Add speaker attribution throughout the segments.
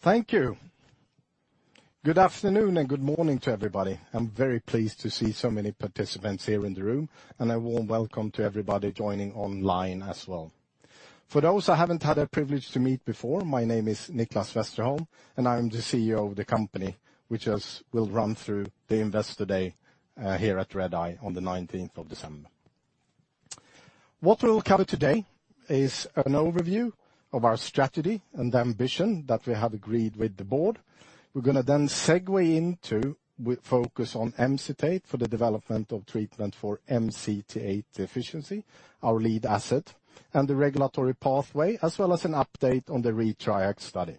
Speaker 1: Thank you. Good afternoon and good morning to everybody. I'm very pleased to see so many participants here in the room, and a warm welcome to everybody joining online as well. For those I haven't had a privilege to meet before, my name is Nicklas Westerholm, and I'm the CEO of the company, which is, we'll run through the Investor Day here at Redeye on the nineteenth of December. What we'll cover today is an overview of our strategy and the ambition that we have agreed with the board. We're going to then segue into focus on MCT8 for the development of treatment for MCT8 deficiency, our lead asset, and the regulatory pathway, as well as an update on the ReTRIACt study.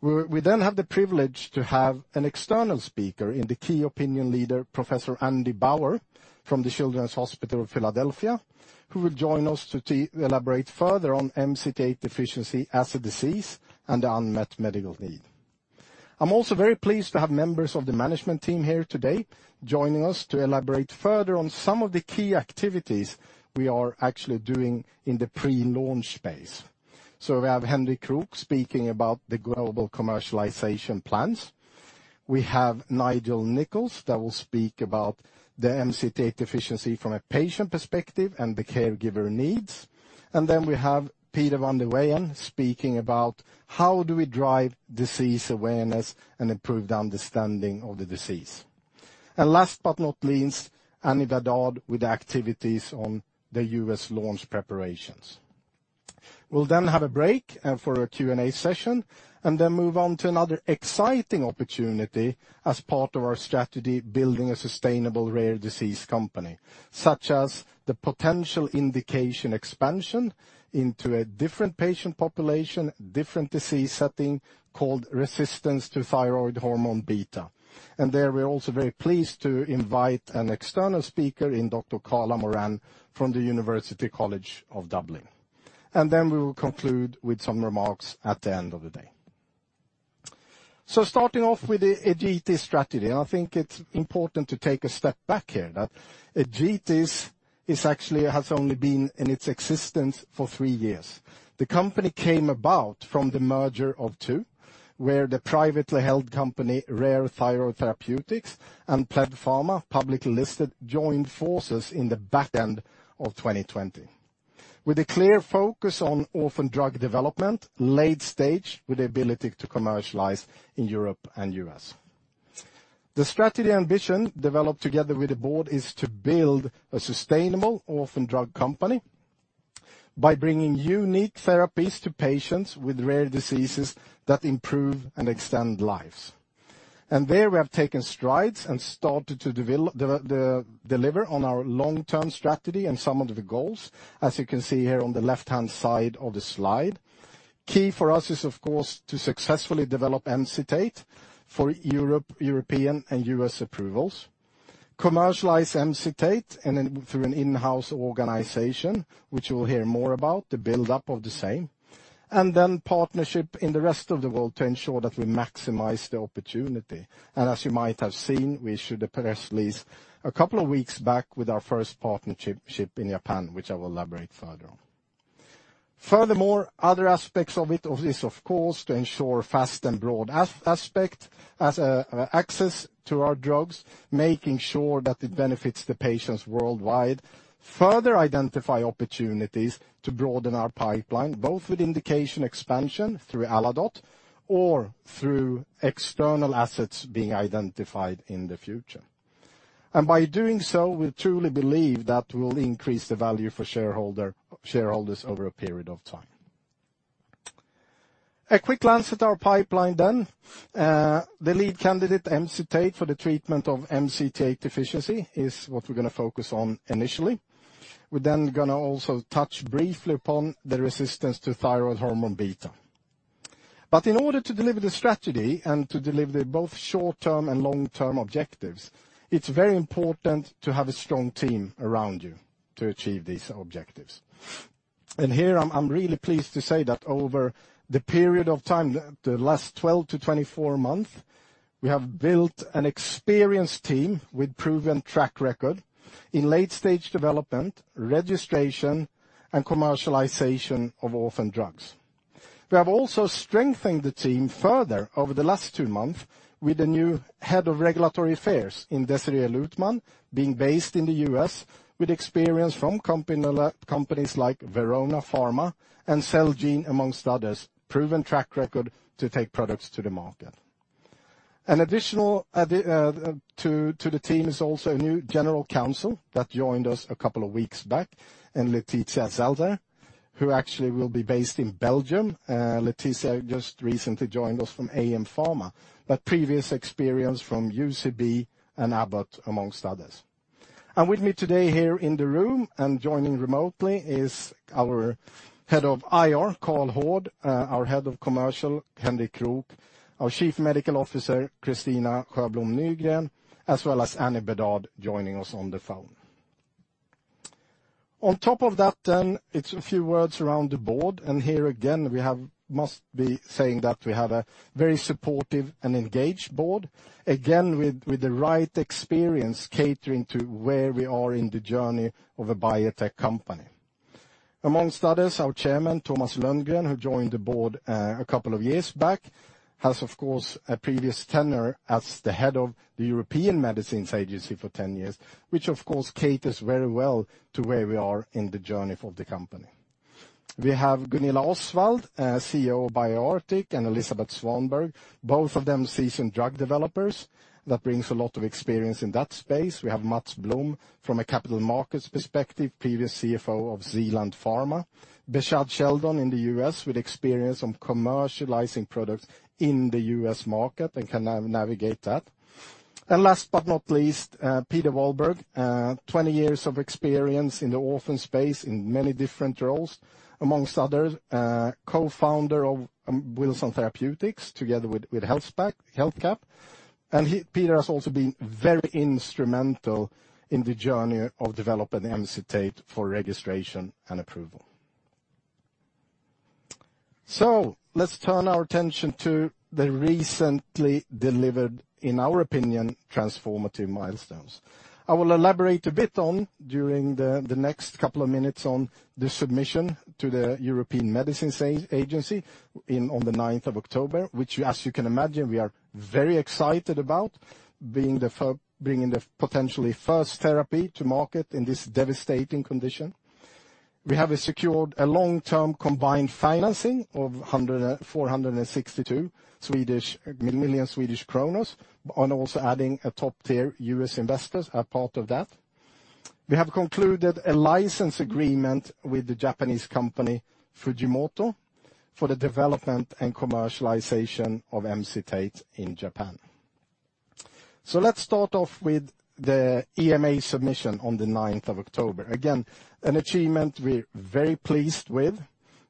Speaker 1: We then have the privilege to have an external speaker in the key opinion leader, Professor Andrew Bauer, from the Children's Hospital of Philadelphia, who will join us to elaborate further on MCT8 deficiency as a disease and the unmet medical need. I'm also very pleased to have members of the management team here today joining us to elaborate further on some of the key activities we are actually doing in the pre-launch phase. We have Henrik Krook speaking about the global commercialization plans. We have Nigel Nicholls that will speak about the MCT8 deficiency from a patient perspective and the caregiver needs. And then we have Peter Verwaijen speaking about how do we drive disease awareness and improve the understanding of the disease. And last but not least, Anny Bédard with activities on the U.S. launch preparations. We'll then have a break for a Q&A session, and then move on to another exciting opportunity as part of our strategy, building a sustainable, rare disease company, such as the potential indication expansion into a different patient population, different disease setting called Resistance to Thyroid Hormone Beta. And there, we're also very pleased to invite an external speaker in Dr. Carla Moran from the University College Dublin. And then we will conclude with some remarks at the end of the day. So starting off with the Egetis strategy, and I think it's important to take a step back here, that Egetis is actually, has only been in its existence for three years. The company came about from the merger of two, where the privately held company, Rare Thyroid Therapeutics, and PledPharma, publicly listed, joined forces in the back end of 2020. With a clear focus on orphan drug development, late stage, with the ability to commercialize in Europe and U.S. The strategy and vision, developed together with the board, is to build a sustainable orphan drug company by bringing unique therapies to patients with rare diseases that improve and extend lives. There we have taken strides and started to deliver on our long-term strategy and some of the goals, as you can see here on the left-hand side of the slide. Key for us is, of course, to successfully develop MCT8 for European and U.S. approvals, commercialize MCT8 and then through an in-house organization, which you'll hear more about the buildup of the same, and then partnership in the rest of the world to ensure that we maximize the opportunity. As you might have seen, we issued a press release a couple of weeks back with our first partnership in Japan, which I will elaborate further on. Furthermore, other aspects of it, of this, of course, to ensure fast and broad access to our drugs, making sure that it benefits the patients worldwide. Further identify opportunities to broaden our pipeline, both with indication expansion through Aladote or through external assets being identified in the future. And by doing so, we truly believe that will increase the value for shareholder, shareholders over a period of time. A quick glance at our pipeline then. The lead candidate, MCT8, for the treatment of MCT8 deficiency, is what we're going to focus on initially. We're then going to also touch briefly upon the resistance to thyroid hormone beta. But in order to deliver the strategy and to deliver the both short-term and long-term objectives, it's very important to have a strong team around you to achieve these objectives. And here I'm really pleased to say that over the period of time, the last 12 months to 24 months, we have built an experienced team with proven track record in late-stage development, registration, and commercialization of orphan drugs. We have also strengthened the team further over the last 2 months with a new head of regulatory affairs in Desirée Luthman, being based in the US, with experience from companies like Verona Pharma and Celgene, amongst others. Proven track record to take products to the market. An additional addition to the team is also a new general counsel that joined us a couple of weeks back, Laetitia Szaller, who actually will be based in Belgium. Laetitia just recently joined us from AM Pharma, but previous experience from UCB and Abbott, among others. With me today here in the room and joining remotely is our Head of IR, Karl Hård, our Head of Commercial, Henrik Krook, our Chief Medical Officer, Kristina Sjöblom Nygren, as well as Anny Bédard, joining us on the phone. On top of that, it's a few words around the board, and here again, we have... Must be saying that we have a very supportive and engaged board, again, with the right experience catering to where we are in the journey of a biotech company. Among others, our chairman, Thomas Lönngren, who joined the board a couple of years back, has, of course, a previous tenure as the head of the European Medicines Agency for 10 years, which, of course, caters very well to where we are in the journey of the company. We have Gunilla Osswald, CEO of BioArctic, and Elisabeth Svanberg, both of them seasoned drug developers. That brings a lot of experience in that space. We have Mats Blom from a capital markets perspective, previous CFO of Zealand Pharma. Behshad Sheldon in the US, with experience on commercializing products in the US market and can navigate that. Last but not least, Peter Wohlberg, 20 years of experience in the orphan space in many different roles. Among others, co-founder of Wilson Therapeutics, together with HealthCap. And he, Peter, has also been very instrumental in the journey of developing Emcitate for registration and approval. So let's turn our attention to the recently delivered, in our opinion, transformative milestones. I will elaborate a bit during the next couple of minutes on the submission to the European Medicines Agency on the ninth of October, which, as you can imagine, we are very excited about, being the first bringing the potentially first therapy to market in this devastating condition. We have secured a long-term combined financing of SEK 104 million and 462 million Swedish kronor, and also adding a top-tier US investor as part of that. We have concluded a license agreement with the Japanese company Fujimoto for the development and commercialization of Emcitate in Japan. So let's start off with the EMA submission on the ninth of October. Again, an achievement we're very pleased with.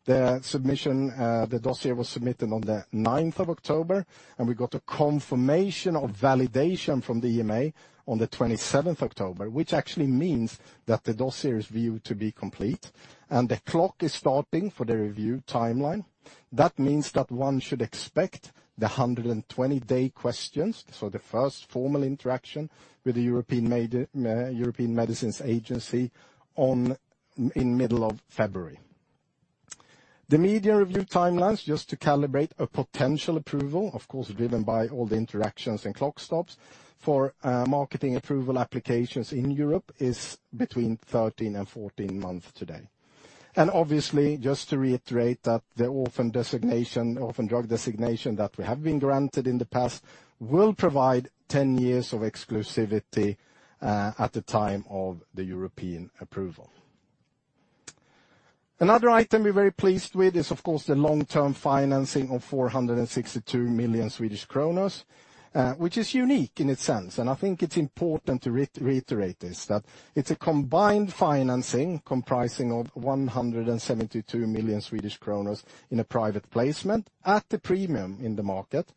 Speaker 1: The submission, the dossier was submitted on the ninth of October, and we got a confirmation of validation from the EMA on the twenty-seventh of October, which actually means that the dossier is viewed to be complete and the clock is starting for the review timeline. That means that one should expect the 120-day questions, so the first formal interaction with the European Medicines Agency, in the middle of February. The EMA review timelines, just to calibrate a potential approval, of course, driven by all the interactions and clock stops for, marketing approval applications in Europe, is between 13 months and 14 months today. And obviously, just to reiterate that the orphan designation, orphan drug designation that we have been granted in the past will provide 10 years of exclusivity at the time of the European approval. Another item we're very pleased with is, of course, the long-term financing of 462 million, which is unique in its sense, and I think it's important to reiterate this, that it's a combined financing comprising of 172 million in a private placement at a premium in the market,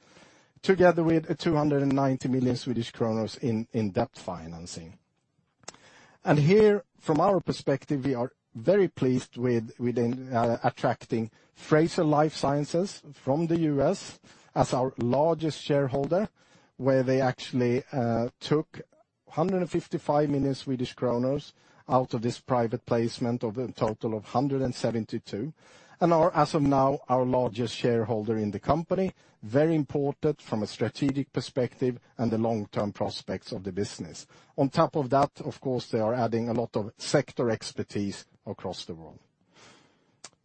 Speaker 1: together with 290 million in debt financing. And here, from our perspective, we are very pleased with attracting Fraser Life Sciences from the US as our largest shareholder, where they actually took 155 million Swedish kronor out of this private placement of a total of 172 million, and are, as of now, our largest shareholder in the company. Very important from a strategic perspective and the long-term prospects of the business. On top of that, of course, they are adding a lot of sector expertise across the world.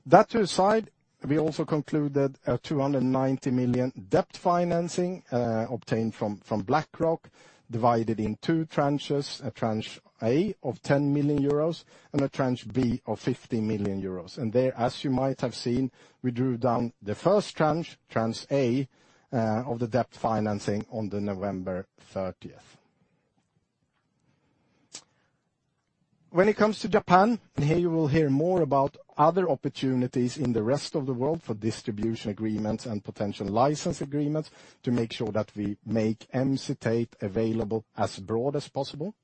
Speaker 1: That to the side, we also concluded a 290 million debt financing, obtained from BlackRock, divided in two tranches, a Tranche A of 10 million euros and a Tranche B of 50 million euros. And there, as you might have seen, we drew down the first tranche, Tranche A, of the debt financing on November thirtieth. When it comes to Japan, and here you will hear more about other opportunities in the rest of the world for distribution agreements and potential license agreements to make sure that we make Emcitate available as broad as possible.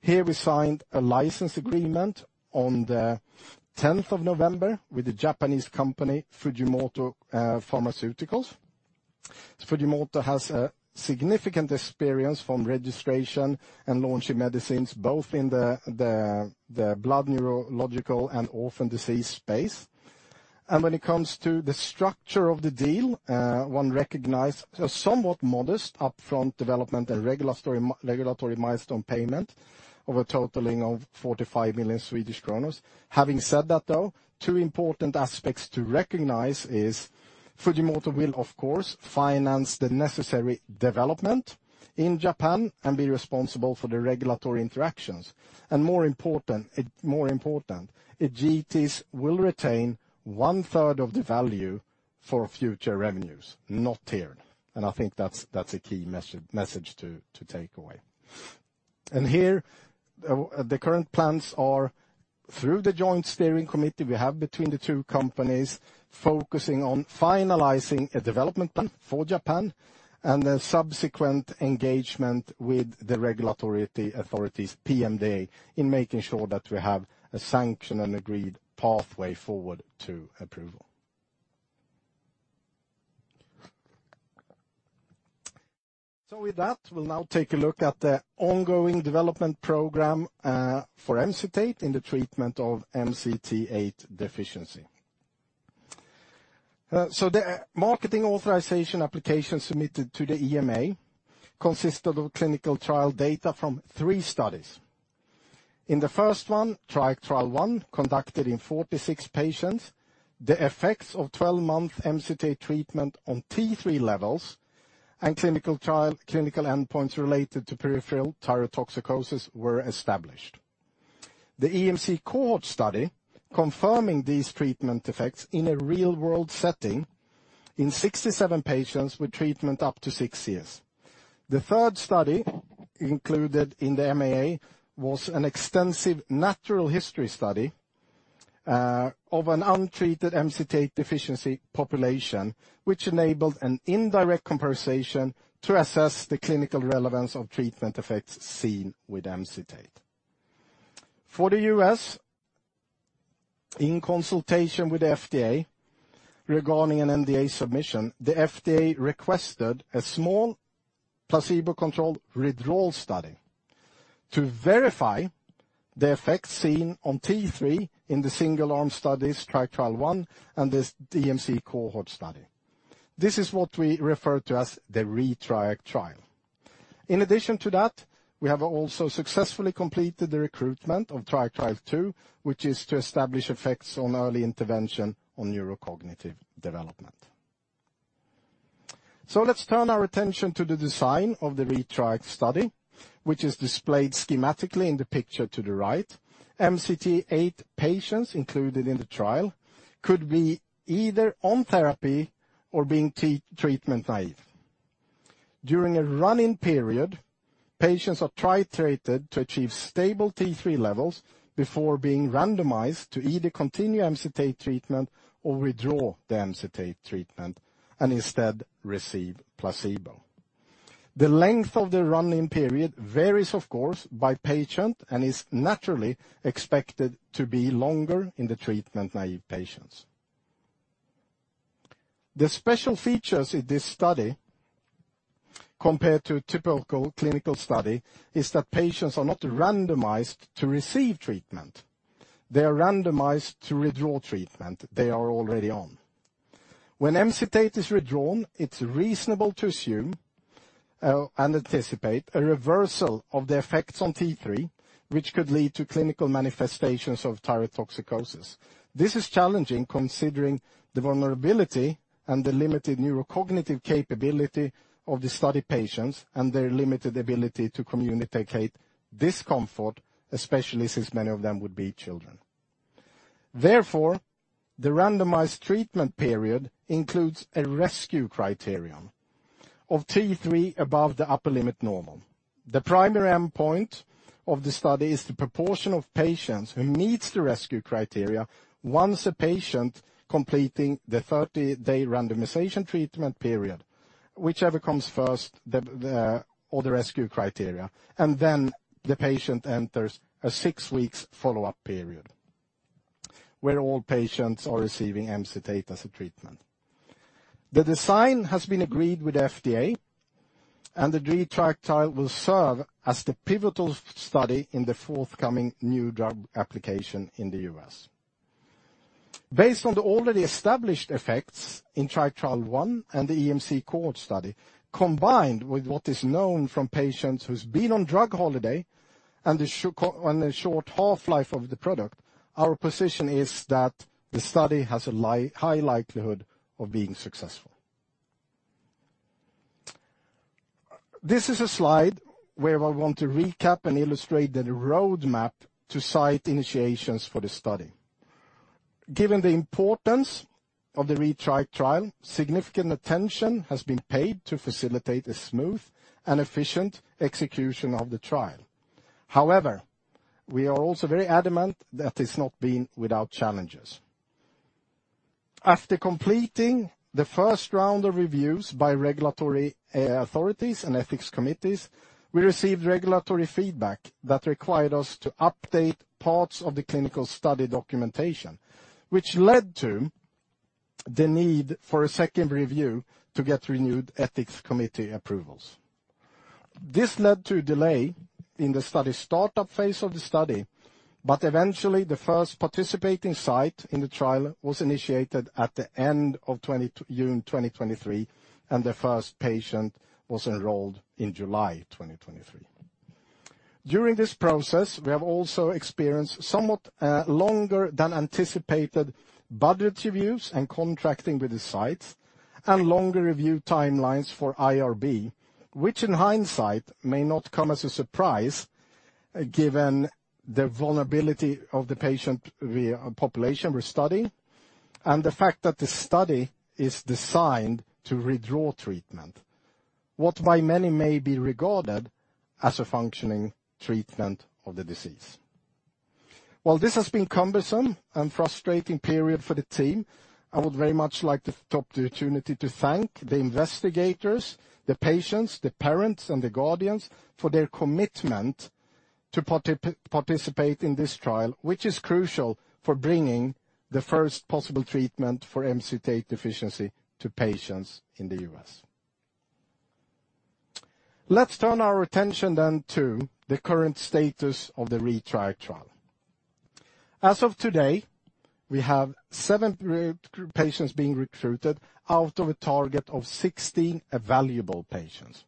Speaker 1: Here we signed a license agreement on the tenth of November with the Japanese company, Fujimoto Pharmaceuticals. Fujimoto has a significant experience from registration and launching medicines, both in the blood, neurological, and orphan disease space. And when it comes to the structure of the deal, one recognizes a somewhat modest upfront development and regulatory milestone payment totaling 45 million. Having said that, though, two important aspects to recognize is Fujimoto will, of course, finance the necessary development in Japan and be responsible for the regulatory interactions. And more important, Egetis will retain one third of the value for future revenues, not tiered. And I think that's a key message to take away. And here, the current plans are through the joint steering committee we have between the two companies, focusing on finalizing a development plan for Japan and a subsequent engagement with the regulatory authorities, PMDA, in making sure that we have a sanction and agreed pathway forward to approval. So with that, we'll now take a look at the ongoing development program for Emcitate in the treatment of MCT8 deficiency. So the marketing authorization application submitted to the EMA consisted of clinical trial data from three studies. In the first one, Triac Trial I, conducted in 46 patients, the effects of 12-month Emcitate treatment on T3 levels and clinical endpoints related to peripheral thyrotoxicosis were established. The EMC cohort study confirming these treatment effects in a real-world setting in 67 patients with treatment up to 6 years. The third study, included in the MAA, was an extensive natural history study of an untreated MCT8 deficiency population, which enabled an indirect comparison to assess the clinical relevance of treatment effects seen with Emcitate. For the US, in consultation with the FDA regarding an NDA submission, the FDA requested a small, placebo-controlled withdrawal study to verify the effects seen on T3 in the single-arm studies, Triac Trial I and this EMC cohort study. This is what we refer to as the ReTRIACt Trial. In addition to that, we have also successfully completed the recruitment of Triac Trial II, which is to establish effects on early intervention on neurocognitive development. So let's turn our attention to the design of the ReTRIACt study, which is displayed schematically in the picture to the right. MCT8 patients included in the trial could be either on therapy or being treatment naive. During a run-in period, patients are titrated to achieve stable T3 levels before being randomized to either continue Emcitate treatment or withdraw the Emcitate treatment and instead receive placebo. The length of the run-in period varies, of course, by patient and is naturally expected to be longer in the treatment-naive patients. The special features in this study, compared to a typical clinical study, is that patients are not randomized to receive treatment. They are randomized to withdraw treatment they are already on. When Emcitate is withdrawn, it's reasonable to assume and anticipate a reversal of the effects on T3, which could lead to clinical manifestations of thyrotoxicosis. This is challenging, considering the vulnerability and the limited neurocognitive capability of the study patients and their limited ability to communicate discomfort, especially since many of them would be children. Therefore, the randomized treatment period includes a rescue criterion of T3 above the upper limit normal. The primary endpoint of the study is the proportion of patients who meets the rescue criteria once a patient completing the 30-day randomization treatment period, whichever comes first, or the rescue criteria, and then the patient enters a six weeks follow-up period, where all patients are receiving Emcitate as a treatment. The design has been agreed with FDA, and the ReTRIACt Trial will serve as the pivotal study in the forthcoming new drug application in the US. Based on the already established effects in Triac Trial I and the EMC Cohort Study, combined with what is known from patients who's been on drug holiday and the on the short half-life of the product, our position is that the study has a high likelihood of being successful. This is a slide where I want to recap and illustrate the roadmap to site initiations for the study. Given the importance of the ReTRIACt Trial, significant attention has been paid to facilitate a smooth and efficient execution of the trial. However, we are also very adamant that it's not been without challenges. After completing the first round of reviews by regulatory authorities and ethics committees, we received regulatory feedback that required us to update parts of the clinical study documentation, which led to the need for a second review to get renewed ethics committee approvals. This led to a delay in the study startup phase of the study, but eventually, the first participating site in the trial was initiated at the end of June 2023, and the first patient was enrolled in July 2023. During this process, we have also experienced somewhat longer than anticipated budget reviews and contracting with the sites and longer review timelines for IRB, which, in hindsight, may not come as a surprise, given the vulnerability of the patient population we're studying, and the fact that the study is designed to withdraw treatment, what by many may be regarded as a functioning treatment of the disease. While this has been a cumbersome and frustrating period for the team, I would very much like to take the opportunity to thank the investigators, the patients, the parents, and the guardians for their commitment to participate in this trial, which is crucial for bringing the first possible treatment for MCT8 deficiency to patients in the U.S. Let's turn our attention then to the current status of the ReTRIACt trial. As of today, we have seven group patients being recruited out of a target of 16 evaluable patients.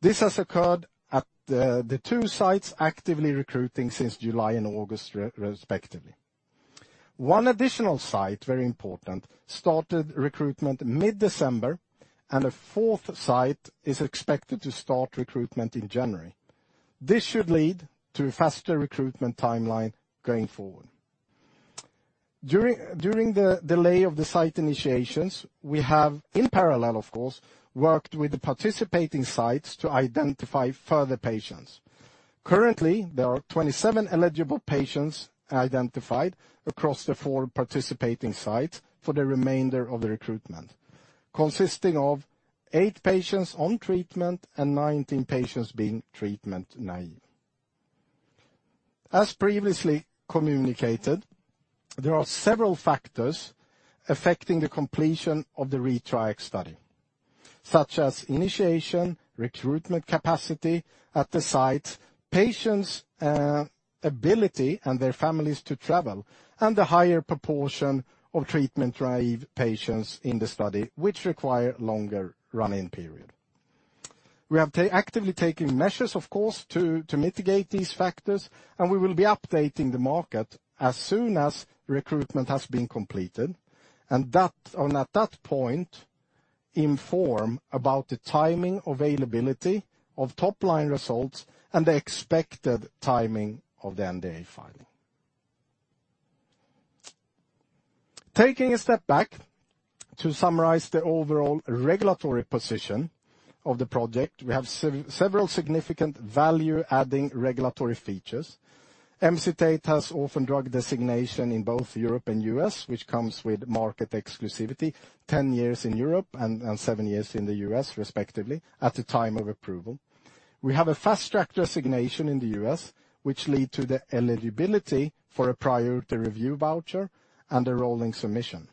Speaker 1: This has occurred at the two sites actively recruiting since July and August, respectively. One additional site, very important, started recruitment mid-December, and a fourth site is expected to start recruitment in January. This should lead to a faster recruitment timeline going forward. During the delay of the site initiations, we have, in parallel, of course, worked with the participating sites to identify further patients. Currently, there are 27 eligible patients identified across the four participating sites for the remainder of the recruitment, consisting of eight patients on treatment and 19 patients being treatment-naïve. As previously communicated, there are several factors affecting the completion of the ReTRIACt study, such as initiation, recruitment capacity at the sites, patients' ability, and their families to travel, and the higher proportion of treatment-naïve patients in the study, which require longer run-in period. We are actively taking measures, of course, to mitigate these factors, and we will be updating the market as soon as recruitment has been completed, and at that point, inform about the timing, availability of top-line results, and the expected timing of the NDA filing. Taking a step back to summarize the overall regulatory position of the project, we have several significant value-adding regulatory features. MCT8 has orphan drug designation in both Europe and U.S., which comes with market exclusivity, 10 years in Europe and 7 years in the U.S., respectively, at the time of approval. We have a Fast Track Designation in the U.S., which leads to the eligibility for a Priority Review Voucher and a rolling submission.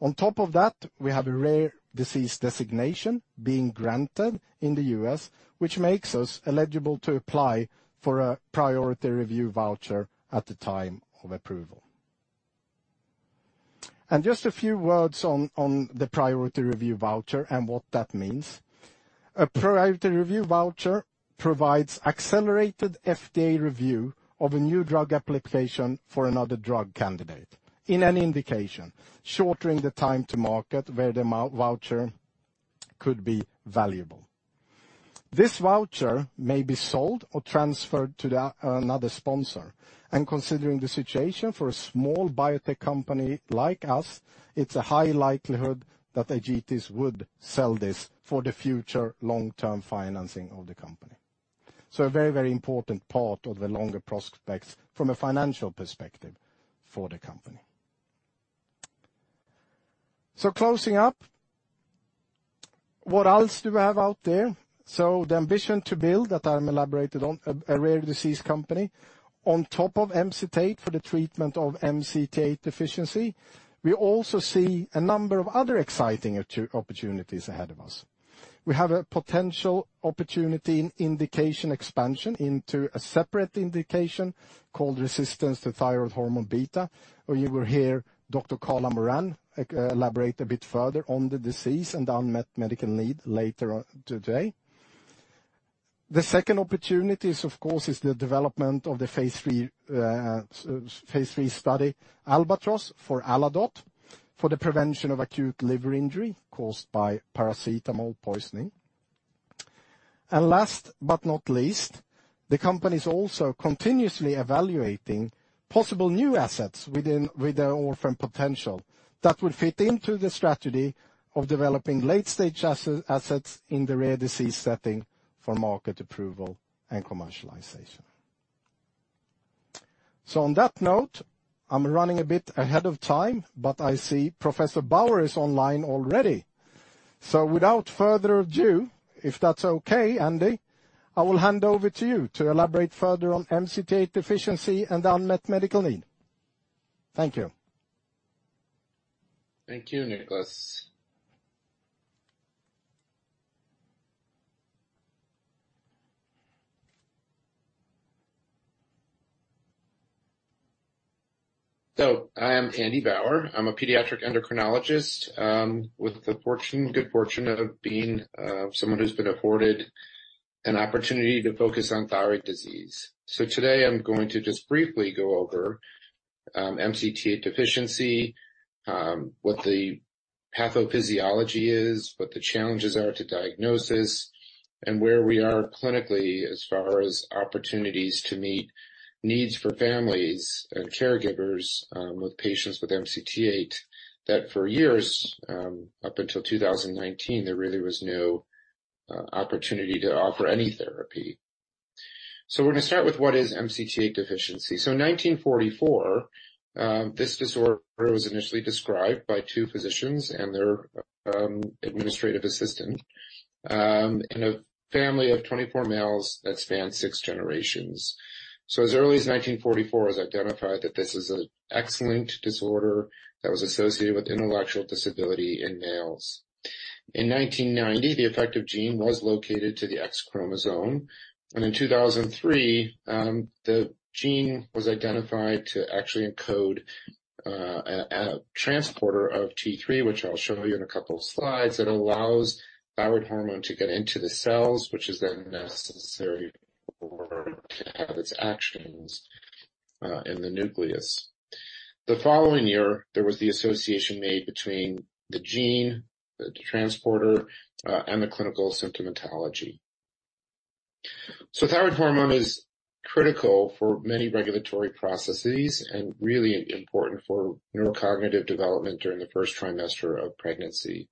Speaker 1: On top of that, we have a rare disease designation being granted in the U.S., which makes us eligible to apply for a Priority Review Voucher at the time of approval. Just a few words on the Priority Review Voucher and what that means. A Priority Review Voucher provides accelerated FDA review of a new drug application for another drug candidate in any indication, shortening the time to market where the voucher could be valuable. This voucher may be sold or transferred to another sponsor, and considering the situation for a small biotech company like us, it's a high likelihood that Egetis would sell this for the future long-term financing of the company. So a very, very important part of the longer prospects from a financial perspective for the company. So closing up, what else do we have out there? So the ambition to build, that I elaborated on, a rare disease company. On top of MCT8, for the treatment of MCT8 deficiency, we also see a number of other exciting opportunities ahead of us. We have a potential opportunity in indication expansion into a separate indication called Resistance to Thyroid Hormone Beta, where you will hear Dr. Carla Moran elaborate a bit further on the disease and unmet medical need later on today. The second opportunity is, of course, the development of the phase III study, Albatros for Aladote, for the prevention of acute liver injury caused by paracetamol poisoning. Last but not least, the company is also continuously evaluating possible new assets with an orphan potential that would fit into the strategy of developing late-stage assets in the rare disease setting for market approval and commercialization. On that note, I'm running a bit ahead of time, but I see Professor Bauer is online already. Without further ado, if that's okay, Andy, I will hand over to you to elaborate further on MCT8 deficiency and the unmet medical need. Thank you.
Speaker 2: Thank you, Nicklas. So I am Andrew Bauer. I'm a pediatric endocrinologist with the fortune, good fortune of being someone who's been afforded an opportunity to focus on thyroid disease. So today I'm going to just briefly go over MCT8 deficiency, what the pathophysiology is, what the challenges are to diagnosis, and where we are clinically as far as opportunities to meet needs for families and caregivers with patients with MCT8, that for years up until 2019, there really was no opportunity to offer any therapy. So we're going to start with what is MCT8 deficiency. So in 1944, this disorder was initially described by two physicians and their administrative assistant in a family of 24 males that spanned six generations. So as early as 1944, it was identified that this is an X-linked disorder that was associated with intellectual disability in males. In 1990, the effective gene was located to the X chromosome, and in 2003, the gene was identified to actually encode a transporter of T3, which I'll show you in a couple of slides. It allows thyroid hormone to get into the cells, which is then necessary for it to have its actions in the nucleus. The following year, there was the association made between the gene, the transporter, and the clinical symptomatology. So thyroid hormone is critical for many regulatory processes and really important for neurocognitive development during the first trimester of pregnancy.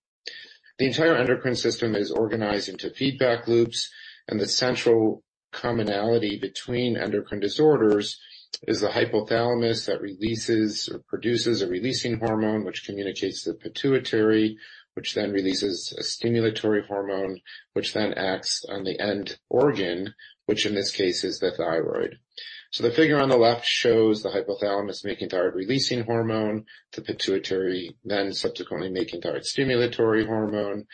Speaker 2: The entire endocrine system is organized into feedback loops, and the central commonality between endocrine disorders is the hypothalamus that releases or produces a releasing hormone, which communicates to the pituitary, which then releases a stimulatory hormone, which then acts on the end organ, which in this case is the thyroid. So the figure on the left shows the hypothalamus making thyroid-releasing hormone, the pituitary, then subsequently making thyroid stimulatory hormone,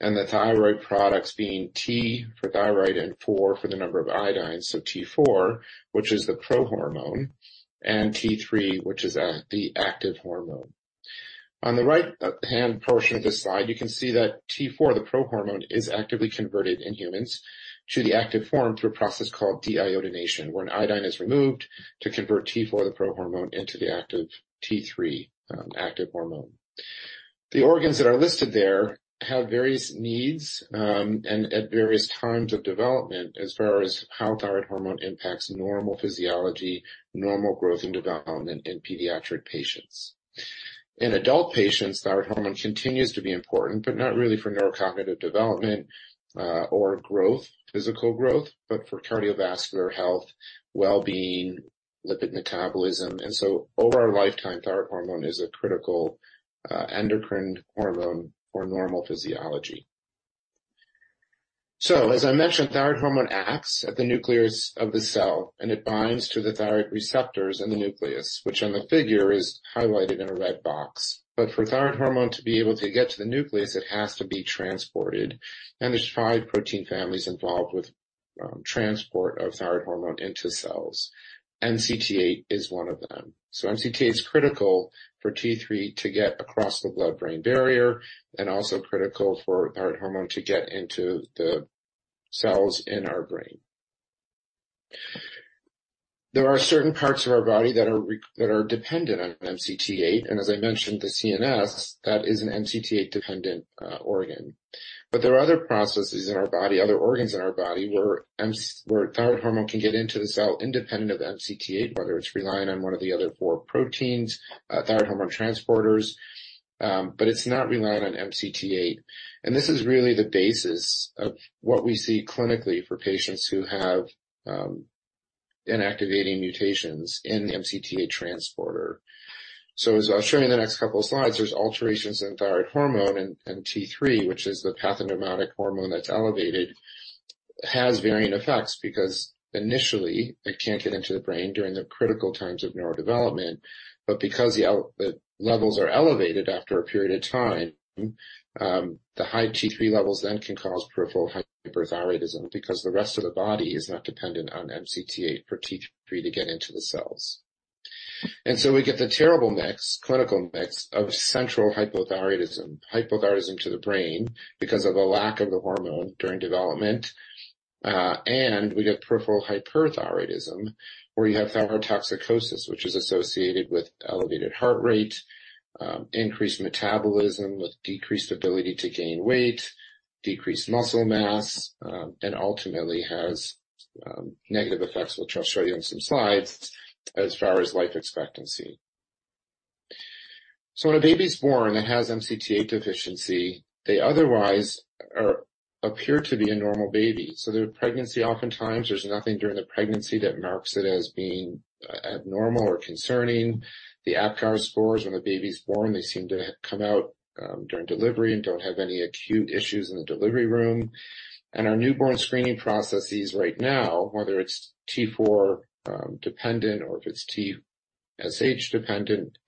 Speaker 2: and the thyroid products being T for thyroid and four for the number of iodine. So T4, which is the prohormone, and T3, which is the active hormone. On the right hand portion of this slide, you can see that T4, the prohormone, is actively converted in humans to the active form through a process called deiodination, where an iodine is removed to convert T4, the prohormone, into the active T3, active hormone. The organs that are listed there have various needs, and at various times of development, as far as how thyroid hormone impacts normal physiology, normal growth, and development in pediatric patients. In adult patients, thyroid hormone continues to be important, but not really for neurocognitive development, or growth, physical growth, but for cardiovascular health, well-being, lipid metabolism, and so over our lifetime, thyroid hormone is a critical endocrine hormone for normal physiology. So as I mentioned, thyroid hormone acts at the nucleus of the cell, and it binds to the thyroid receptors in the nucleus, which on the figure is highlighted in a red box. But for thyroid hormone to be able to get to the nucleus, it has to be transported. There's five protein families involved with transport of thyroid hormone into cells. MCT8 is one of them. So MCT8 is critical for T3 to get across the blood-brain barrier and also critical for thyroid hormone to get into the cells in our brain. There are certain parts of our body that are dependent on MCT8, and as I mentioned, the CNS, that is an MCT8-dependent organ. But there are other processes in our body, other organs in our body, where thyroid hormone can get into the cell independent of MCT8, whether it's relying on one of the other four proteins, thyroid hormone transporters, but it's not reliant on MCT8. And this is really the basis of what we see clinically for patients who have inactivating mutations in the MCT8 transporter. So as I'll show you in the next couple of slides, there's alterations in thyroid hormone and T3, which is the pathognomonic hormone that's elevated, has varying effects because initially it can't get into the brain during the critical times of neurodevelopment. But because the levels are elevated after a period of time, the high T3 levels then can cause peripheral hyperthyroidism because the rest of the body is not dependent on MCT8 for T3 to get into the cells. And so we get the terrible mix, clinical mix of central hypothyroidism, hypothyroidism to the brain because of a lack of the hormone during development. And we get peripheral hyperthyroidism, where you have thyrotoxicosis, which is associated with elevated heart rate, increased metabolism with decreased ability to gain weight, decreased muscle mass, and ultimately has negative effects, which I'll show you on some slides as far as life expectancy. So when a baby's born and has MCT8 deficiency, they otherwise appear to be a normal baby. So their pregnancy, oftentimes, there's nothing during the pregnancy that marks it as being abnormal or concerning. The Apgar scores when the baby's born, they seem to come out during delivery and don't have any acute issues in the delivery room. And our newborn screening processes right now, whether it's T4 dependent or if it's TSH dependent,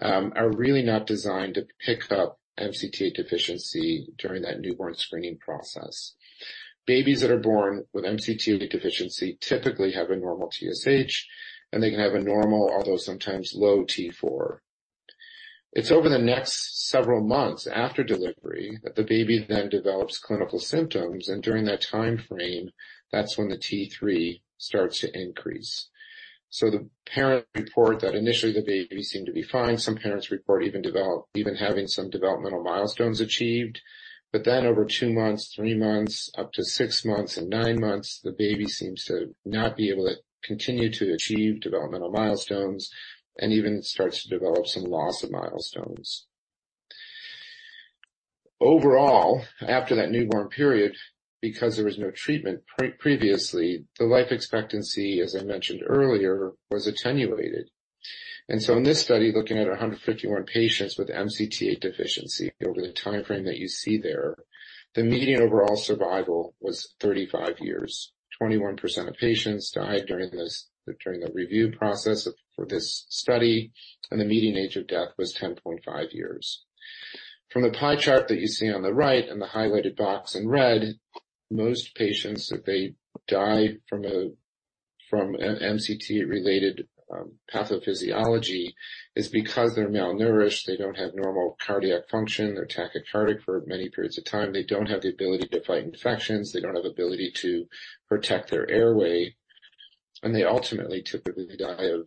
Speaker 2: are really not designed to pick up MCT8 deficiency during that newborn screening process. Babies that are born with MCT8 deficiency typically have a normal TSH, and they can have a normal, although sometimes low T4. It's over the next several months after delivery that the baby then develops clinical symptoms, and during that time frame, that's when the T3 starts to increase. So the parents report that initially the baby seemed to be fine. Some parents report even having some developmental milestones achieved. But then over two months, three months, up to six months and nine months, the baby seems to not be able to continue to achieve developmental milestones and even starts to develop some loss of milestones. Overall, after that newborn period, because there was no treatment previously, the life expectancy, as I mentioned earlier, was attenuated. In this study, looking at 151 patients with MCT8 deficiency over the time frame that you see there, the median overall survival was 35 years. 21% of patients died during this, during the review process of, for this study, and the median age of death was 10.5 years. From the pie chart that you see on the right and the highlighted box in red, most patients, if they die from an MCT-related pathophysiology, is because they're malnourished, they don't have normal cardiac function. They're tachycardic for many periods of time. They don't have the ability to fight infections. They don't have the ability to protect their airway, and they ultimately typically die of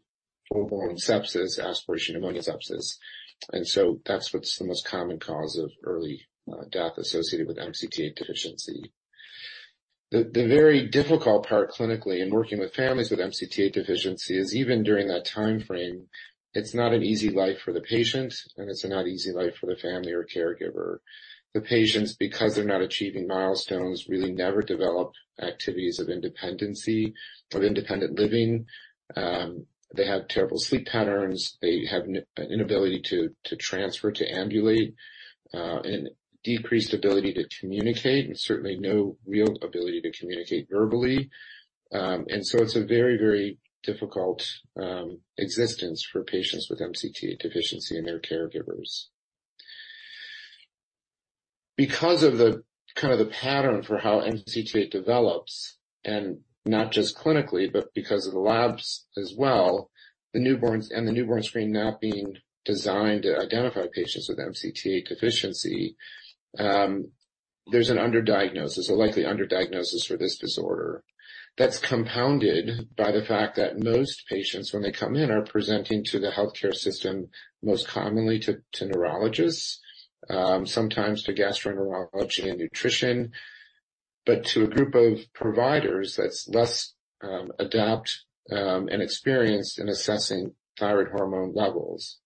Speaker 2: newborn sepsis, aspiration pneumonia sepsis. That's what's the most common cause of early death associated with MCT8 deficiency. The very difficult part clinically in working with families with MCT8 deficiency is even during that time frame, it's not an easy life for the patient, and it's not an easy life for the family or caregiver. The patients, because they're not achieving milestones, really never develop activities of independence or independent living. They have terrible sleep patterns. They have an inability to transfer, to ambulate, and decreased ability to communicate, and certainly no real ability to communicate verbally. And so it's a very, very difficult existence for patients with MCT8 deficiency and their caregivers. Because of the kind of the pattern for how MCT8 develops, and not just clinically, but because of the labs as well, the newborns and the newborn screen not being designed to identify patients with MCT8 deficiency, there's an underdiagnosis, a likely underdiagnosis for this disorder. That's compounded by the fact that most patients, when they come in, are presenting to the healthcare system, most commonly to neurologists, sometimes to gastroenterology and nutrition, but to a group of providers that's less adept and experienced in assessing thyroid hormone levels.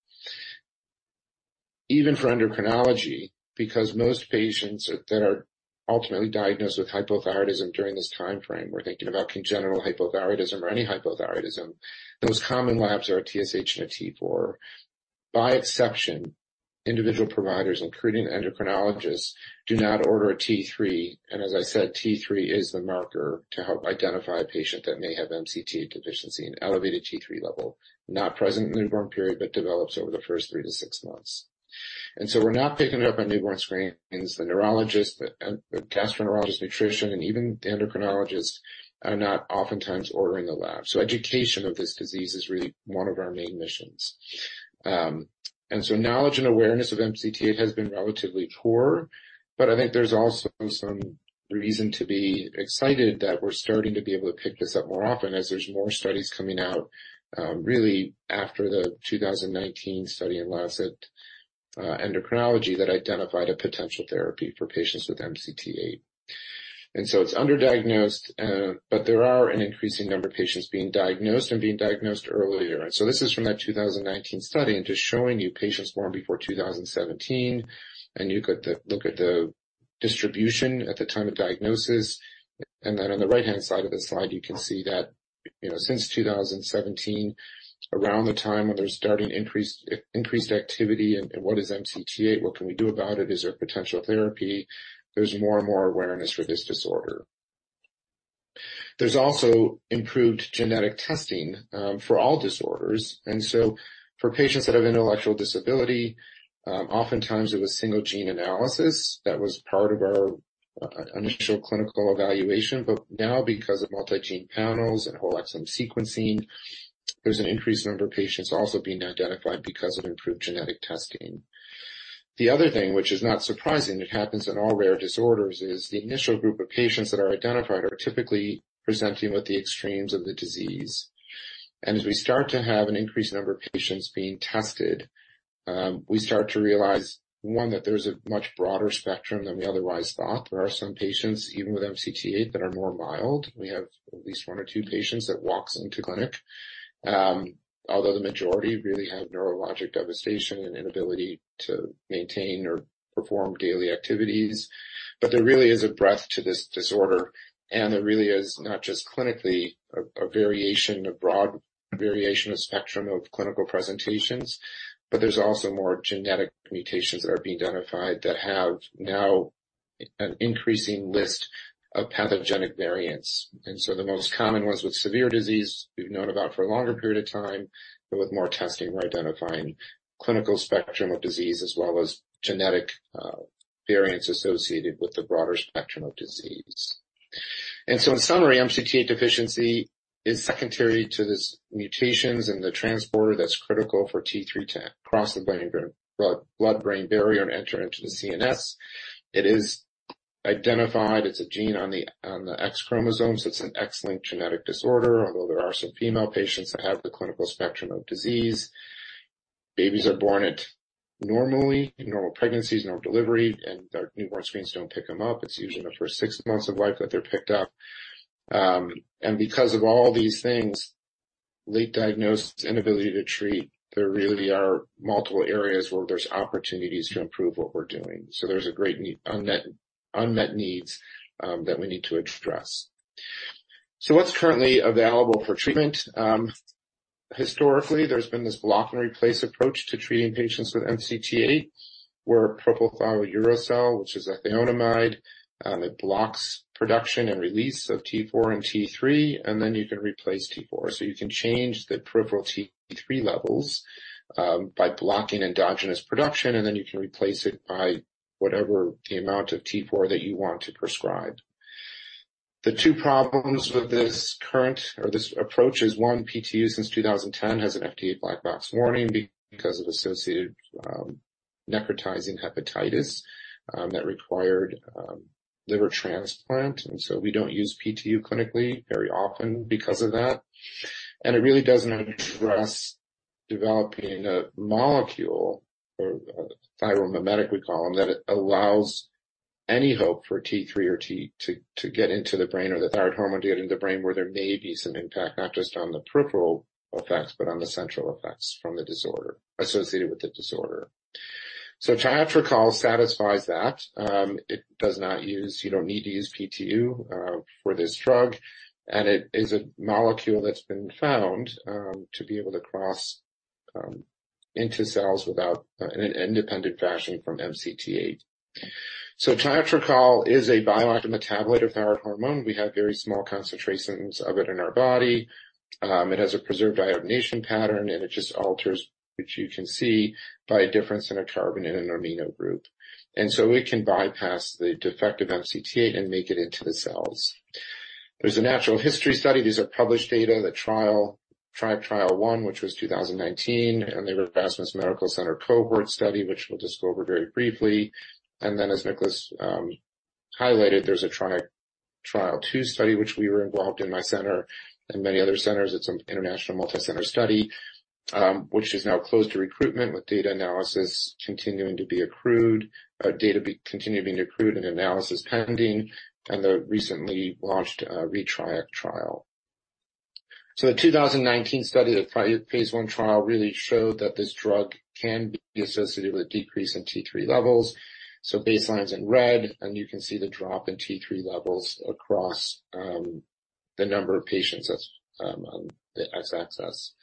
Speaker 2: Even for endocrinology, because most patients that are ultimately diagnosed with hypothyroidism during this time frame, we're thinking about congenital hypothyroidism or any hypothyroidism. Those common labs are a TSH and a T4. By exception, individual providers, including endocrinologists, do not order a T3, and as I said, T3 is the marker to help identify a patient that may have MCT deficiency, an elevated T3 level, not present in the newborn period, but develops over the first three to six months. And so we're not picking it up on newborn screenings. The neurologist, the gastroenterologist, nutrition, and even the endocrinologist are not oftentimes ordering the lab. So education of this disease is really one of our main missions. And so knowledge and awareness of MCT8 has been relatively poor, but I think there's also some reason to be excited that we're starting to be able to pick this up more often as there's more studies coming out, really after the 2019 study in Lancet endocrinology, that identified a potential therapy for patients with MCT8. And so it's underdiagnosed, but there are an increasing number of patients being diagnosed and being diagnosed earlier. So this is from that 2019 study and just showing you patients born before 2017, and you got to look at the distribution at the time of diagnosis. Then on the right-hand side of the slide, you can see that, you know, since 2017, around the time when they're starting increased, increased activity and what is MCT8? What can we do about it? Is there a potential therapy? There's more and more awareness for this disorder. There's also improved genetic testing for all disorders, and so for patients that have intellectual disability, oftentimes it was single-gene analysis that was part of our initial clinical evaluation. But now, because of multi-gene panels and whole exome sequencing, there's an increased number of patients also being identified because of improved genetic testing. The other thing, which is not surprising, it happens in all rare disorders, is the initial group of patients that are identified are typically presenting with the extremes of the disease. As we start to have an increased number of patients being tested, we start to realize, one, that there's a much broader spectrum than we otherwise thought. There are some patients, even with MCT8, that are more mild. We have at least one or two patients that walks into clinic, although the majority really have neurologic devastation and inability to maintain or perform daily activities. But there really is a breadth to this disorder, and there really is, not just clinically, a variation, a broad variation, a spectrum of clinical presentations, but there's also more genetic mutations that are being identified that have now an increasing list of pathogenic variants. The most common ones with severe disease, we've known about for a longer period of time, but with more testing, we're identifying clinical spectrum of disease as well as genetic variants associated with the broader spectrum of disease. In summary, MCT8 deficiency is secondary to these mutations and the transporter that's critical for T3 to cross the blood-brain barrier and enter into the CNS. It is identified. It's a gene on the X chromosome, so it's an X-linked genetic disorder, although there are some female patients that have the clinical spectrum of disease. Babies are born normally, in normal pregnancies, normal delivery, and the newborn screens don't pick them up. It's usually the first six months of life that they're picked up. And because of all these things—late diagnosis, inability to treat. There really are multiple areas where there's opportunities to improve what we're doing. So there's a great need, unmet, unmet needs, that we need to address. So what's currently available for treatment? Historically, there's been this block and replace approach to treating patients with MCT8, where propylthiouracil, which is a thionamide, it blocks production and release of T4 and T3, and then you can replace T4. So you can change the peripheral T3 levels, by blocking endogenous production, and then you can replace it by whatever the amount of T4 that you want to prescribe. The two problems with this current or this approach is, one, PTU, since 2010, has an FDA black box warning because of associated, necrotizing hepatitis, that required, liver transplant, and so we don't use PTU clinically very often because of that. And it really doesn't address developing a molecule or thyromimetic, we call them, that it allows any hope for T3 or T4 to get into the brain or the thyroid hormone to get into the brain, where there may be some impact, not just on the peripheral effects, but on the central effects from the disorder associated with the disorder. So Triac satisfies that. It does not use... You don't need to use PTU for this drug, and it is a molecule that's been found to be able to cross into cells without in an independent fashion from MCT8. So Triac is a bioactive metabolite of thyroid hormone. We have very small concentrations of it in our body. It has a preserved iodination pattern, and it just alters, which you can see, by a difference in a carbon and an amino group. And so it can bypass the defective MCT8 and make it into the cells. There's a natural history study. These are published data, the trial, Triac Trial I, which was 2019, and the Erasmus Medical Center cohort study, which we'll just go over very briefly. And then, as Nicholas highlighted, there's a Triac Trial II study, which we were involved in my center and many other centers. It's an international multi-center study, which is now closed to recruitment, with data analysis continuing to be accrued, data continuing to be accrued and analysis pending, and the recently launched ReTRIACt Trial. So the 2019 study, the phase I trial, really showed that this drug can be associated with a decrease in T3 levels. Baseline's in red, and you can see the drop in T3 levels across the number of patients that's on the X-axis.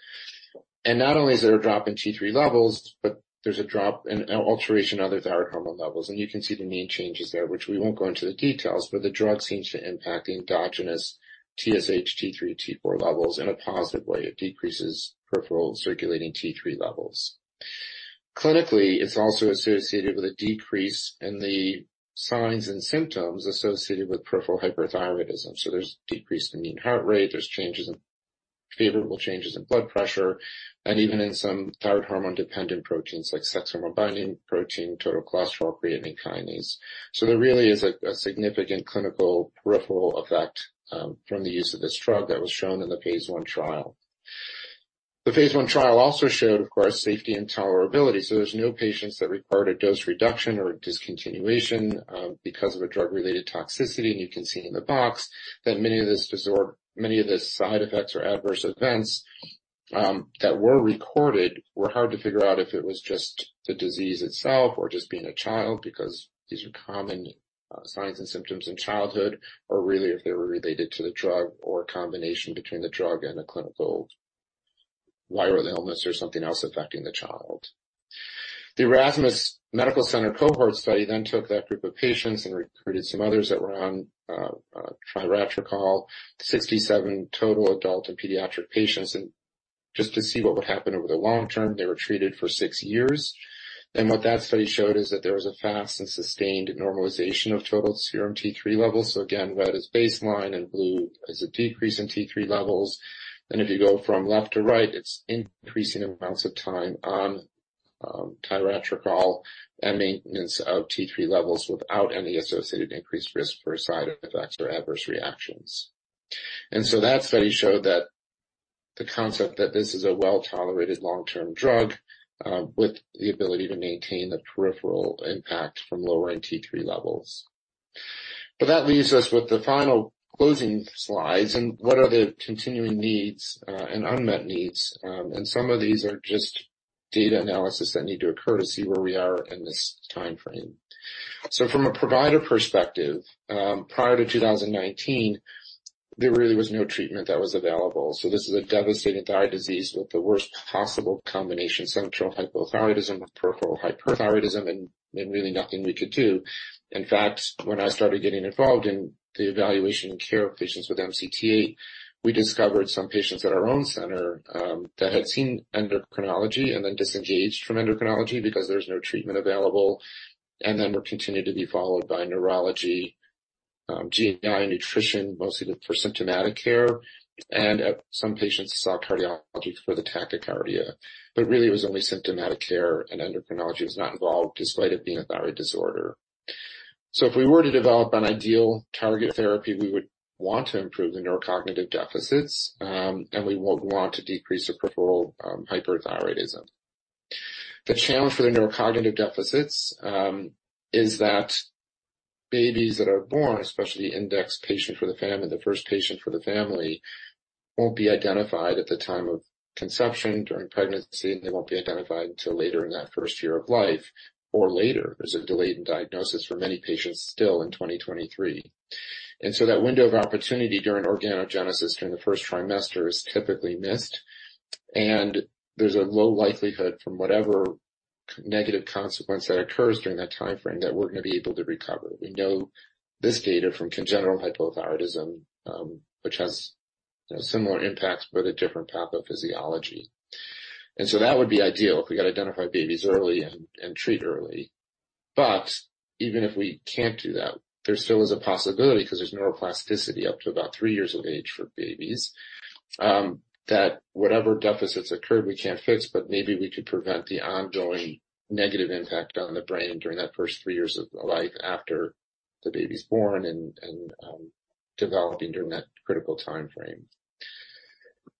Speaker 2: Not only is there a drop in T3 levels, but there's a drop in, an alteration in other thyroid hormone levels. You can see the main changes there, which we won't go into the details, but the drug seems to impact endogenous TSH, T3, T4 levels in a positive way. It decreases peripheral circulating T3 levels. Clinically, it's also associated with a decrease in the signs and symptoms associated with peripheral hyperthyroidism, so there's decreased in mean heart rate, there's changes in, favorable changes in blood pressure, and even in some thyroid hormone-dependent proteins like sex hormone binding protein, total cholesterol, creatine kinase. So there really is a significant clinical peripheral effect from the use of this drug that was shown in the phase I trial. The phase I trial also showed, of course, safety and tolerability. There's no patients that required a dose reduction or discontinuation because of a drug-related toxicity. You can see in the box that many of the side effects or adverse events that were recorded were hard to figure out if it was just the disease itself or just being a child, because these are common signs and symptoms in childhood, or really, if they were related to the drug or a combination between the drug and a clinical viral illness or something else affecting the child. The Erasmus Medical Center cohort study then took that group of patients and recruited some others that were on, tiratricol, 67 total adult and pediatric patients, and just to see what would happen over the long term, they were treated for 6 years. What that study showed is that there was a fast and sustained normalization of total serum T3 levels. Again, red is baseline and blue is a decrease in T3 levels. If you go from left to right, it's increasing amounts of time on, tiratricol and maintenance of T3 levels without any associated increased risk for side effects or adverse reactions. So that study showed that the concept that this is a well-tolerated long-term drug, with the ability to maintain the peripheral impact from lowering T3 levels. But that leaves us with the final closing slides and what are the continuing needs, and unmet needs. And some of these are just data analysis that need to occur to see where we are in this timeframe. So from a provider perspective, prior to 2019, there really was no treatment that was available. So this is a devastating thyroid disease with the worst possible combination, central hypothyroidism with peripheral hyperthyroidism, and really nothing we could do. In fact, when I started getting involved in the evaluation and care of patients with MCT8, we discovered some patients at our own center, that had seen endocrinology and then disengaged from endocrinology because there's no treatment available, and then were continued to be followed by neurology, GNI, nutrition, mostly for symptomatic care, and some patients saw cardiology for the tachycardia. Really, it was only symptomatic care, and endocrinology was not involved despite it being a thyroid disorder. If we were to develop an ideal target therapy, we would want to improve the neurocognitive deficits, and we would want to decrease the peripheral hyperthyroidism. The challenge for the neurocognitive deficits is that babies that are born, especially index patient for the family, the first patient for the family, won't be identified at the time of conception during pregnancy, and they won't be identified until later in that first year of life or later. There's a delay in diagnosis for many patients still in 2023. So that window of opportunity during organogenesis, during the first trimester, is typically missed, and there's a low likelihood from whatever negative consequence that occurs during that timeframe that we're gonna be able to recover. We know this data from congenital hypothyroidism, which has, you know, similar impacts but a different pathophysiology. And so that would be ideal if we could identify babies early and treat early. But even if we can't do that, there still is a possibility because there's neuroplasticity up to about three years of age for babies, that whatever deficits occur, we can't fix, but maybe we could prevent the ongoing negative impact on the brain during that first three years of life after the baby's born and developing during that critical timeframe.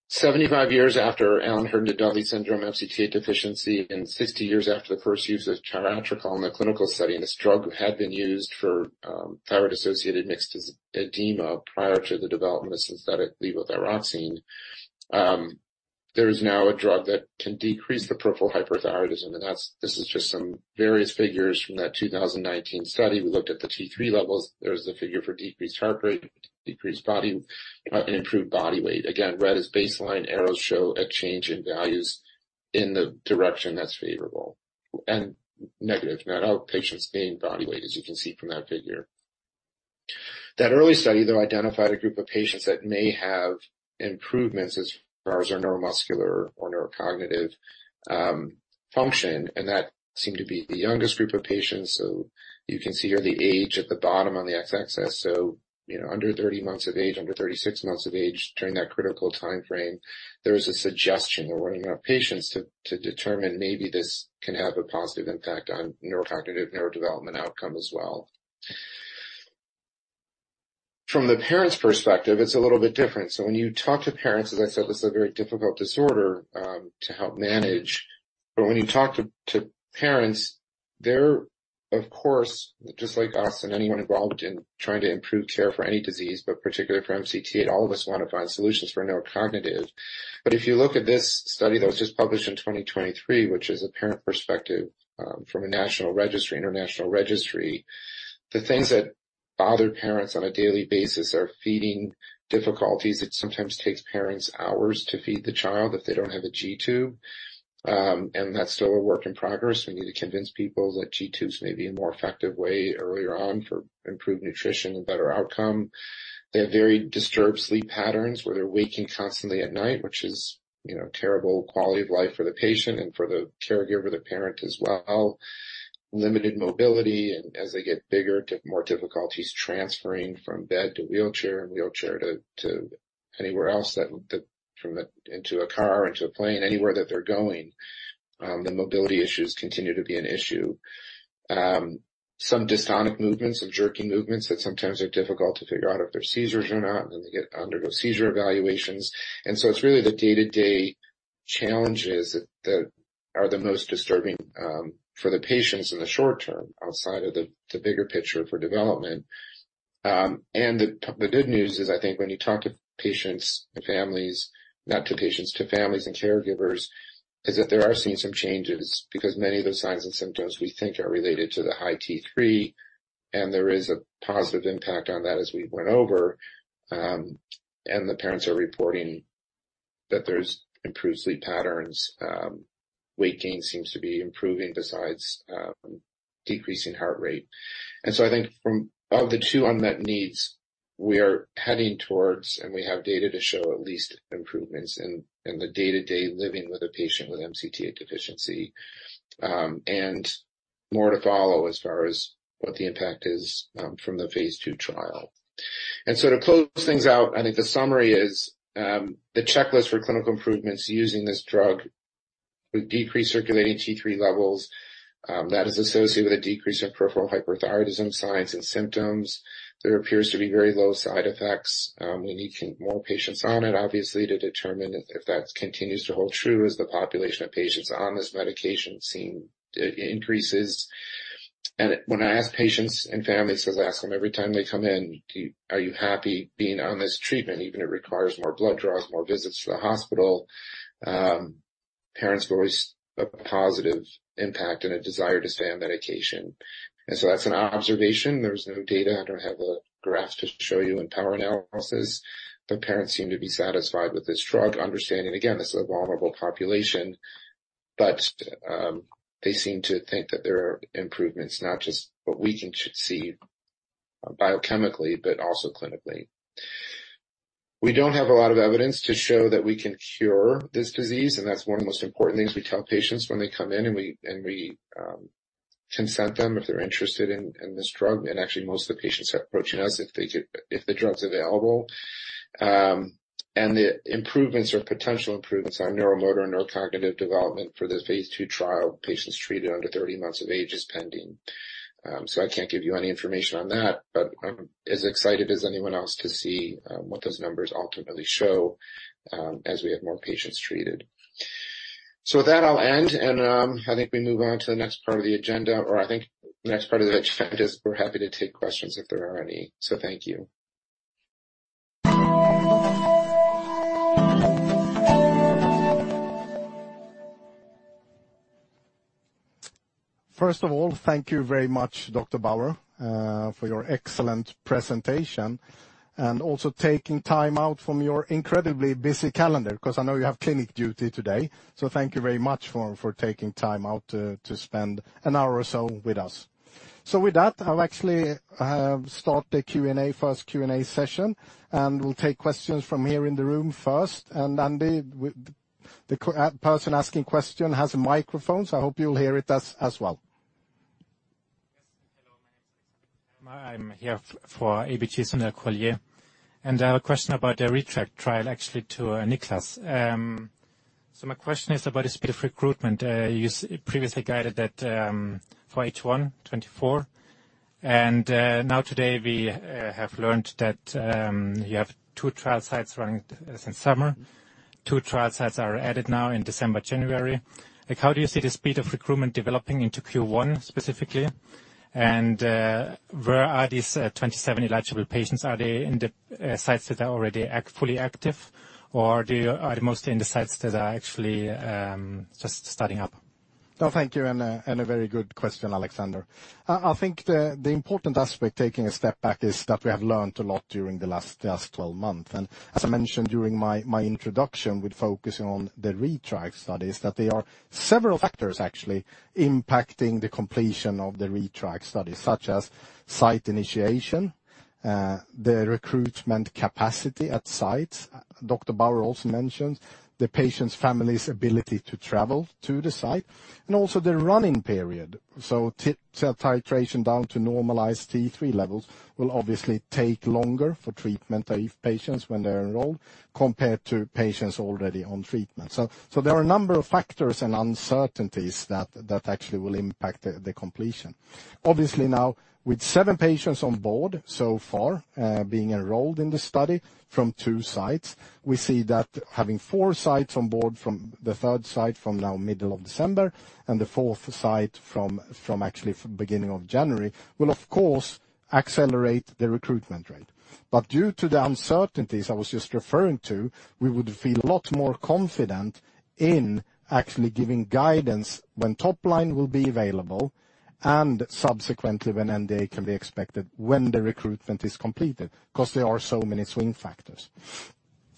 Speaker 2: 75 years after Allan-Herndon-Dudley syndrome, MCT8 deficiency, and 60 years after the first use of thyrotropin in a clinical study, this drug had been used for thyroid-associated myxedema prior to the development of synthetic levothyroxine. There is now a drug that can decrease the peripheral hyperthyroidism, and that's this is just some various figures from that 2019 study. We looked at the T3 levels. There's the figure for decreased heart rate, decreased body, and improved body weight. Again, red is baseline. Arrows show a change in values in the direction that's favorable and negative, not how patients gain body weight, as you can see from that figure. That early study, though, identified a group of patients that may have improvements as far as their neuromuscular or neurocognitive function, and that seemed to be the youngest group of patients. So you can see here the age at the bottom on the x-axis. So you know, under 30 months of age, under 36 months of age, during that critical timeframe, there is a suggestion that we're running out of patients to, to determine maybe this can have a positive impact on neurocognitive, neurodevelopment outcome as well. From the parent's perspective, it's a little bit different. So when you talk to parents, as I said, this is a very difficult disorder to help manage. But when you talk to, to parents, they're, of course, just like us and anyone involved in trying to improve care for any disease, but particularly for MCT8, all of us wanna find solutions for neurocognitive. But if you look at this study that was just published in 2023, which is a parent perspective, from a national registry, international registry, the things that bother parents on a daily basis are feeding difficulties. It sometimes takes parents hours to feed the child if they don't have a G-tube. That's still a work in progress. We need to convince people that G-tube may be a more effective way earlier on for improved nutrition and better outcome. They have very disturbed sleep patterns where they're waking constantly at night, which is, you know, terrible quality of life for the patient and for the caregiver, the parent as well. Limited mobility, and as they get bigger, more difficulties transferring from bed to wheelchair and wheelchair to anywhere else, that from a car into a plane, anywhere that they're going, the mobility issues continue to be an issue. Some dystonic movements or jerky movements that sometimes are difficult to figure out if they're seizures or not, and then they undergo seizure evaluations. And so it's really the day-to-day challenges that are the most disturbing for the patients in the short term, outside of the bigger picture for development. And the good news is, I think when you talk to patients and families, not to patients, to families and caregivers, is that they are seeing some changes because many of those signs and symptoms we think are related to the high T3, and there is a positive impact on that as we went over. And the parents are reporting that there's improved sleep patterns, weight gain seems to be improving besides decreasing heart rate. And so I think from... of the 2 unmet needs, we are heading towards, and we have data to show at least improvements in, in the day-to-day living with a patient with MCT8 deficiency, and more to follow as far as what the impact is, from the phase II trial. And so to close things out, I think the summary is, the checklist for clinical improvements using this drug with decreased circulating T3 levels, that is associated with a decrease in peripheral hyperthyroidism signs and symptoms. There appears to be very low side effects. We need more patients on it, obviously, to determine if that continues to hold true as the population of patients on this medication increases. And when I ask patients and families, 'cause I ask them every time they come in, "Are you happy being on this treatment? Even if it requires more blood draws, more visits to the hospital, parents voice a positive impact and a desire to stay on medication. So that's an observation. There's no data. I don't have a graph to show you in power analysis, but parents seem to be satisfied with this drug, understanding, again, this is a vulnerable population, but they seem to think that there are improvements, not just what we can see biochemically, but also clinically. We don't have a lot of evidence to show that we can cure this disease, and that's one of the most important things we tell patients when they come in, and we consent them if they're interested in this drug. Actually, most of the patients are approaching us if they could if the drug's available. And the improvements or potential improvements on neuromotor and neurocognitive development for the phase II trial, patients treated under 30 months of age is pending. So I can't give you any information on that, but I'm as excited as anyone else to see what those numbers ultimately show, as we have more patients treated. So with that, I'll end, and I think we move on to the next part of the agenda, or I think the next part of the agenda is we're happy to take questions if there are any. So thank you.
Speaker 1: First of all, thank you very much, Dr. Bauer, for your excellent presentation and also taking time out from your incredibly busy calendar, 'cause I know you have clinic duty today. So thank you very much for taking time out to spend an hour or so with us. So with that, I'll actually start the Q&A, first Q&A session, and we'll take questions from here in the room first. And Andy, the person asking the question has a microphone, so I hope you'll hear it as well.
Speaker 3: Yes. Hello, my name is Alexander Haerland Well, thank you, and a very good question, Alexander. I think the important aspect, taking a step back, is that we have learned a lot during the last 12 months. And as I mentioned during my introduction, with focusing on the ReTRIACt studies, that there are several factors actually impacting the completion of the ReTRIACt study, such as site initiation, the recruitment capacity at sites. Dr. Bauer also mentioned the patient's family's ability to travel to the site and also the running period. So titration down to normalized T3 levels will obviously take longer for treatment-naive patients when they're enrolled compared to patients already on treatment. So there are a number of factors and uncertainties that actually will impact the completion.
Speaker 1: Obviously, now, with seven patients on board so far, being enrolled in the study from four sites, we see that having four sites on board from the third site from now, middle of December, and the fourth site actually from beginning of January, will of course, accelerate the recruitment rate. But due to the uncertainties I was just referring to, we would feel a lot more confident in actually giving guidance when top line will be available and subsequently when NDA can be expected when the recruitment is completed, 'cause there are so many swing factors.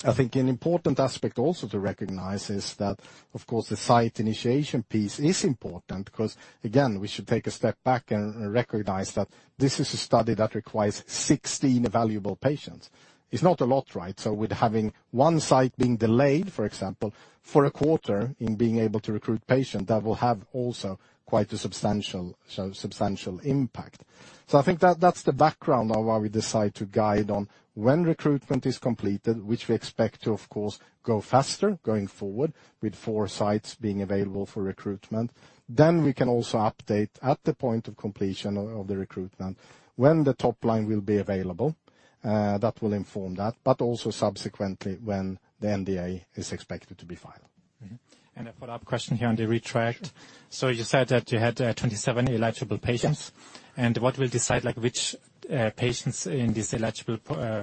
Speaker 1: I think an important aspect also to recognize is that, of course, the site initiation piece is important, 'cause, again, we should take a step back and recognize that this is a study that requires 16 valuable patients. It's not a lot, right? So with having one site being delayed, for example, for a quarter, in being able to recruit patients, that will have also quite a substantial, substantial impact. So I think that's the background on why we decide to guide on when recruitment is completed, which we expect to, of course, go faster going forward with four sites being available for recruitment. Then we can also update at the point of completion of the recruitment, when the top line will be available. That will inform that, but also subsequently, when the NDA is expected to be filed.
Speaker 3: A follow-up question here on the ReTRIACt. So you said that you had 27 eligible patients.
Speaker 1: Yes.
Speaker 3: What will decide, like, which patients in this eligible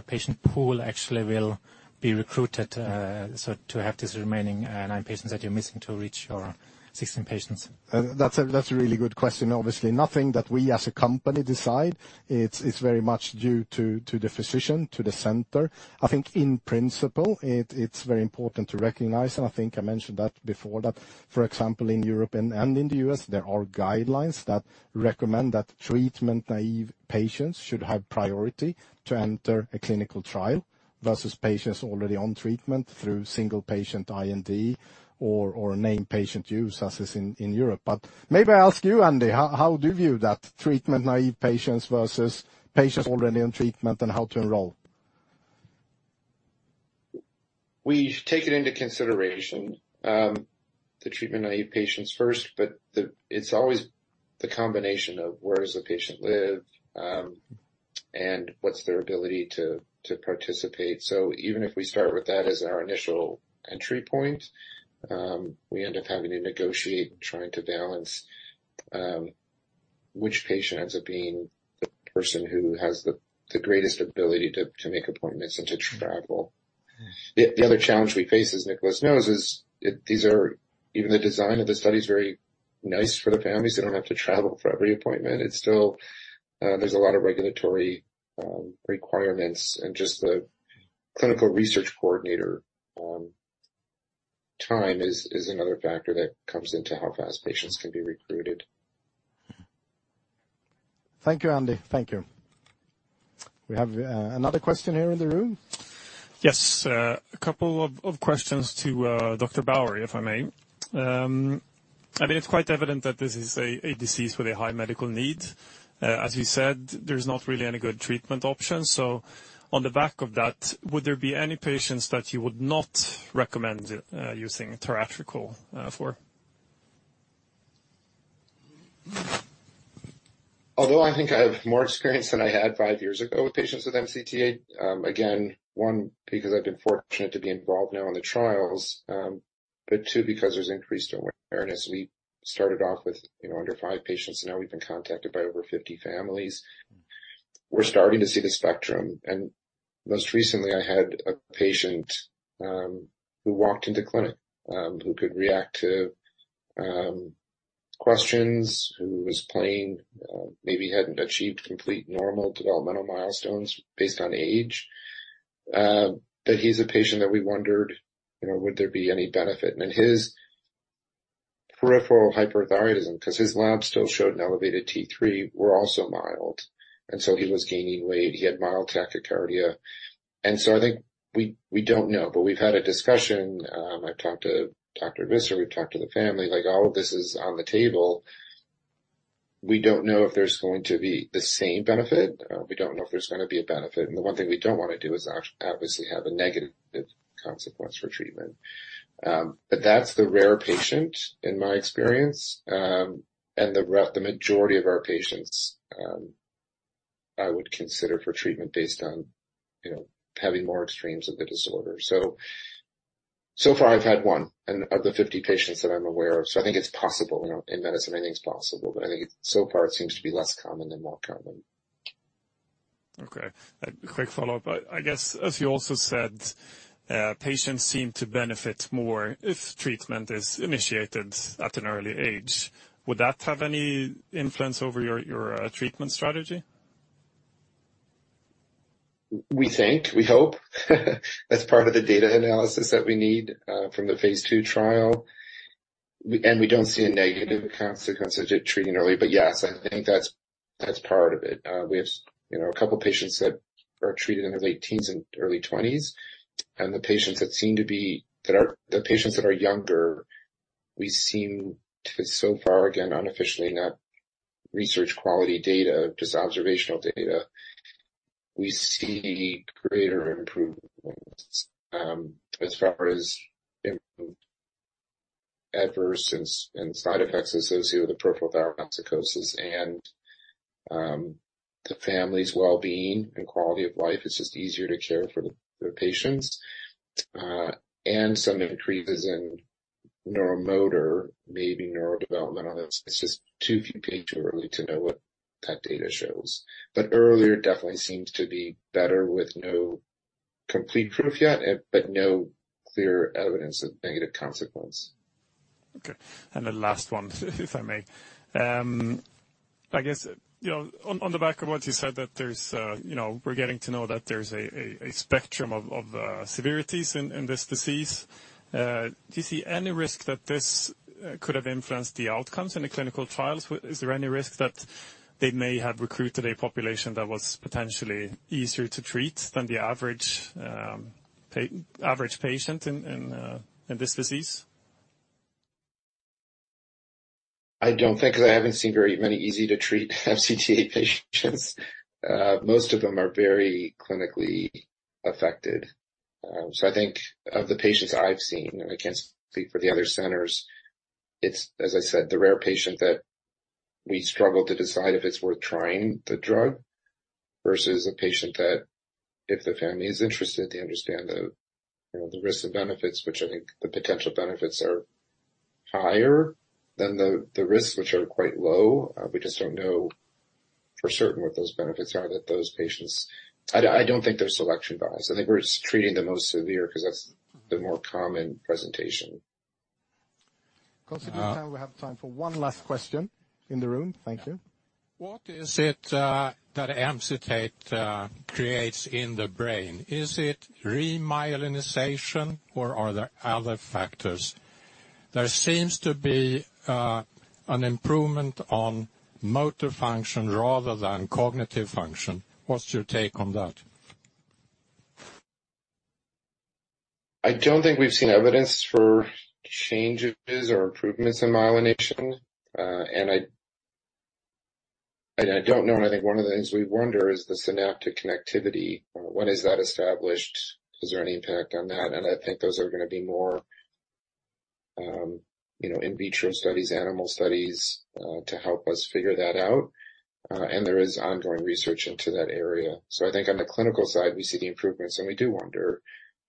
Speaker 3: patient pool actually will be recruited, so to have these remaining nine patients that you're missing to reach your 16 patients?
Speaker 1: That's a really good question. Obviously, nothing that we, as a company, decide. It's very much due to the physician, to the center. I think in principle, it's very important to recognize, and I think I mentioned that before, that, for example, in Europe and in the US, there are guidelines that recommend that treatment-naive patients should have priority to enter a clinical trial versus patients already on treatment through single-patient IND or named patient use, as is in Europe. But maybe I ask you, Andy, how do you view that treatment-naive patients versus patients already on treatment and how to enroll?
Speaker 2: We take it into consideration, the treatment-naive patients first, but it's always the combination of where does the patient live, and what's their ability to participate. So even if we start with that as our initial entry point, we end up having to negotiate, trying to balance, which patient ends up being the person who has the greatest ability to make appointments and to travel.
Speaker 1: Mm.
Speaker 2: The other challenge we face, as Nicklas knows, is these are even the design of the study is very nice for the families. They don't have to travel for every appointment. It's still. There's a lot of regulatory requirements and just the clinical research coordinator time is another factor that comes into how fast patients can be recruited.
Speaker 1: Mm. Thank you, Andy. Thank you. We have another question here in the room.
Speaker 4: Yes, a couple of questions to Dr. Bauer, if I may. I mean, it's quite evident that this is a disease with a high medical need. As you said, there's not really any good treatment options. So on the back of that, would there be any patients that you would not recommend using tiratricol for?...
Speaker 2: Although I think I have more experience than I had 5 years ago with patients with MCT8, again, one, because I've been fortunate to be involved now in the trials, but two, because there's increased awareness. We started off with, you know, under five patients, and now we've been contacted by over 50 families. We're starting to see the spectrum, and most recently, I had a patient, who walked into clinic, who could react to, questions, who was playing, maybe hadn't achieved complete normal developmental milestones based on age. But he's a patient that we wondered, you know, would there be any benefit? And his peripheral hyperthyroidism, 'cause his labs still showed an elevated T3, were also mild, and so he was gaining weight. He had mild tachycardia, and so I think we, we don't know. But we've had a discussion, I've talked to Dr. Visser, we've talked to the family, like, all of this is on the table. We don't know if there's going to be the same benefit. We don't know if there's gonna be a benefit, and the one thing we don't wanna do is obviously have a negative consequence for treatment. But that's the rare patient, in my experience, and the majority of our patients, I would consider for treatment based on, you know, having more extremes of the disorder. So, so far I've had one and of the 50 patients that I'm aware of, so I think it's possible. You know, in medicine, anything's possible, but I think so far it seems to be less common than more common.
Speaker 4: Okay, a quick follow-up. I guess, as you also said, patients seem to benefit more if treatment is initiated at an early age. Would that have any influence over your treatment strategy?
Speaker 2: We think. We hope. That's part of the data analysis that we need from the phase II trial. And we don't see a negative consequence of treating early. But yes, I think that's part of it. We have, you know, a couple patients that are treated in their late teens and early twenties, and the patients that seem to be the patients that are younger, we seem to, so far, again, unofficially, not research quality data, just observational data. We see greater improvements as far as adverse and side effects associated with peripheral thyrotoxicosis, and the family's well-being and quality of life, it's just easier to care for the patients, and some increases in neuromotor, maybe neurodevelopmental. It's just too few patients too early to know what that data shows. But earlier, definitely seems to be better with no complete proof yet, but no clear evidence of negative consequence.
Speaker 4: Okay, and the last one, if I may. I guess, you know, on the back of what you said, that there's a, you know, we're getting to know that there's a spectrum of severities in this disease. Do you see any risk that this could have influenced the outcomes in the clinical trials? Is there any risk that they may have recruited a population that was potentially easier to treat than the average patient in this disease?
Speaker 2: I don't think, 'cause I haven't seen very many easy-to-treat MCT8 patients. Most of them are very clinically affected. So I think of the patients I've seen, and I can't speak for the other centers, it's, as I said, the rare patient that we struggle to decide if it's worth trying the drug, versus a patient that if the family is interested, they understand the, you know, the risks and benefits, which I think the potential benefits are higher than the, the risks, which are quite low. We just don't know for certain what those benefits are that those patients... I don't think there's selection bias. I think we're just treating the most severe 'cause that's the more common presentation.
Speaker 1: Considering the time, we have time for one last question in the room. Thank you.
Speaker 5: What is it that Emcitate creates in the brain? Is it remyelination or are there other factors? There seems to be an improvement on motor function rather than cognitive function. What's your take on that?
Speaker 2: I don't think we've seen evidence for changes or improvements in myelination. I think one of the things we wonder is the synaptic connectivity. When is that established? Is there any impact on that? And I think those are gonna be more, you know, in vitro studies, animal studies, to help us figure that out. And there is ongoing research into that area. So I think on the clinical side, we see the improvements, and we do wonder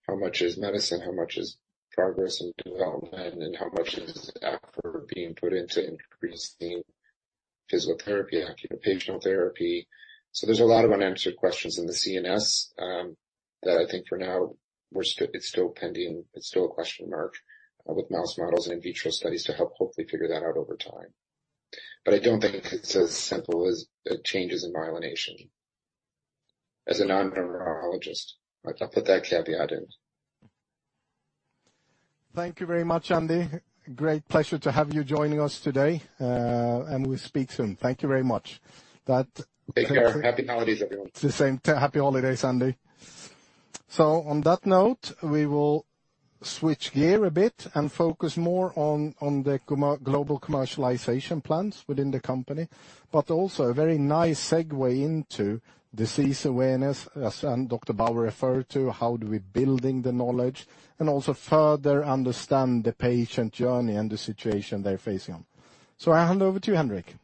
Speaker 2: how much is medicine, how much is progress and development, and how much is effort being put in to increase the physiotherapy and occupational therapy. So there's a lot of unanswered questions in the CNS, that I think for now it's still pending. It's still a question mark with mouse models and in vitro studies to help hopefully figure that out over time. But I don't think it's as simple as the changes in myelination. As a non-neurologist, I'll put that caveat in.
Speaker 1: Thank you very much, Andy. Great pleasure to have you joining us today, and we'll speak soon. Thank you very much. That-
Speaker 2: Take care. Happy holidays, everyone.
Speaker 1: The same. Happy holidays, Andy. So on that note, we will switch gear a bit and focus more on the global commercialization plans within the company, but also a very nice segue into disease awareness, as Dr. Bauer referred to, how do we building the knowledge and also further understand the patient journey and the situation they're facing on. So I hand over to you, Henrik. ...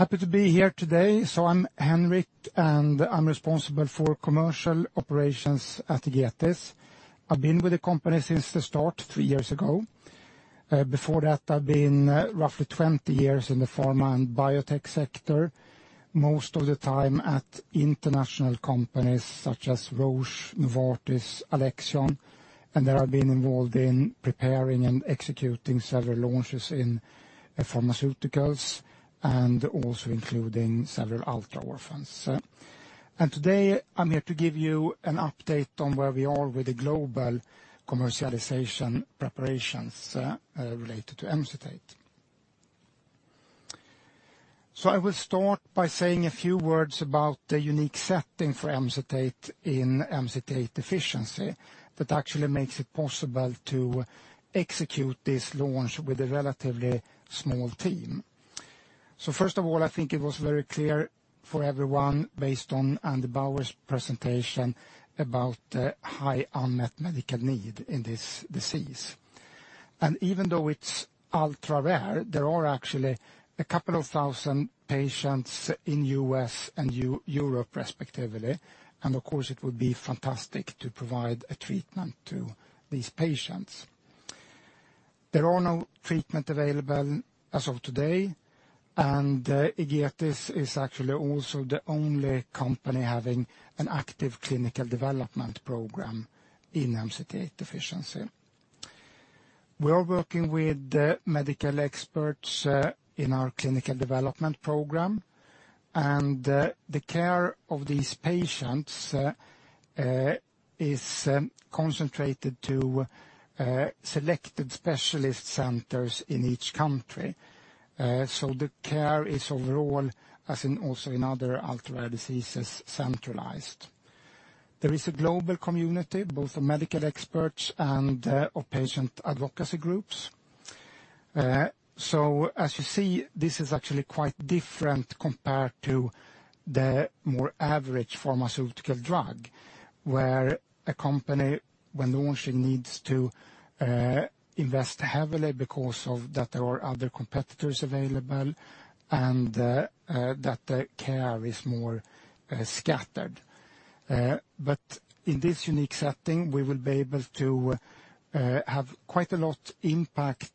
Speaker 6: Happy to be here today. So I'm Henrik, and I'm responsible for commercial operations at Egetis. I've been with the company since the start, 3 years ago. Before that, I've been roughly 20 years in the pharma and biotech sector, most of the time at international companies such as Roche, Novartis, Alexion, and there I've been involved in preparing and executing several launches in pharmaceuticals and also including several ultra orphans. And today, I'm here to give you an update on where we are with the global commercialization preparations related to Emcitate. So I will start by saying a few words about the unique setting for Emcitate in MCT8 deficiency that actually makes it possible to execute this launch with a relatively small team. So first of all, I think it was very clear for everyone, based on Andy Bauer's presentation, about the high unmet medical need in this disease. And even though it's ultra-rare, there are actually a couple of thousand patients in US and Europe, respectively, and of course, it would be fantastic to provide a treatment to these patients. There are no treatment available as of today, and Egetis is actually also the only company having an active clinical development program in MCT8 deficiency. We are working with medical experts in our clinical development program, and the care of these patients is concentrated to selected specialist centers in each country. So the care is overall, as in also in other ultra-rare diseases, centralized. There is a global community, both of medical experts and of patient advocacy groups. So as you see, this is actually quite different compared to the more average pharmaceutical drug, where a company, when launching, needs to invest heavily because of that there are other competitors available and that the care is more scattered. But in this unique setting, we will be able to have quite a lot impact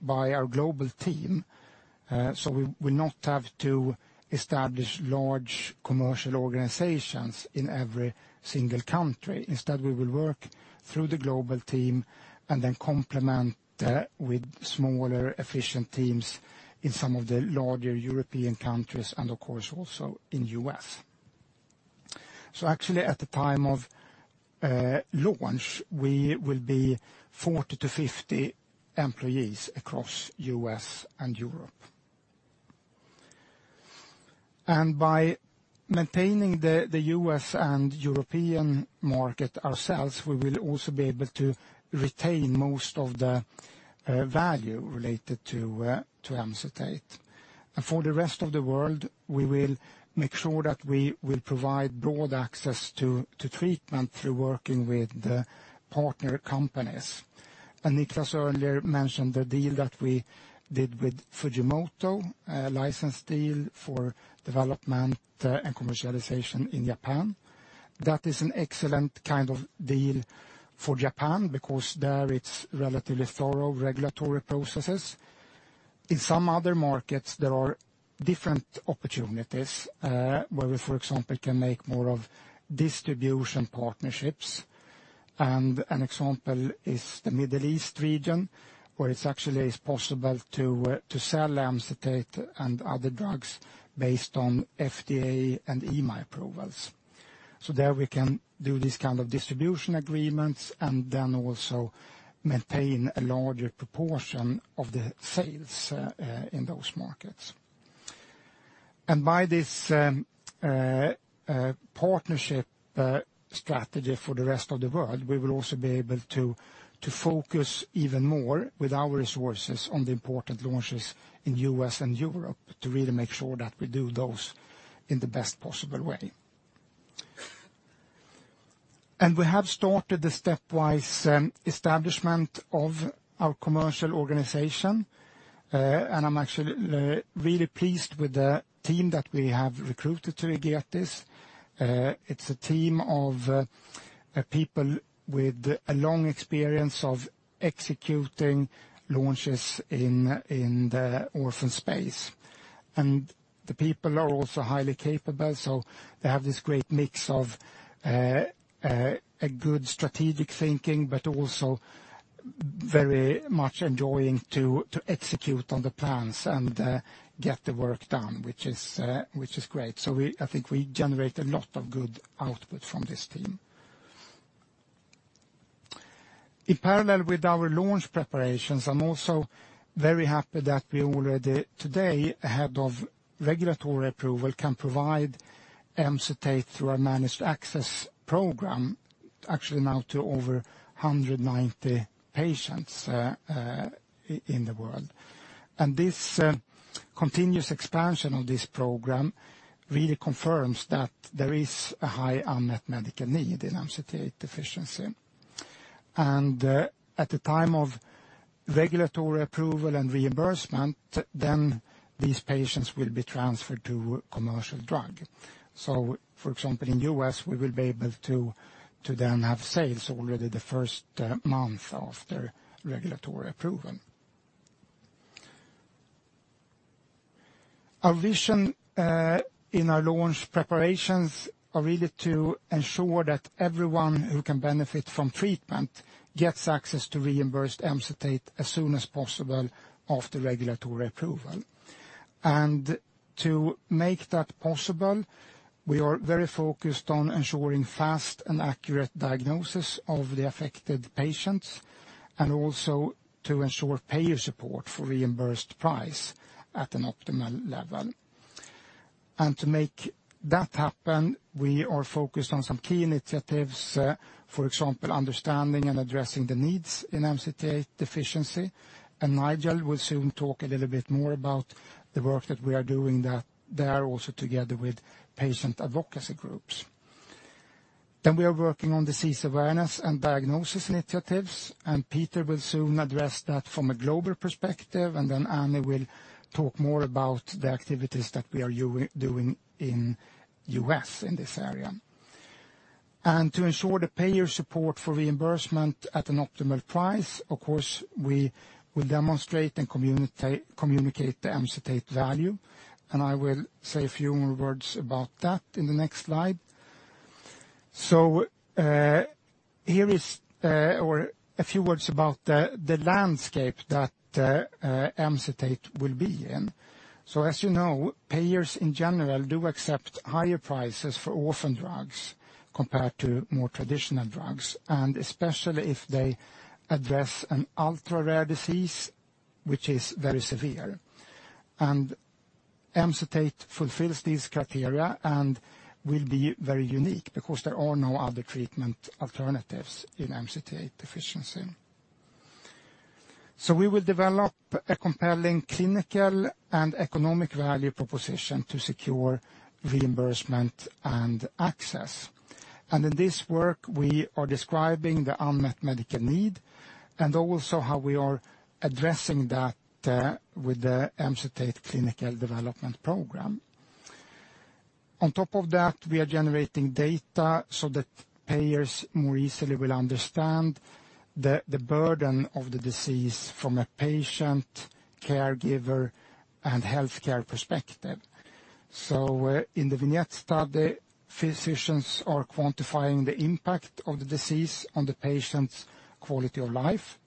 Speaker 6: by our global team. So we will not have to establish large commercial organizations in every single country. Instead, we will work through the global team and then complement with smaller, efficient teams in some of the larger European countries and of course, also in U.S. So actually, at the time of launch, we will be 40-50 employees across U.S. and Europe. And by maintaining the, the U.S. and European market ourselves, we will also be able to retain most of the value related to Emcitate. And for the rest of the world, we will make sure that we will provide broad access to treatment through working with the partner companies. And Nicklas earlier mentioned the deal that we did with Fujimoto, a license deal for development and commercialization in Japan. That is an excellent kind of deal for Japan, because there, it's relatively thorough regulatory processes. In some other markets, there are different opportunities where we, for example, can make more of distribution partnerships. And an example is the Middle East region, where it actually is possible to sell Emcitate and other drugs based on FDA and EMA approvals. So there we can do this kind of distribution agreements and then also maintain a larger proportion of the sales, in those markets. And by this, partnership, strategy for the rest of the world, we will also be able to, to focus even more with our resources on the important launches in US and Europe, to really make sure that we do those in the best possible way. And we have started the stepwise, establishment of our commercial organization, and I'm actually, really pleased with the team that we have recruited to Egetis. It's a team of, people with a long experience of executing launches in, in the orphan space. The people are also highly capable, so they have this great mix of, a good strategic thinking, but also very much enjoying to execute on the plans and, get the work done, which is great. So I think we generate a lot of good output from this team. In parallel with our launch preparations, I'm also very happy that we already today, ahead of regulatory approval, can provide Emcitate through our managed access program, actually now to over 190 patients, in the world... And this, continuous expansion of this program really confirms that there is a high unmet medical need in MCT8 deficiency. At the time of regulatory approval and reimbursement, then these patients will be transferred to commercial drug. So for example, in U.S., we will be able to, to then have sales already the first month after regulatory approval. Our vision, in our launch preparations are really to ensure that everyone who can benefit from treatment gets access to reimbursed Emcitate as soon as possible after regulatory approval. And to make that possible, we are very focused on ensuring fast and accurate diagnosis of the affected patients, and also to ensure payer support for reimbursed price at an optimal level. And to make that happen, we are focused on some key initiatives. For example, understanding and addressing the needs in MCT8 deficiency. And Nigel will soon talk a little bit more about the work that we are doing that there also together with patient advocacy groups. Then we are working on disease awareness and diagnosis initiatives, and Peter will soon address that from a global perspective, and then Anny will talk more about the activities that we are doing in the U.S., in this area. And to ensure the payer support for reimbursement at an optimal price, of course, we will demonstrate and communicate the MCT8 value, and I will say a few more words about that in the next slide. So, here is or a few words about the landscape that MCT8 will be in. So as you know, payers in general do accept higher prices for orphan drugs compared to more traditional drugs, and especially if they address an ultra-rare disease, which is very severe. And MCT8 fulfills these criteria and will be very unique because there are no other treatment alternatives in MCT8 deficiency. So we will develop a compelling clinical and economic value proposition to secure reimbursement and access. And in this work, we are describing the unmet medical need, and also how we are addressing that with the MCT8 clinical development program. On top of that, we are generating data so that payers more easily will understand the burden of the disease from a patient, caregiver, and healthcare perspective. So, in the vignette study, physicians are quantifying the impact of the disease on the patient's quality of life.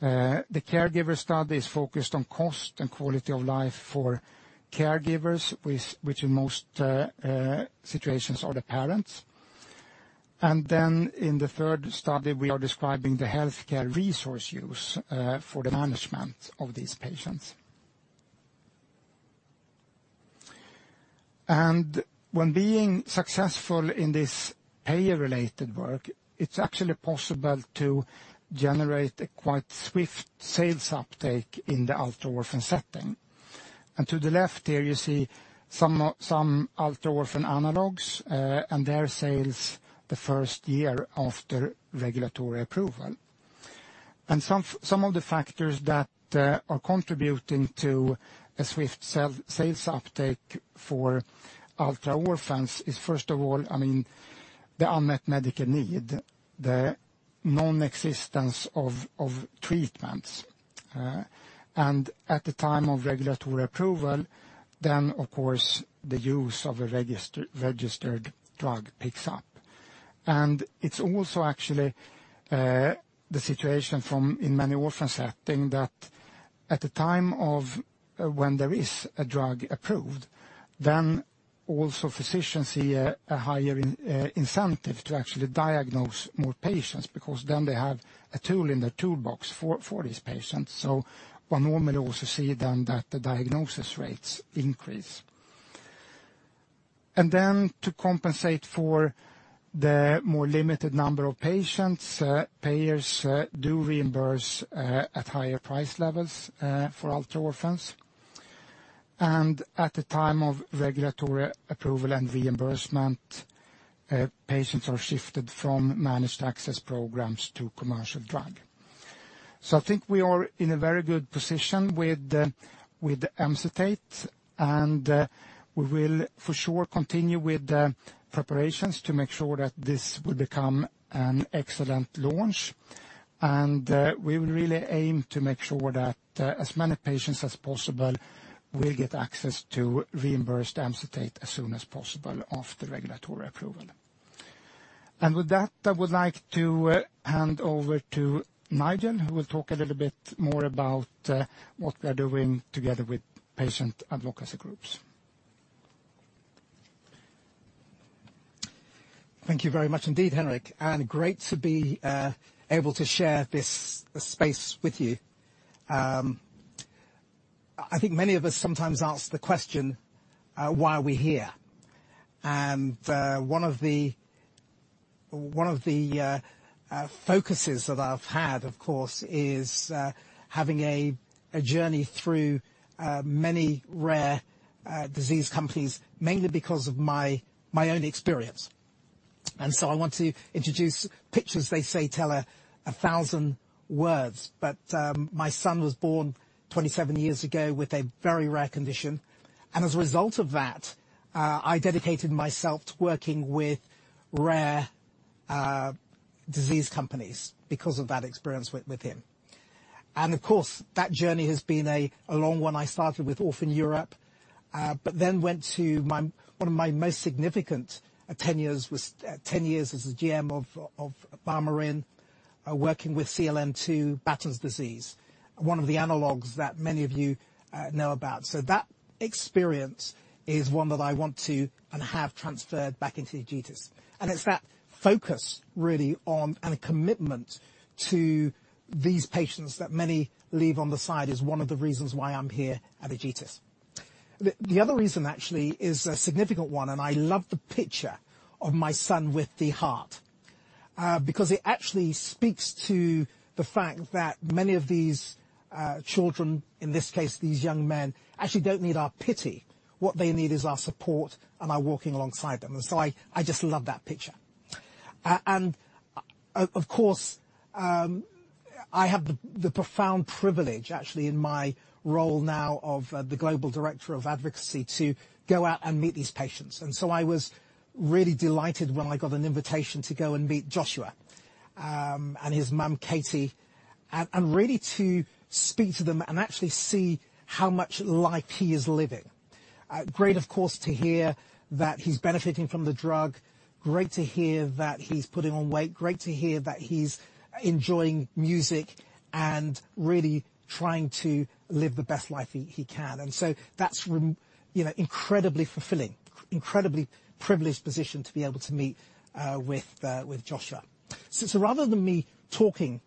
Speaker 6: The caregiver study is focused on cost and quality of life for caregivers, which in most situations are the parents. And then in the third study, we are describing the healthcare resource use for the management of these patients. When being successful in this payer-related work, it's actually possible to generate a quite swift sales uptake in the ultra-orphan setting. To the left here, you see some ultra-orphan analogs and their sales the first year after regulatory approval. Some of the factors that are contributing to a swift sales uptake for ultra-orphans is, first of all, I mean, the unmet medical need, the non-existence of treatments. And at the time of regulatory approval, then of course, the use of a registered drug picks up. And it's also actually the situation in many orphan settings, that at the time of when there is a drug approved, then also physicians see a higher incentive to actually diagnose more patients, because then they have a tool in their toolbox for these patients. So one normally also see then that the diagnosis rates increase. And then to compensate for the more limited number of patients, payers do reimburse at higher price levels for ultra-orphans. And at the time of regulatory approval and reimbursement, patients are shifted from managed access programs to commercial drug. So I think we are in a very good position with MCT8, and we will for sure continue with the preparations to make sure that this will become an excellent launch. And we will really aim to make sure that as many patients as possible will get access to reimbursed MCT8 as soon as possible after regulatory approval. And with that, I would like to hand over to Nigel, who will talk a little bit more about what we are doing together with patient advocacy groups.
Speaker 7: Thank you very much indeed, Henrik, and great to be able to share this space with you. I think many of us sometimes ask the question, why are we here? One of the focuses that I've had, of course, is having a journey through many rare disease companies, mainly because of my own experience. And so I want to introduce... Pictures, they say tell a thousand words, but my son was born 27 years ago with a very rare condition, and as a result of that, I dedicated myself to working with rare disease companies because of that experience with him. And of course, that journey has been a long one. I started with Orphan Europe, but then went to one of my most significant tenures was, 10 years as a GM of, of BioMarin, working with CLN2 Batten disease, one of the analogues that many of you, know about. So that experience is one that I want to and have transferred back into Egetis. And it's that focus really on, and a commitment to these patients that many leave on the side, is one of the reasons why I'm here at Egetis. The, the other reason actually is a significant one, and I love the picture of my son with the heart, because it actually speaks to the fact that many of these, children, in this case, these young men, actually don't need our pity. What they need is our support and our walking alongside them. And so I just love that picture. And of course, I have the profound privilege, actually, in my role now of the global director of advocacy, to go out and meet these patients. And so I was really delighted when I got an invitation to go and meet Joshua and his mum, Katie, and really to speak to them and actually see how much life he is living. Great, of course, to hear that he's benefiting from the drug, great to hear that he's putting on weight, great to hear that he's enjoying music and really trying to live the best life he can. And so that's you know, incredibly fulfilling, incredibly privileged position to be able to meet with Joshua. So rather than me talking,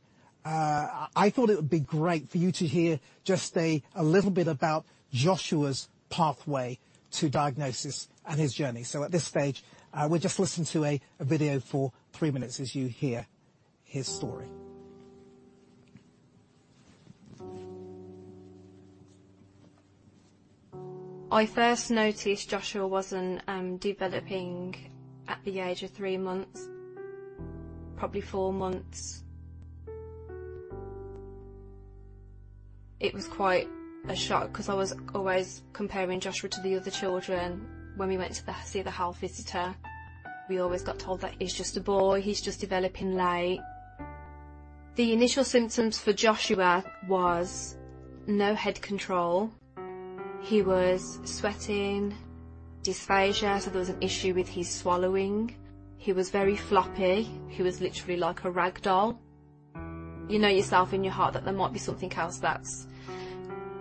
Speaker 7: I thought it would be great for you to hear just a little bit about Joshua's pathway to diagnosis and his journey. So at this stage, we'll just listen to a video for 3 minutes as you hear his story.
Speaker 8: I first noticed Joshua wasn't developing at the age of three months, probably four months. It was quite a shock 'cause I was always comparing Joshua to the other children. When we went to see the health visitor, we always got told that he's just a boy, he's just developing late. The initial symptoms for Joshua was no head control. He was sweating, dysphagia, so there was an issue with his swallowing. He was very floppy. He was literally like a rag doll. You know, yourself in your heart that there might be something else that's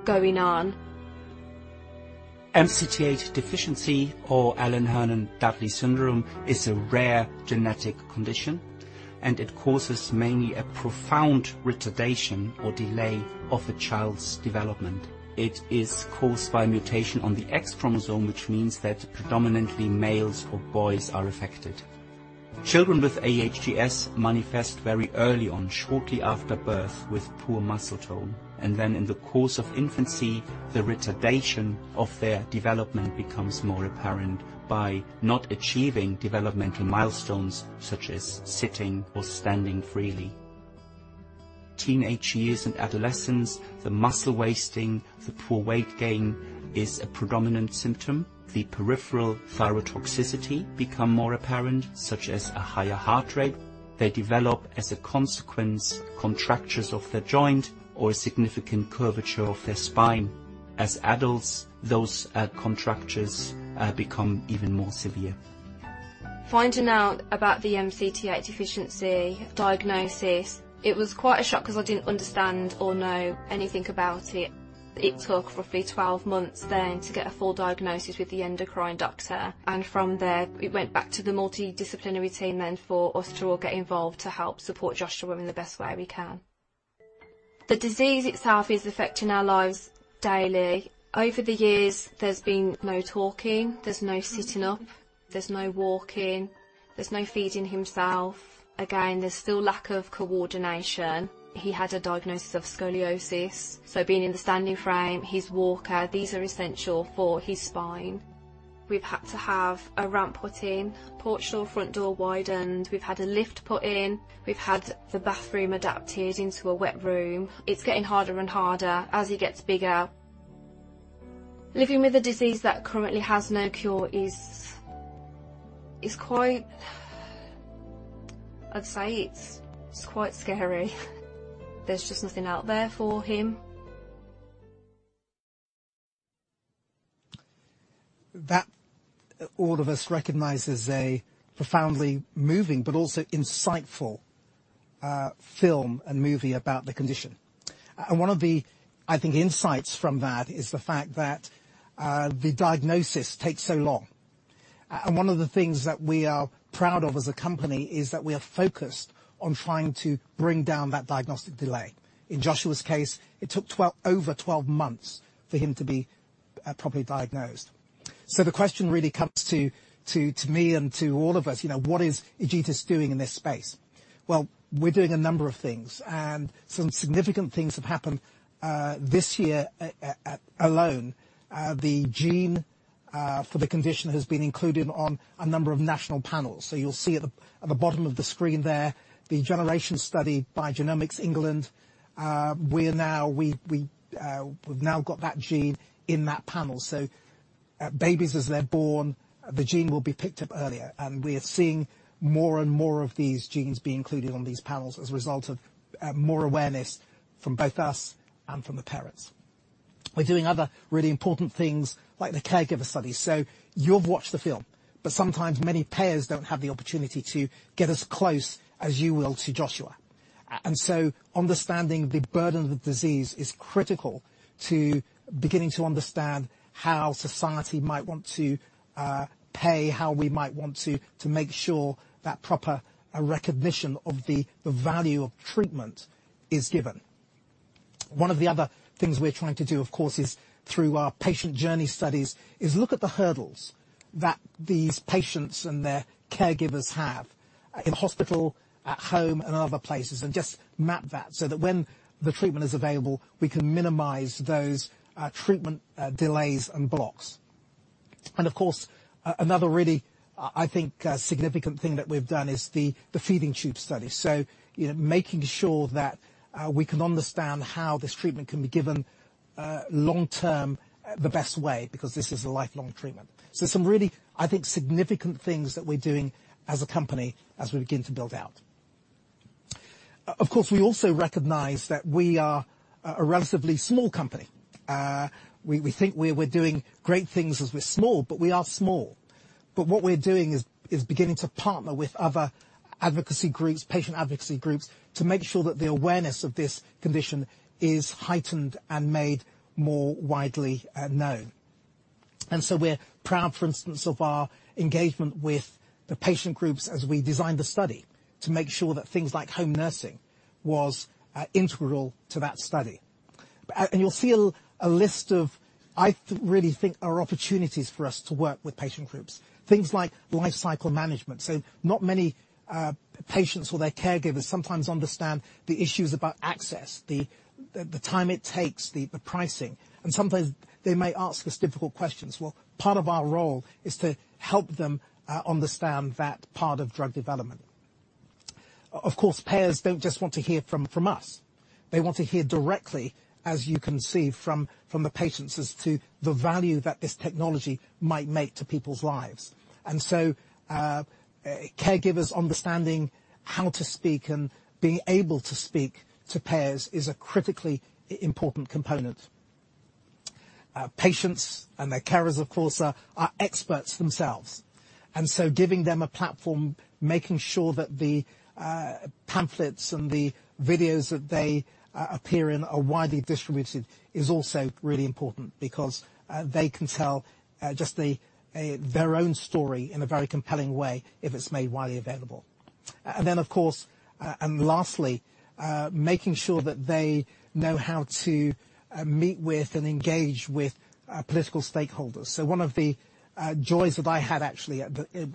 Speaker 8: going on. MCT8 deficiency or Allan-Herndon-Dudley syndrome is a rare genetic condition, and it causes mainly a profound retardation or delay of a child's development. It is caused by a mutation on the X chromosome, which means that predominantly males or boys are affected. Children with AHDS manifest very early on, shortly after birth, with poor muscle tone, and then in the course of infancy, the retardation of their development becomes more apparent by not achieving developmental milestones, such as sitting or standing freely. Teenage years and adolescence, the muscle wasting, the poor weight gain is a predominant symptom. The peripheral thyrotoxicosis become more apparent, such as a higher heart rate. They develop, as a consequence, contractures of their joint or a significant curvature of their spine. As adults, those, contractures, become even more severe. Finding out about the MCT8 deficiency diagnosis, it was quite a shock because I didn't understand or know anything about it. It took roughly 12 months then to get a full diagnosis with the endocrine doctor, and from there, it went back to the multidisciplinary team then for us to all get involved to help support Joshua in the best way we can. The disease itself is affecting our lives daily. Over the years, there's been no talking, there's no sitting up, there's no walking, there's no feeding himself. Again, there's still lack of coordination. He had a diagnosis of scoliosis, so being in the standing frame, his walker, these are essential for his spine. We've had to have a ramp put in, porch door, front door widened. We've had a lift put in. We've had the bathroom adapted into a wet room. It's getting harder and harder as he gets bigger. Living with a disease that currently has no cure is quite... I'd say it's quite scary. There's just nothing out there for him.
Speaker 7: That all of us recognize as a profoundly moving, but also insightful, film and movie about the condition. And one of the, I think, insights from that is the fact that the diagnosis takes so long. And one of the things that we are proud of as a company is that we are focused on trying to bring down that diagnostic delay. In Joshua's case, it took over 12 months for him to be properly diagnosed.... So the question really comes to me and to all of us, you know, what is Egetis doing in this space? Well, we're doing a number of things, and some significant things have happened this year alone. The gene for the condition has been included on a number of national panels. So you'll see at the bottom of the screen there, the Generation Study by Genomics England. We are now we've now got that gene in that panel. So, babies, as they're born, the gene will be picked up earlier, and we are seeing more and more of these genes being included on these panels as a result of, more awareness from both us and from the parents. We're doing other really important things, like the caregiver study. So you've watched the film, but sometimes many payers don't have the opportunity to get as close as you will to Joshua. And so understanding the burden of the disease is critical to beginning to understand how society might want to, pay, how we might want to make sure that proper recognition of the value of treatment is given. One of the other things we're trying to do, of course, is through our patient journey studies, is look at the hurdles that these patients and their caregivers have in hospital, at home and other places, and just map that so that when the treatment is available, we can minimize those treatment delays and blocks. And of course, another really, I think, significant thing that we've done is the feeding tube study. So, you know, making sure that we can understand how this treatment can be given long-term, the best way, because this is a lifelong treatment. So some really, I think, significant things that we're doing as a company as we begin to build out. Of course, we also recognize that we are a relatively small company. We think we're doing great things as we're small, but we are small. But what we're doing is beginning to partner with other advocacy groups, patient advocacy groups, to make sure that the awareness of this condition is heightened and made more widely known. And so we're proud, for instance, of our engagement with the patient groups as we designed the study to make sure that things like home nursing was integral to that study. And you'll see a list of... I really think are opportunities for us to work with patient groups, things like lifecycle management. So not many patients or their caregivers sometimes understand the issues about access, the time it takes, the pricing, and sometimes they may ask us difficult questions. Well, part of our role is to help them understand that part of drug development. Of course, payers don't just want to hear from us. They want to hear directly, as you can see from the patients, as to the value that this technology might make to people's lives. And so, caregivers understanding how to speak and being able to speak to payers is a critically important component. Patients and their carers, of course, are experts themselves. And so giving them a platform, making sure that the pamphlets and the videos that they appear in are widely distributed, is also really important because they can tell just their own story in a very compelling way if it's made widely available. And then, of course, and lastly, making sure that they know how to meet with and engage with political stakeholders. So one of the, joys that I had actually at the,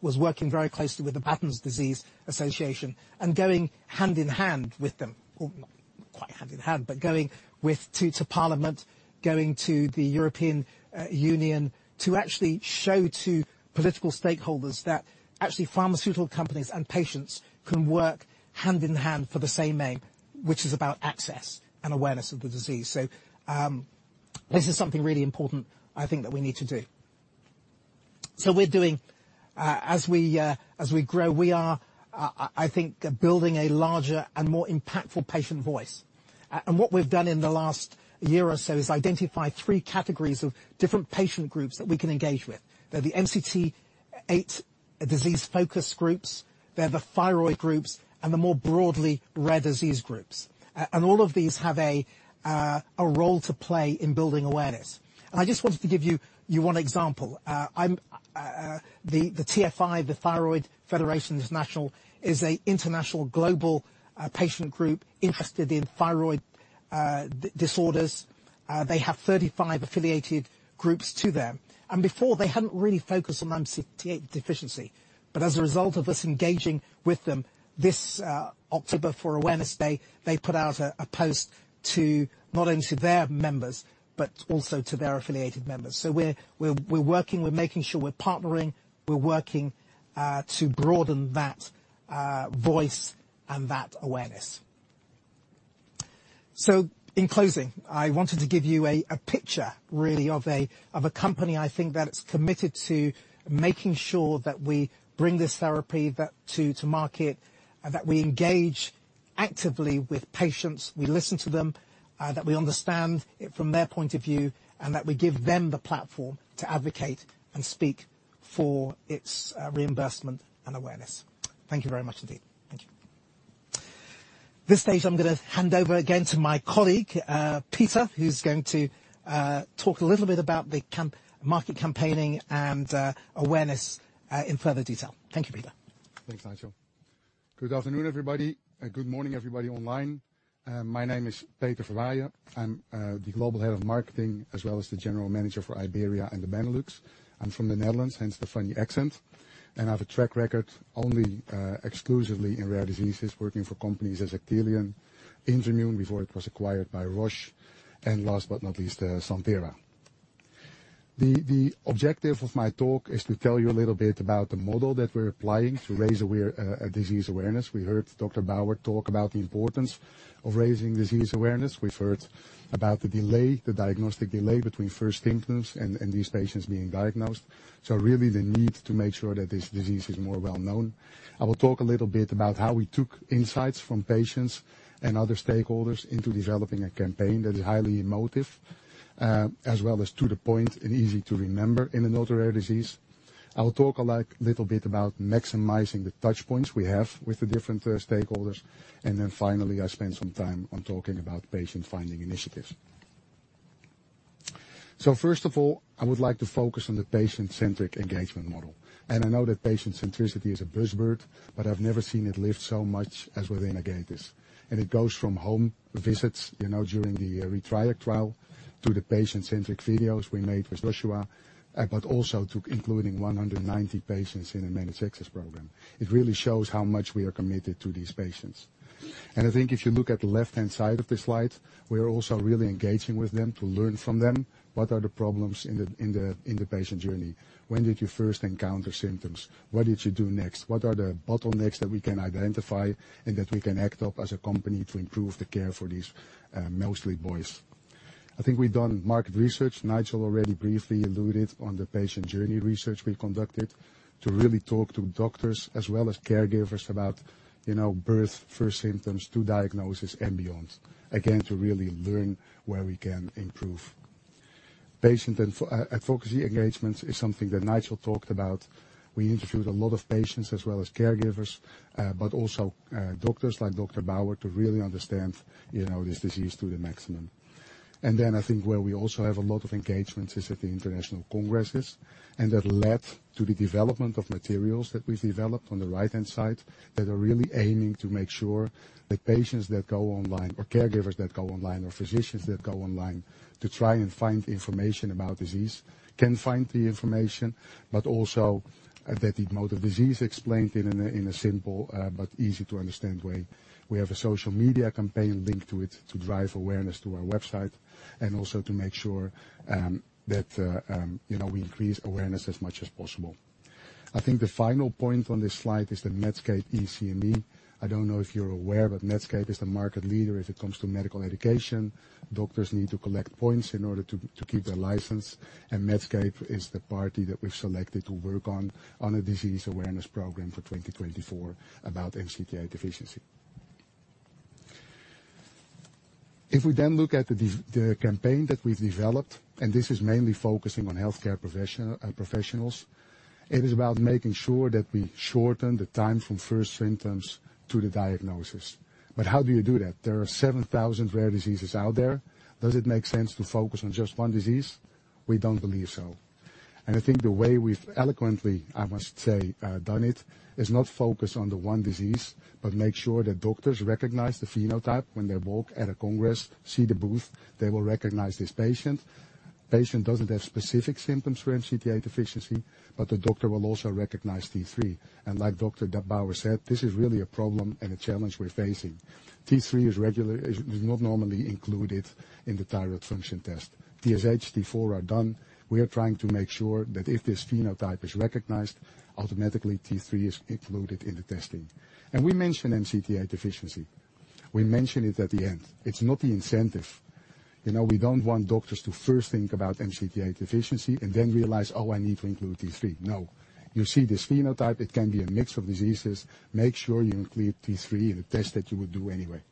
Speaker 7: was working very closely with the Batten Disease Association and going hand in hand with them, or not quite hand in hand, but going with... to, to Parliament, going to the European Union, to actually show to political stakeholders that actually pharmaceutical companies and patients can work hand in hand for the same aim, which is about access and awareness of the disease. So, this is something really important I think that we need to do. So we're doing, as we, as we grow, we are, I, I think, building a larger and more impactful patient voice. And what we've done in the last year or so is identify three categories of different patient groups that we can engage with. They're the MCT8 disease focus groups, they're the thyroid groups, and, more broadly, rare disease groups. And all of these have a role to play in building awareness. And I just wanted to give you one example. The TFI, the Thyroid Federation, is national, is a international global patient group interested in thyroid disorders. They have 35 affiliated groups to them, and before they hadn't really focused on MCT8 deficiency. But as a result of us engaging with them, this October, for Awareness Day, they put out a post to not only to their members, but also to their affiliated members. So we're working, we're making sure we're partnering, we're working to broaden that voice and that awareness. In closing, I wanted to give you a picture really of a company I think that it's committed to making sure that we bring this therapy back to market, and that we engage actively with patients, we listen to them, that we understand it from their point of view, and that we give them the platform to advocate and speak for its reimbursement and awareness. Thank you very much, indeed. Thank you. At this stage, I'm gonna hand over again to my colleague, Peter, who's going to talk a little bit about the market campaigning and awareness in further detail. Thank you, Peter.
Speaker 9: Thanks, Nigel. Good afternoon, everybody, and good morning, everybody online. My name is Peter Verwaijen. I'm the Global Head of Marketing, as well as the General Manager for Iberia and the Benelux. I'm from the Netherlands, hence the funny accent. I have a track record only, exclusively in rare diseases, working for companies as Actelion, Genentech before it was acquired by Roche, and last but not least, Santhera. The objective of my talk is to tell you a little bit about the model that we're applying to raise disease awareness. We heard Dr. Bauer talk about the importance of raising disease awareness. We've heard about the delay, the diagnostic delay between first symptoms and these patients being diagnosed. So really the need to make sure that this disease is more well known. I will talk a little bit about how we took insights from patients and other stakeholders into developing a campaign that is highly emotive, as well as to the point and easy to remember in an ultra-rare disease. I will talk a little bit about maximizing the touch points we have with the different stakeholders. And then finally, I spend some time on talking about patient-finding initiatives. So first of all, I would like to focus on the patient-centric engagement model. And I know that patient centricity is a buzzword, but I've never seen it lived so much as within Egetis. And it goes from home visits, you know, during the ReTRIACt Trial, to the patient-centric videos we made with Joshua, but also to including 190 patients in a managed access program. It really shows how much we are committed to these patients. I think if you look at the left-hand side of the slide, we are also really engaging with them to learn from them. What are the problems in the patient journey? When did you first encounter symptoms? What did you do next? What are the bottlenecks that we can identify and that we can act on as a company to improve the care for these mostly boys? I think we've done market research. Nigel already briefly alluded to the patient journey research we conducted, to really talk to doctors as well as caregivers about, you know, birth, first symptoms, to diagnosis, and beyond. Again, to really learn where we can improve. Patient and family advocacy engagement is something that Nigel talked about. We interviewed a lot of patients as well as caregivers, but also, doctors like Dr. Bauer, to really understand, you know, this disease to the maximum. And then I think where we also have a lot of engagements is at the international congresses, and that led to the development of materials that we've developed on the right-hand side, that are really aiming to make sure that patients that go online, or caregivers that go online, or physicians that go online to try and find information about disease, can find the information, but also that the mode of disease explained in a simple, but easy to understand way. We have a social media campaign linked to it to drive awareness to our website, and also to make sure that you know, we increase awareness as much as possible. I think the final point on this slide is the Medscape CME. I don't know if you're aware, but Medscape is the market leader when it comes to medical education. Doctors need to collect points in order to keep their license, and Medscape is the party that we've selected to work on a disease awareness program for 2024 about MCT8 deficiency. If we then look at the campaign that we've developed, and this is mainly focusing on healthcare professionals, it is about making sure that we shorten the time from first symptoms to the diagnosis. But how do you do that? There are 7,000 rare diseases out there. Does it make sense to focus on just one disease? We don't believe so, and I think the way we've eloquently, I must say, done it, is not focus on the one disease, but make sure that doctors recognize the phenotype when they walk at a congress, see the booth, they will recognize this patient. Patient doesn't have specific symptoms for MCT8 deficiency, but the doctor will also recognize T3. And like Dr. Bauer said, this is really a problem and a challenge we're facing. T3 is regularly not normally included in the thyroid function test. TSH, T4 are done. We are trying to make sure that if this phenotype is recognized, automatically T3 is included in the testing. And we mention MCT8 deficiency. We mention it at the end. It's not the incentive. You know, we don't want doctors to first think about MCT8 deficiency and then realize, "Oh, I need to include T3." No. You see this phenotype, it can be a mix of diseases. Make sure you include T3 in the test that you would do anyway.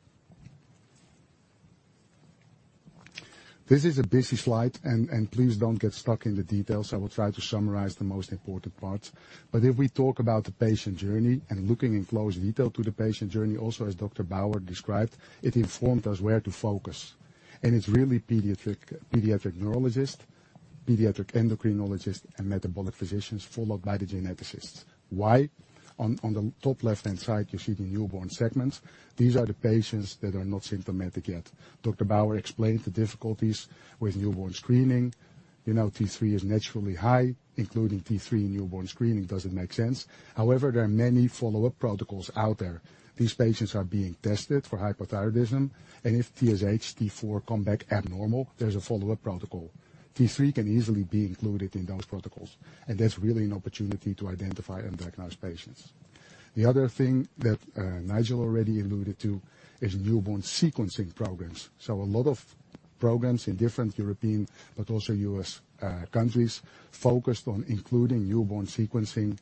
Speaker 9: This is a busy slide, and, and please don't get stuck in the details. I will try to summarize the most important parts. But if we talk about the patient journey and looking in close detail to the patient journey, also as Dr. Bauer described, it informed us where to focus. And it's really pediatric, pediatric neurologist, pediatric endocrinologist, and metabolic physicians, followed by the geneticists. Why? On, on the top left-hand side, you see the newborn segment. These are the patients that are not symptomatic yet. Dr. Bauer explained the difficulties with newborn screening. You know, T3 is naturally high, including T3 in newborn screening doesn't make sense. However, there are many follow-up protocols out there. These patients are being tested for hypothyroidism, and if TSH, T4 come back abnormal, there's a follow-up protocol. T3 can easily be included in those protocols, and that's really an opportunity to identify and diagnose patients. The other thing that Nigel already alluded to is newborn sequencing programs. So a lot of programs in different European, but also U.S., countries, focused on including newborn sequencing,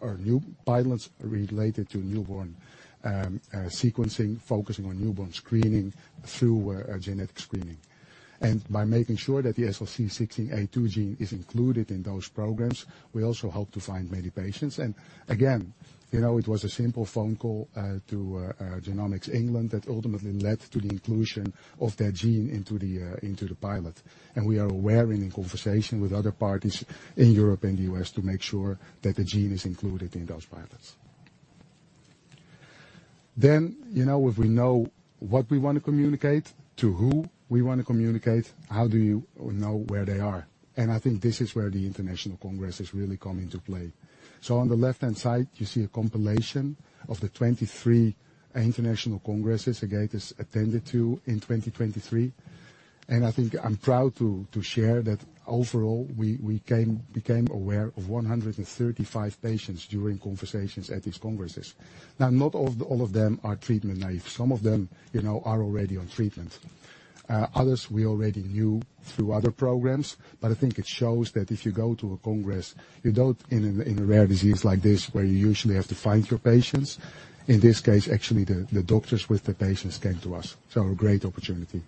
Speaker 9: or new pilots related to newborn sequencing, focusing on newborn screening through genetic screening. And by making sure that the SLC16A2 gene is included in those programs, we also hope to find many patients. And again, you know, it was a simple phone call to Genomics England that ultimately led to the inclusion of their gene into the pilot. We are aware, in conversation with other parties in Europe and the US to make sure that the gene is included in those pilots.... Then, you know, if we know what we want to communicate, to who we want to communicate, how do you know where they are? And I think this is where the international congress has really come into play. So on the left-hand side, you see a compilation of the 23 international congresses Egetis attended to in 2023. And I think I'm proud to share that overall, we became aware of 135 patients during conversations at these congresses. Now, not all of them are treatment-naïve. Some of them, you know, are already on treatment. Others we already knew through other programs. But I think it shows that if you go to a congress, you don't... In a rare disease like this, where you usually have to find your patients, in this case, actually, the doctors with the patients came to us, so a great opportunity.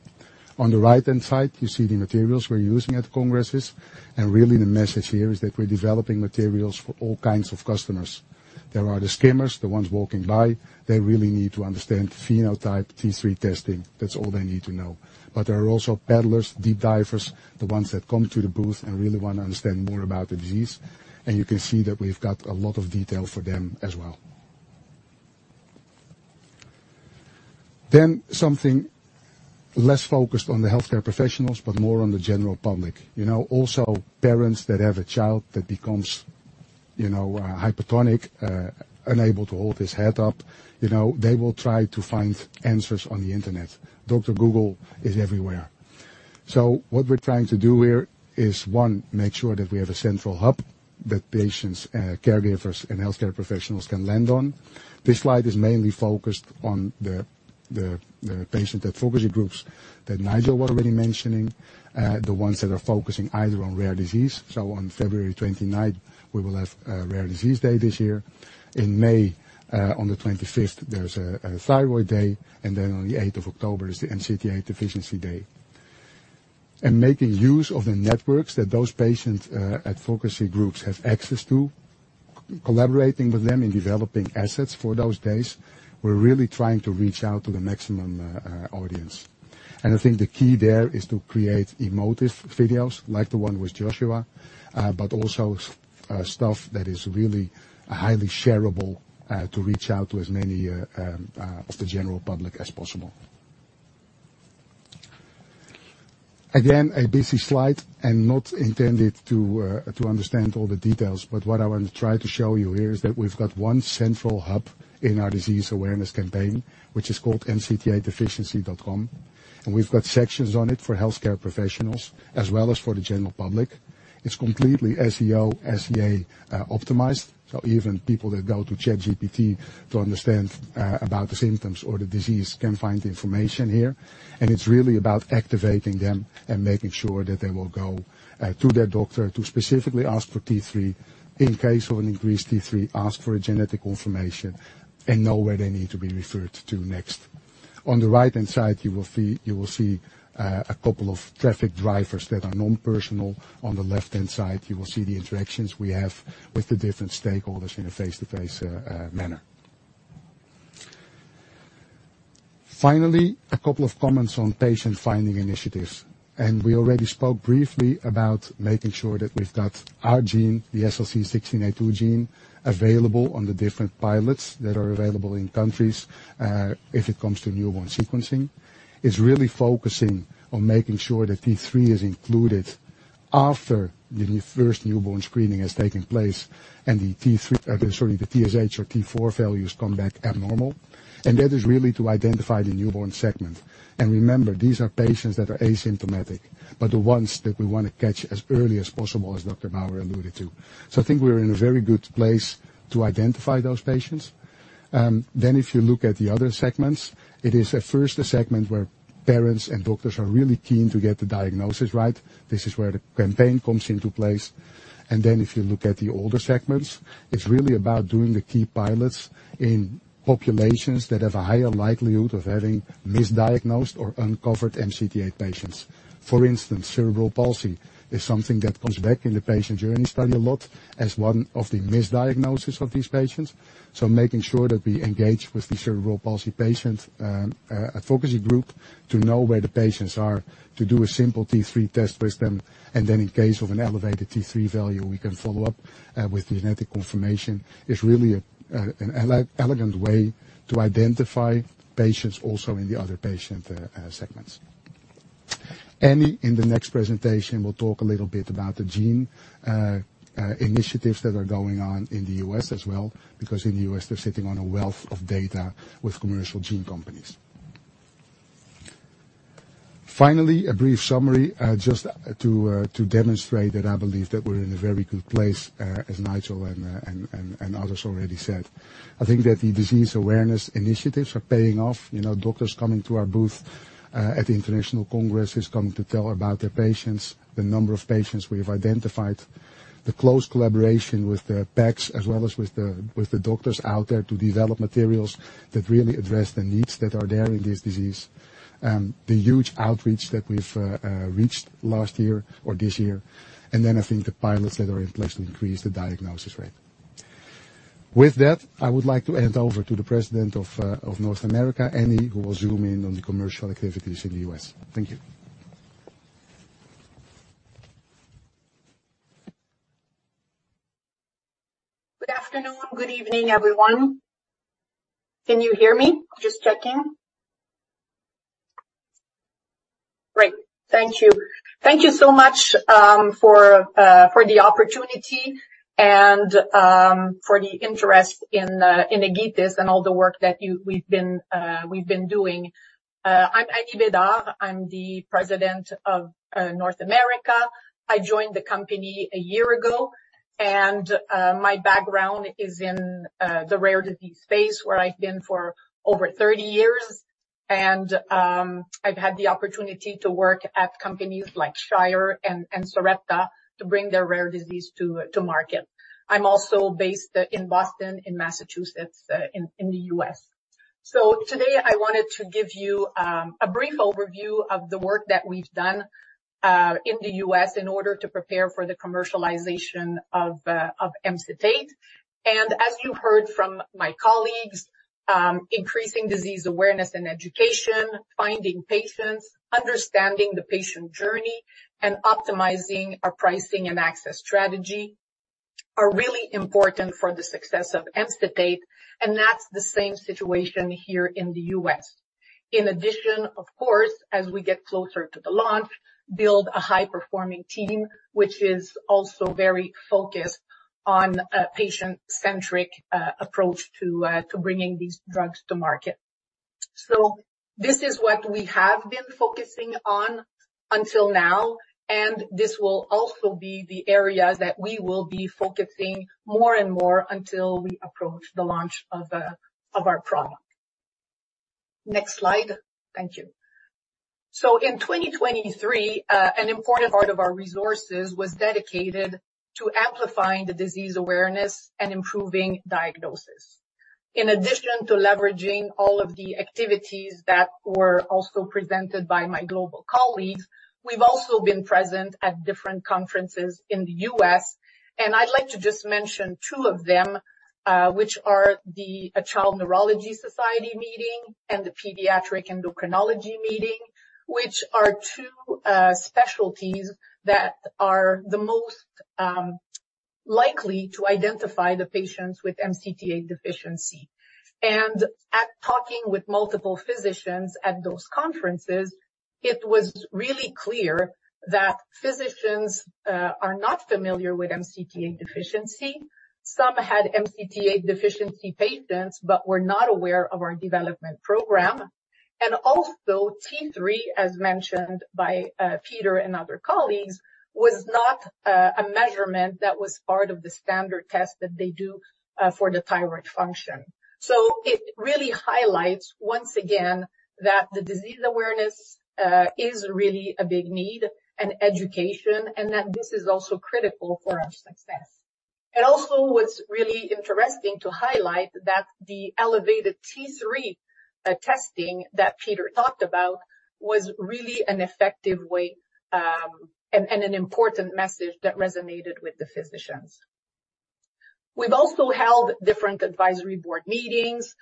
Speaker 9: On the right-hand side, you see the materials we're using at congresses, and really the message here is that we're developing materials for all kinds of customers. There are the skimmers, the ones walking by. They really need to understand phenotype T3 testing. That's all they need to know. But there are also paddlers, deep divers, the ones that come to the booth and really want to understand more about the disease, and you can see that we've got a lot of detail for them as well. Then something less focused on the healthcare professionals, but more on the general public. You know, also parents that have a child that becomes, you know, hypertonic, unable to hold his head up. You know, they will try to find answers on the Internet. Dr. Google is everywhere. So what we're trying to do here is, one, make sure that we have a central hub that patients, caregivers, and healthcare professionals can land on. This slide is mainly focused on the patient advocacy groups that Nigel was already mentioning, the ones that are focusing either on rare disease. So on February 29th, we will have Rare Disease Day this year. In May, on the 25th, there's a Thyroid Day, and then on the 8th of October is the MCT8 Deficiency Day. And making use of the networks that those patient advocacy groups have access to, collaborating with them in developing assets for those days. We're really trying to reach out to the maximum audience. I think the key there is to create emotive videos like the one with Joshua, but also stuff that is really highly shareable to reach out to as many of the general public as possible. Again, a busy slide and not intended to understand all the details, but what I want to try to show you here is that we've got one central hub in our disease awareness campaign, which is called mct8deficiency.com, and we've got sections on it for healthcare professionals as well as for the general public. It's completely SEO, SEA optimized, so even people that go to ChatGPT to understand about the symptoms or the disease can find the information here, and it's really about activating them and making sure that they will go to their doctor to specifically ask for T3. In case of an increased T3, ask for a genetic confirmation and know where they need to be referred to next. On the right-hand side, you will see, you will see a couple of traffic drivers that are non-personal. On the left-hand side, you will see the interactions we have with the different stakeholders in a face-to-face manner. Finally, a couple of comments on patient-finding initiatives, and we already spoke briefly about making sure that we've got our gene, the SLC16A2 gene, available on the different pilots that are available in countries, if it comes to newborn sequencing. It's really focusing on making sure that T3 is included after the first newborn screening has taken place and the T3, sorry, the TSH or T4 values come back abnormal, and that is really to identify the newborn segment. And remember, these are patients that are asymptomatic, but the ones that we want to catch as early as possible, as Dr. Bauer alluded to. So I think we're in a very good place to identify those patients. Then if you look at the other segments, it is at first a segment where parents and doctors are really keen to get the diagnosis right. This is where the campaign comes into place. And then if you look at the older segments, it's really about doing the key pilots in populations that have a higher likelihood of having misdiagnosed or uncovered MCT8 patients. For instance, cerebral palsy is something that comes back in the patient journey, study a lot as one of the misdiagnoses of these patients. So making sure that we engage with the cerebral palsy patients, advocacy group, to know where the patients are, to do a simple T3 test with them, and then in case of an elevated T3 value, we can follow up, with genetic confirmation. It's really an elegant way to identify patients also in the other patient, segments. Anny, in the next presentation, will talk a little bit about the gene initiatives that are going on in the U.S. as well, because in the U.S., they're sitting on a wealth of data with commercial gene companies. Finally, a brief summary, just to demonstrate that I believe that we're in a very good place, as Nigel and others already said. I think that the disease awareness initiatives are paying off. You know, doctors coming to our booth at the International Congress is coming to tell about their patients, the number of patients we've identified, the close collaboration with the PAGs, as well as with the doctors out there to develop materials that really address the needs that are there in this disease, and the huge outreach that we've reached last year or this year. Then I think the pilots that are in place to increase the diagnosis rate. With that, I would like to hand over to the President of North America, Anny, who will zoom in on the commercial activities in the US. Thank you.
Speaker 10: Good afternoon. Good evening, everyone. Can you hear me? Just checking. Great. Thank you. Thank you so much for the opportunity and for the interest in Egetis and all the work that we've been doing. I'm Anny Bédard. I'm the President of North America. I joined the company a year ago, and my background is in the rare disease space, where I've been for over 30 years. I've had the opportunity to work at companies like Shire and Sarepta to bring their rare disease to market. I'm also based in Boston, in Massachusetts, in the US. So today I wanted to give you a brief overview of the work that we've done in the US in order to prepare for the commercialization of MCT8. And as you heard from my colleagues, increasing disease awareness and education, finding patients, understanding the patient journey, and optimizing our pricing and access strategy are really important for the success of MCT8, and that's the same situation here in the US. In addition, of course, as we get closer to the launch, build a high-performing team, which is also very focused on a patient-centric approach to bringing these drugs to market. So this is what we have been focusing on until now, and this will also be the areas that we will be focusing more and more until we approach the launch of our product. Next slide. Thank you. So in 2023, an important part of our resources was dedicated to amplifying the disease awareness and improving diagnosis. In addition to leveraging all of the activities that were also presented by my global colleagues, we've also been present at different conferences in the U.S., and I'd like to just mention two of them, which are the Child Neurology Society meeting and the Pediatric Endocrinology meeting, which are two specialties that are the most likely to identify the patients with MCT8 deficiency. And at talking with multiple physicians at those conferences, it was really clear that physicians are not familiar with MCT8 deficiency. Some had MCT8 deficiency patients but were not aware of our development program. And also, T3, as mentioned by Peter and other colleagues, was not a measurement that was part of the standard test that they do for the thyroid function. So it really highlights, once again, that the disease awareness is really a big need and education, and that this is also critical for our success. It also was really interesting to highlight that the elevated T3 testing that Peter talked about was really an effective way, and, and an important message that resonated with the physicians. We've also held different advisory board meetings,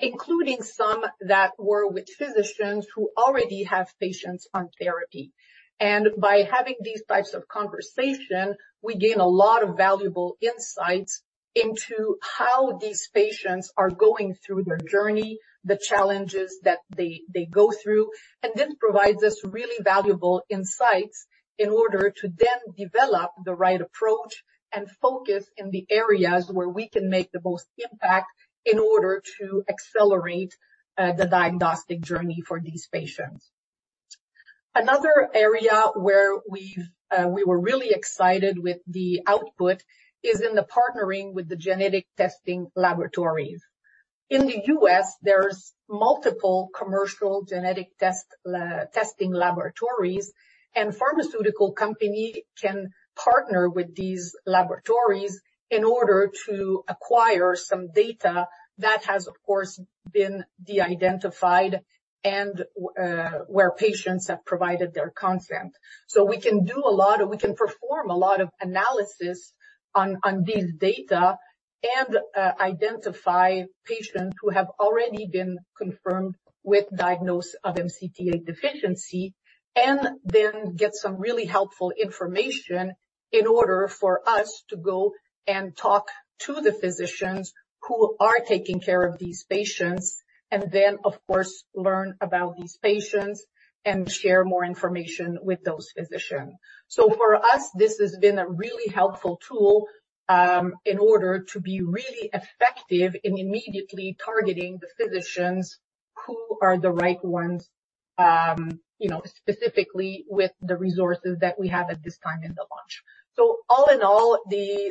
Speaker 10: including some that were with physicians who already have patients on therapy. By having these types of conversation, we gain a lot of valuable insights into how these patients are going through their journey, the challenges that they, they go through. This provides us really valuable insights in order to then develop the right approach and focus in the areas where we can make the most impact in order to accelerate the diagnostic journey for these patients. Another area where we've, we were really excited with the output is in the partnering with the genetic testing laboratories. In the U.S., there's multiple commercial genetic test, testing laboratories, and pharmaceutical company can partner with these laboratories in order to acquire some data that has, of course, been de-identified and, where patients have provided their consent. So we can do a lot of... We can perform a lot of analysis on, on this data and, identify patients who have already been confirmed with diagnosis of MCT8 deficiency, and then get some really helpful information in order for us to go and talk to the physicians who are taking care of these patients, and then, of course, learn about these patients and share more information with those physicians. So for us, this has been a really helpful tool, in order to be really effective in immediately targeting the physicians who are the right ones, you know, specifically with the resources that we have at this time in the launch. So all in all,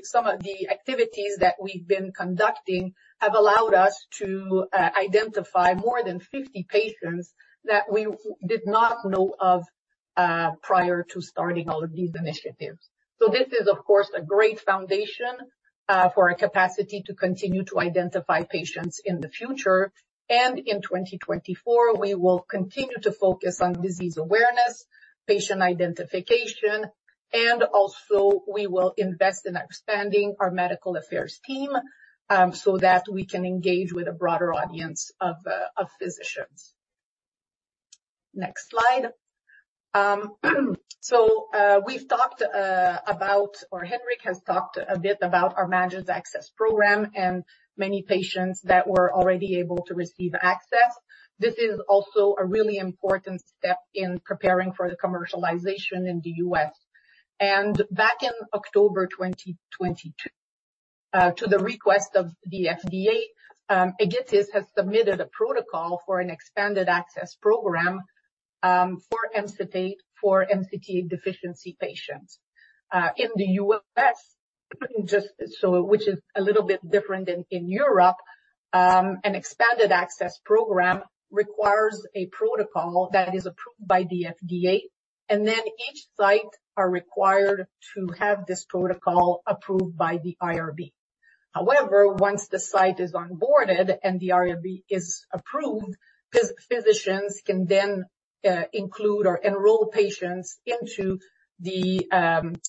Speaker 10: some of the activities that we've been conducting have allowed us to identify more than 50 patients that we did not know of prior to starting all of these initiatives. So this is, of course, a great foundation for our capacity to continue to identify patients in the future. And in 2024, we will continue to focus on disease awareness, patient identification, and also we will invest in expanding our medical affairs team, so that we can engage with a broader audience of physicians. Next slide. So, we've talked about or Henrik has talked a bit about our Managed Access Program and many patients that were already able to receive access. This is also a really important step in preparing for the commercialization in the U.S. Back in October 2022, to the request of the FDA, Egetis has submitted a protocol for an expanded access program for MCT8, for MCT8 deficiency patients. In the U.S., which is a little bit different than in Europe, an expanded access program requires a protocol that is approved by the FDA, and then each site are required to have this protocol approved by the IRB. However, once the site is onboarded and the IRB is approved, physicians can then include or enroll patients into the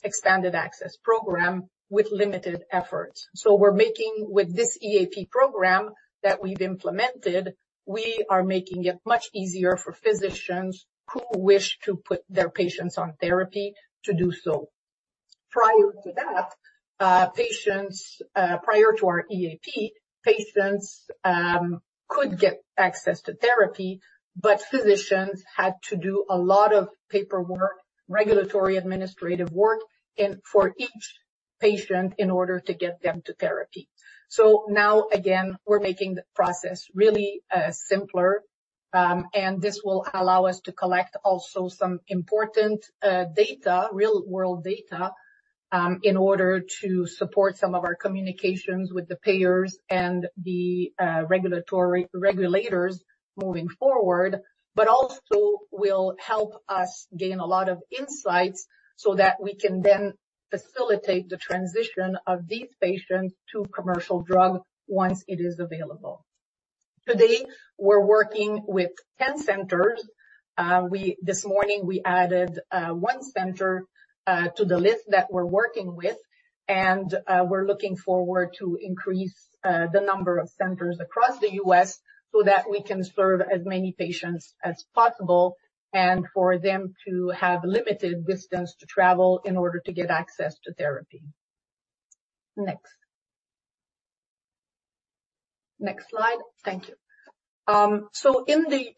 Speaker 10: expanded access program with limited effort. So we're making with this EAP program that we've implemented, we are making it much easier for physicians who wish to put their patients on therapy to do so. Prior to that, patients... prior to our EAP, patients could get access to therapy, but physicians had to do a lot of paperwork, regulatory, administrative work, and for each patient in order to get them to therapy. So now, again, we're making the process really simpler, and this will allow us to collect also some important data, real-world data, in order to support some of our communications with the payers and the regulators moving forward, but also will help us gain a lot of insights so that we can then facilitate the transition of these patients to commercial drug once it is available. Today, we're working with 10 centers. This morning, we added one center to the list that we're working with, and we're looking forward to increase the number of centers across the U.S. so that we can serve as many patients as possible and for them to have limited distance to travel in order to get access to therapy. Next. Next slide. Thank you. So in the...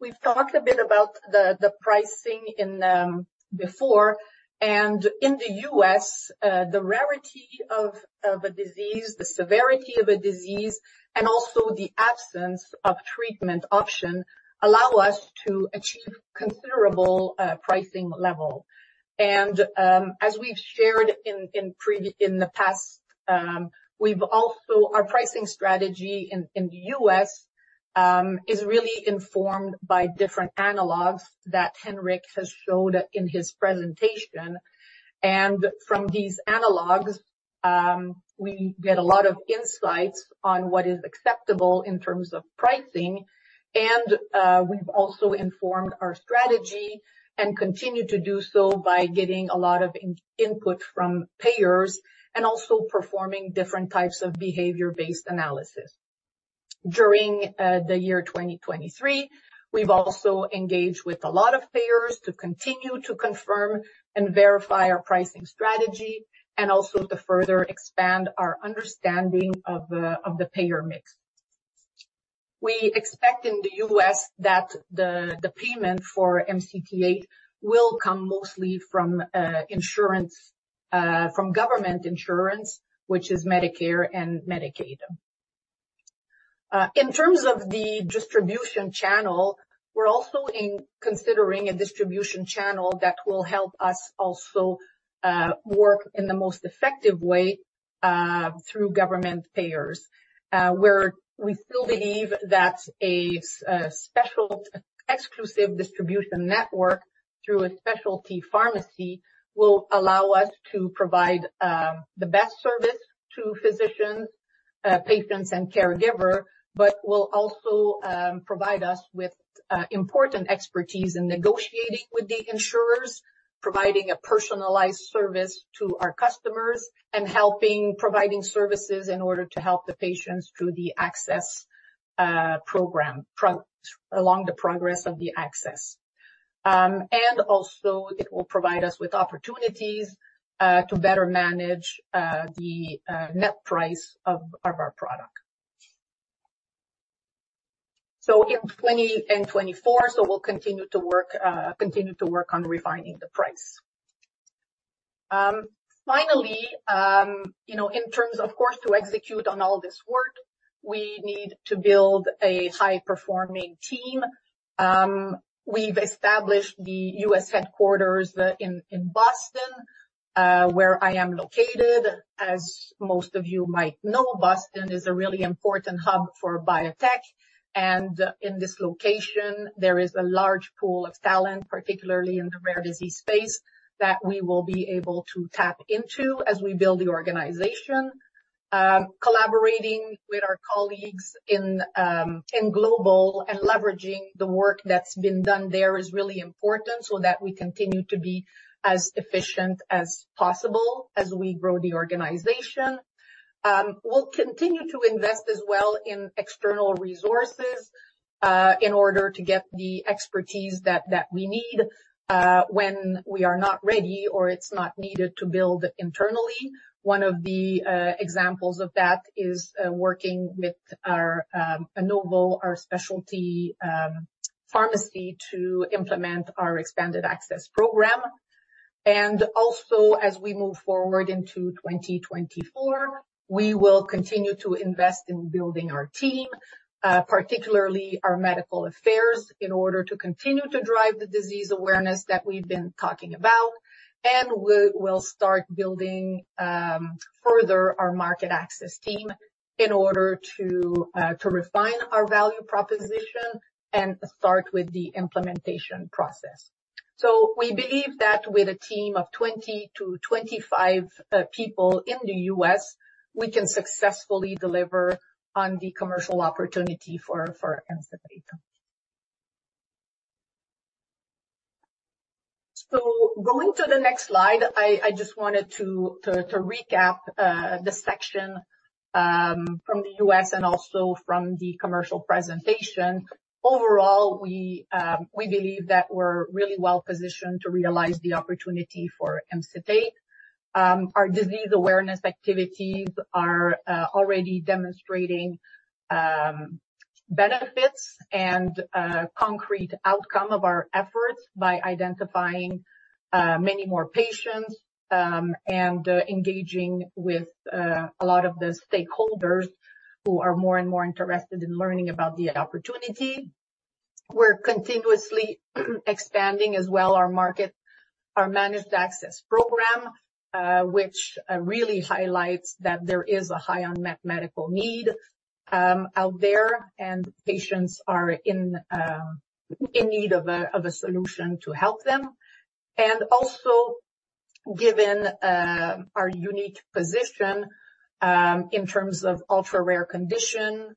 Speaker 10: We've talked a bit about the pricing in before, and in the U.S., the rarity of a disease, the severity of a disease, and also the absence of treatment option, allow us to achieve considerable pricing level. And, as we've shared in the past, we've also our pricing strategy in the U.S. is really informed by different analogs that Henrik has showed in his presentation. From these analogs, we get a lot of insights on what is acceptable in terms of pricing. We've also informed our strategy and continue to do so by getting a lot of input from payers and also performing different types of behavior-based analysis. During the year 2023, we've also engaged with a lot of payers to continue to confirm and verify our pricing strategy and also to further expand our understanding of the payer mix. We expect in the US that the payment for MCT8 will come mostly from insurance, from government insurance, which is Medicare and Medicaid. In terms of the distribution channel, we're also considering a distribution channel that will help us also work in the most effective way through government payers. Where we still believe that a special exclusive distribution network through a specialty pharmacy will allow us to provide the best service to physicians, patients, and caregiver, but will also provide us with important expertise in negotiating with the insurers, providing a personalized service to our customers, and helping providing services in order to help the patients through the access program along the progress of the access. And also it will provide us with opportunities to better manage the net price of our product. So in 2024, we'll continue to work, continue to work on refining the price. Finally, you know, in terms of course to execute on all this work, we need to build a high-performing team. We've established the U.S. headquarters in Boston, where I am located. As most of you might know, Boston is a really important hub for biotech, and in this location, there is a large pool of talent, particularly in the rare disease space, that we will be able to tap into as we build the organization. Collaborating with our colleagues in global and leveraging the work that's been done there is really important, so that we continue to be as efficient as possible as we grow the organization. We'll continue to invest as well in external resources in order to get the expertise that we need when we are not ready or it's not needed to build internally. One of the examples of that is working with our AnovoRx, our specialty pharmacy, to implement our expanded access program. And also, as we move forward into 2024, we will continue to invest in building our team, particularly our medical affairs, in order to continue to drive the disease awareness that we've been talking about. And we, we'll start building further our market access team in order to to refine our value proposition and start with the implementation process. So we believe that with a team of 20-25 people in the US, we can successfully deliver on the commercial opportunity for Emcitate. So going to the next slide, I just wanted to to recap the section from the US and also from the commercial presentation. Overall, we believe that we're really well positioned to realize the opportunity for Emcitate. Our disease awareness activities are already demonstrating benefits and concrete outcome of our efforts by identifying many more patients and engaging with a lot of the stakeholders who are more and more interested in learning about the opportunity. We're continuously expanding as well, our managed access program, which really highlights that there is a high unmet medical need out there, and patients are in need of a solution to help them. And also, given our unique position in terms of ultra-rare condition,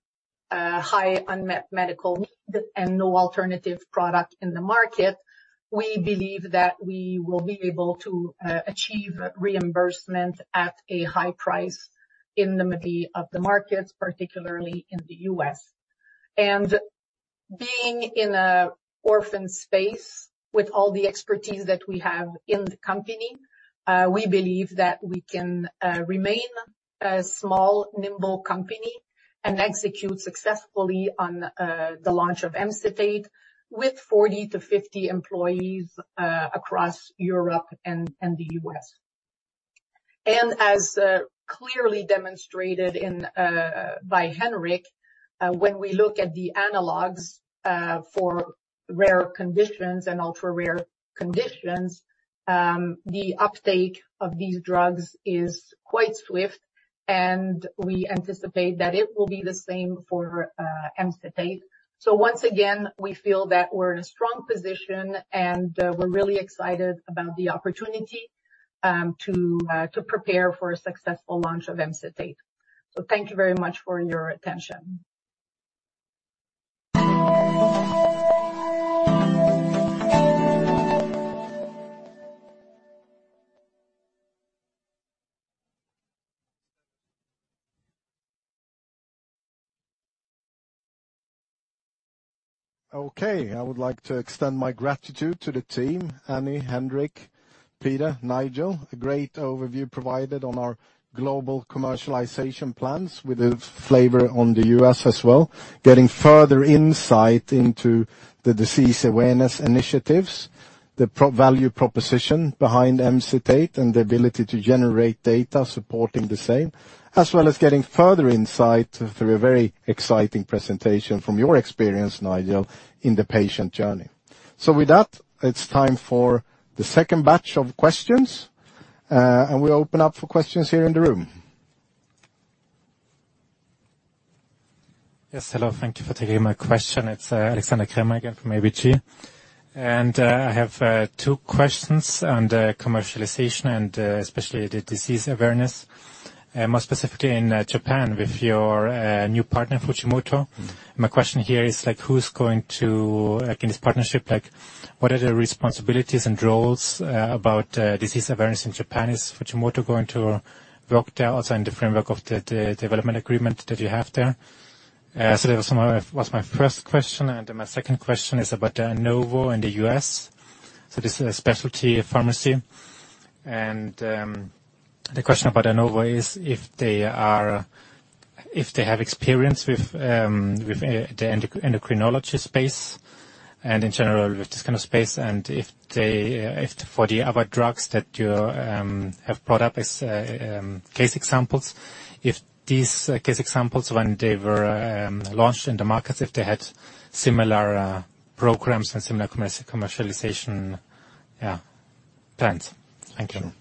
Speaker 10: high unmet medical need, and no alternative product in the market, we believe that we will be able to achieve reimbursement at a high price in many of the markets, particularly in the US. And being in an orphan space with all the expertise that we have in the company, we believe that we can remain a small, nimble company and execute successfully on the launch of Emcitate with 40-50 employees across Europe and the US. And as clearly demonstrated by Henrik, when we look at the analogs for rare conditions and ultra-rare conditions, the uptake of these drugs is quite swift, and we anticipate that it will be the same for Emcitate. So once again, we feel that we're in a strong position, and we're really excited about the opportunity to prepare for a successful launch of Emcitate. So thank you very much for your attention.
Speaker 1: Okay, I would like to extend my gratitude to the team, Anny, Henrik, Peter, Nigel. A great overview provided on our global commercialization plans, with a flavor on the US as well. Getting further insight into the disease awareness initiatives, the proven value proposition behind Emcitate, and the ability to generate data supporting the same, as well as getting further insight through a very exciting presentation from your experience, Nigel, in the patient journey. So with that, it's time for the second batch of questions, and we'll open up for questions here in the room.
Speaker 3: Yes, hello, thank you for taking my question. It's Alexander Herma again from ABG, and I have two questions on the commercialization and especially the disease awareness, more specifically in Japan, with your new partner, Fujimoto. My question here is, like, who's going to... Like, in this partnership, like, what are the responsibilities and roles about disease awareness in Japan? Is Fujimoto going to work there also in the framework of the development agreement that you have there? So that was my first question, and my second question is about the AnovoRx in the US. So this is a specialty pharmacy, and the question about AnovoRx is if they are—if they have experience with the endocrinology space and in general, with this kind of space, and if they, if for the other drugs that you have brought up as case examples, if these case examples, when they were launched in the markets, if they had similar programs and similar commercialization, yeah. Thanks. Thank you.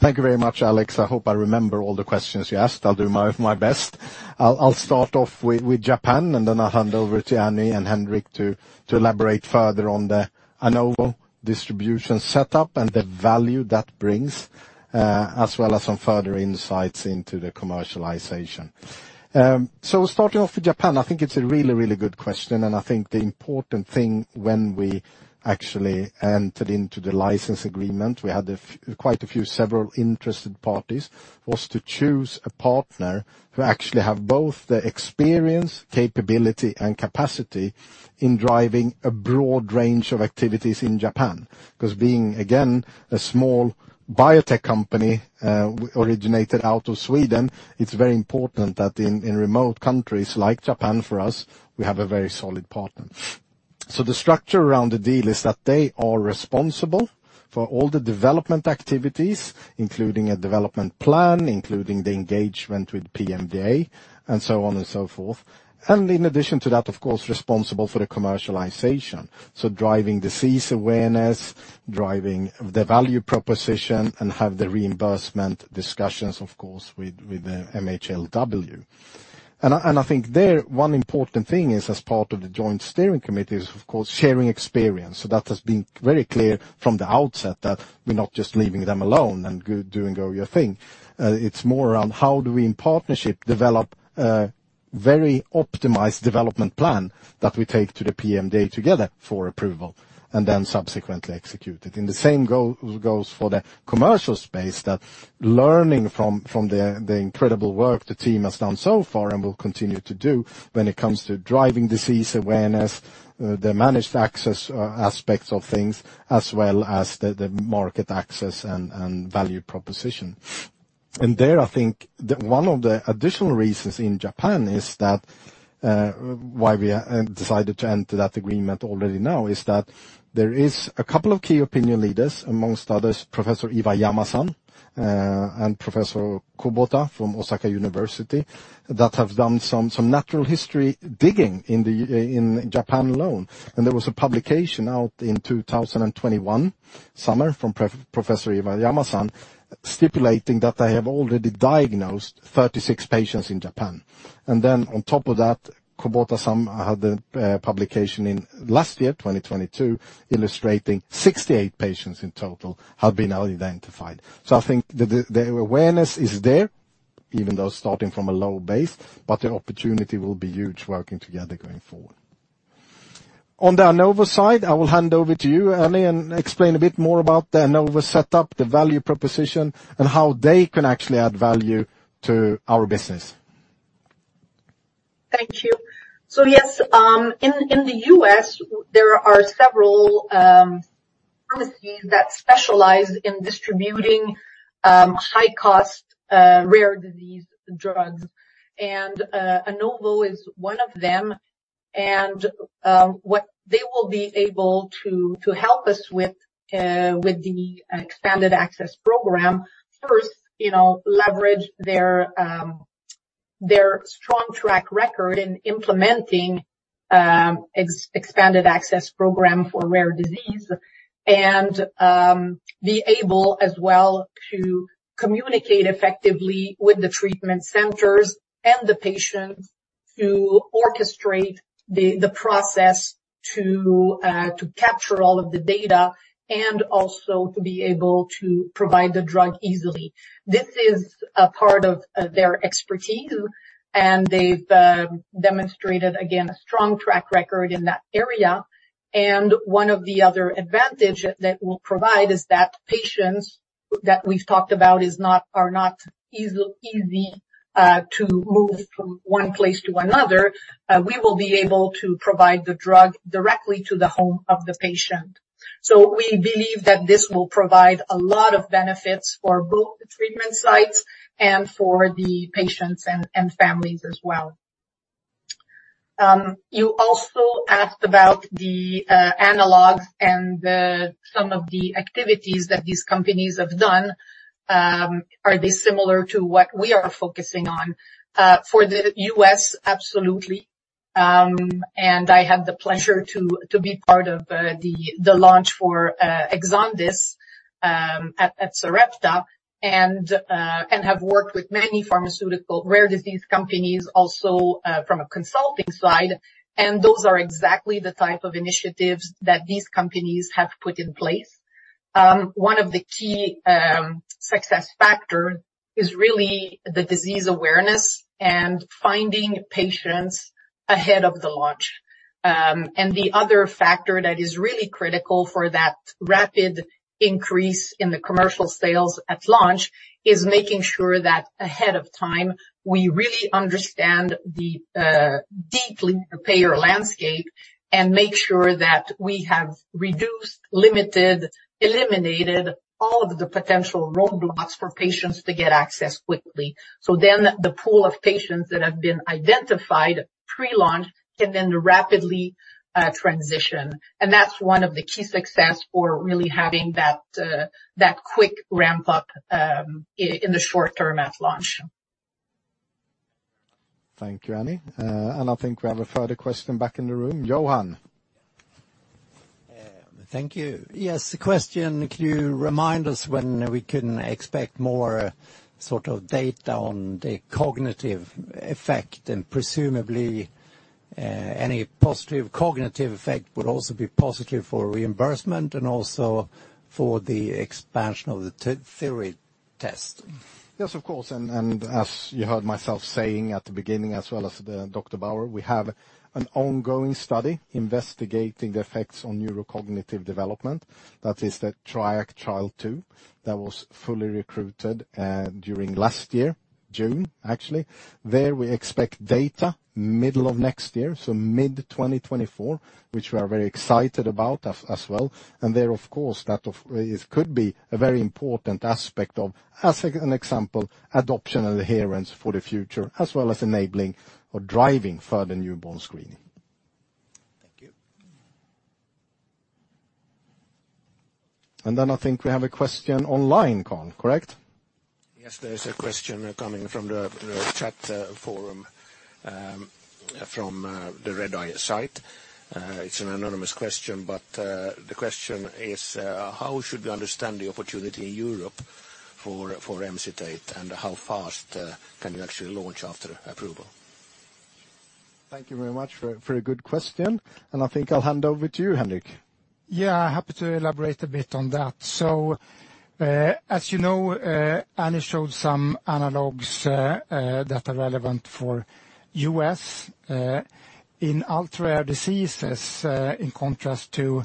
Speaker 1: Thank you very much, Alex. I hope I remember all the questions you asked. I'll do my best. I'll start off with Japan, and then I'll hand over to Anny and Henrik to elaborate further on the AnovoRx distribution setup and the value that brings, as well as some further insights into the commercialization. So starting off with Japan, I think it's a really, really good question, and I think the important thing when we actually entered into the license agreement, we had quite a few several interested parties, was to choose a partner who actually have both the experience, capability, and capacity in driving a broad range of activities in Japan. 'Cause being, again, a small biotech company, originated out of Sweden, it's very important that in remote countries like Japan, for us, we have a very solid partner. So the structure around the deal is that they are responsible for all the development activities, including a development plan, including the engagement with PMDA, and so on and so forth. And in addition to that, of course, responsible for the commercialization. So driving disease awareness, driving the value proposition, and have the reimbursement discussions, of course, with the MHLW. And I think there, one important thing is, as part of the joint steering committee, of course, sharing experience. So that has been very clear from the outset that we're not just leaving them alone and doing your thing. It's more around how do we, in partnership, develop a very optimized development plan that we take to the PMDA together for approval, and then subsequently execute it. And the same goes for the commercial space, that learning from the incredible work the team has done so far and will continue to do when it comes to driving disease awareness, the managed access aspects of things, as well as the market access and value proposition. And there, I think the... One of the additional reasons in Japan is that why we decided to enter that agreement already now, is that there is a couple of key opinion leaders, among others, Professor Iwayama-san and Professor Kubota from Osaka University, that have done some natural history digging in the in Japan alone. And there was a publication out in 2021, summer, from Professor Iwayama-san, stipulating that they have already diagnosed 36 patients in Japan. And then on top of that, Kubota-san had a publication in last year, 2022, illustrating 68 patients in total have been now identified. So I think the awareness is there, even though starting from a low base, but the opportunity will be huge working together going forward. On the AnovoRx side, I will hand over to you, Anny, and explain a bit more about the AnovoRx setup, the value proposition, and how they can actually add value to our business.
Speaker 10: Thank you. So yes, in the US, there are several pharmacies that specialize in distributing high-cost rare disease drugs, and AnovoRx is one of them. And what they will be able to help us with the expanded access program, first, you know, leverage their strong track record in implementing expanded access program for rare disease, and be able as well to communicate effectively with the treatment centers and the patients to orchestrate the process to capture all of the data, and also to be able to provide the drug easily. This is a part of their expertise, and they've demonstrated, again, a strong track record in that area. One of the other advantage that will provide is that patients that we've talked about are not easy to move from one place to another, we will be able to provide the drug directly to the home of the patient. So we believe that this will provide a lot of benefits for both the treatment sites and for the patients and families as well. You also asked about the analogs and some of the activities that these companies have done, are they similar to what we are focusing on? For the US, absolutely. And I had the pleasure to be part of the launch for Exondys at Sarepta, and have worked with many pharmaceutical rare disease companies, also from a consulting side, and those are exactly the type of initiatives that these companies have put in place. One of the key success factor is really the disease awareness and finding patients ahead of the launch. And the other factor that is really critical for that rapid increase in the commercial sales at launch is making sure that ahead of time, we really understand the deeply payer landscape and make sure that we have reduced, limited, eliminated all of the potential roadblocks for patients to get access quickly. So then the pool of patients that have been identified pre-launch can then rapidly transition. And that's one of the key success for really having that quick ramp up in the short term at launch....
Speaker 1: Thank you, Anny. And I think we have a further question back in the room. Johan?
Speaker 11: Thank you. Yes, the question: can you remind us when we can expect more sort of data on the cognitive effect? And presumably, any positive cognitive effect would also be positive for reimbursement and also for the expansion of the therapy test.
Speaker 1: Yes, of course, and as you heard myself saying at the beginning, as well as Dr. Bauer, we have an ongoing study investigating the effects on neurocognitive development. That is the Triac Trial II, that was fully recruited during last year, June, actually. There, we expect data middle of next year, so mid-2024, which we are very excited about as well. And there, of course, that it could be a very important aspect of, as an example, adoption and adherence for the future, as well as enabling or driving further newborn screening.
Speaker 11: Thank you.
Speaker 1: I think we have a question online, Colin, correct?
Speaker 5: Yes, there is a question coming from the chat forum from the Redeye site. It's an anonymous question, but the question is: How should we understand the opportunity in Europe for Emcitate, and how fast can you actually launch after approval?
Speaker 1: Thank you very much for a good question, and I think I'll hand over to you, Henrik.
Speaker 6: Yeah, happy to elaborate a bit on that. So, as you know, Anny showed some analogues that are relevant for U.S. In ultra-rare diseases, in contrast to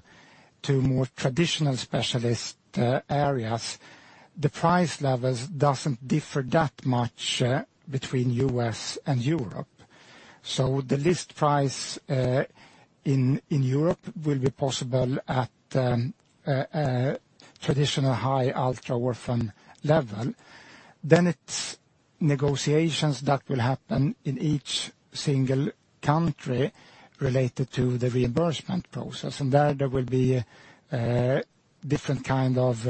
Speaker 6: more traditional specialist areas, the price levels doesn't differ that much between U.S. and Europe. So the list price in Europe will be possible at a traditional high ultra-orphan level. Then it's negotiations that will happen in each single country related to the reimbursement process, and there will be different kind of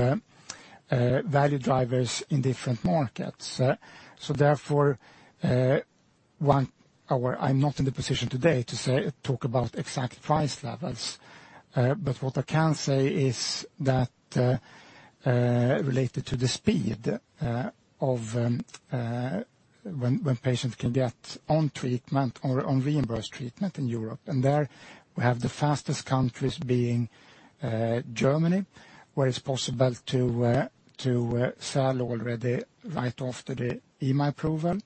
Speaker 6: value drivers in different markets. So therefore, however, I'm not in the position today to say, talk about exact price levels. But what I can say is that, related to the speed of when patients can get on treatment or on reimbursed treatment in Europe, and there we have the fastest countries being Germany, where it's possible to sell already right after the EMA approval.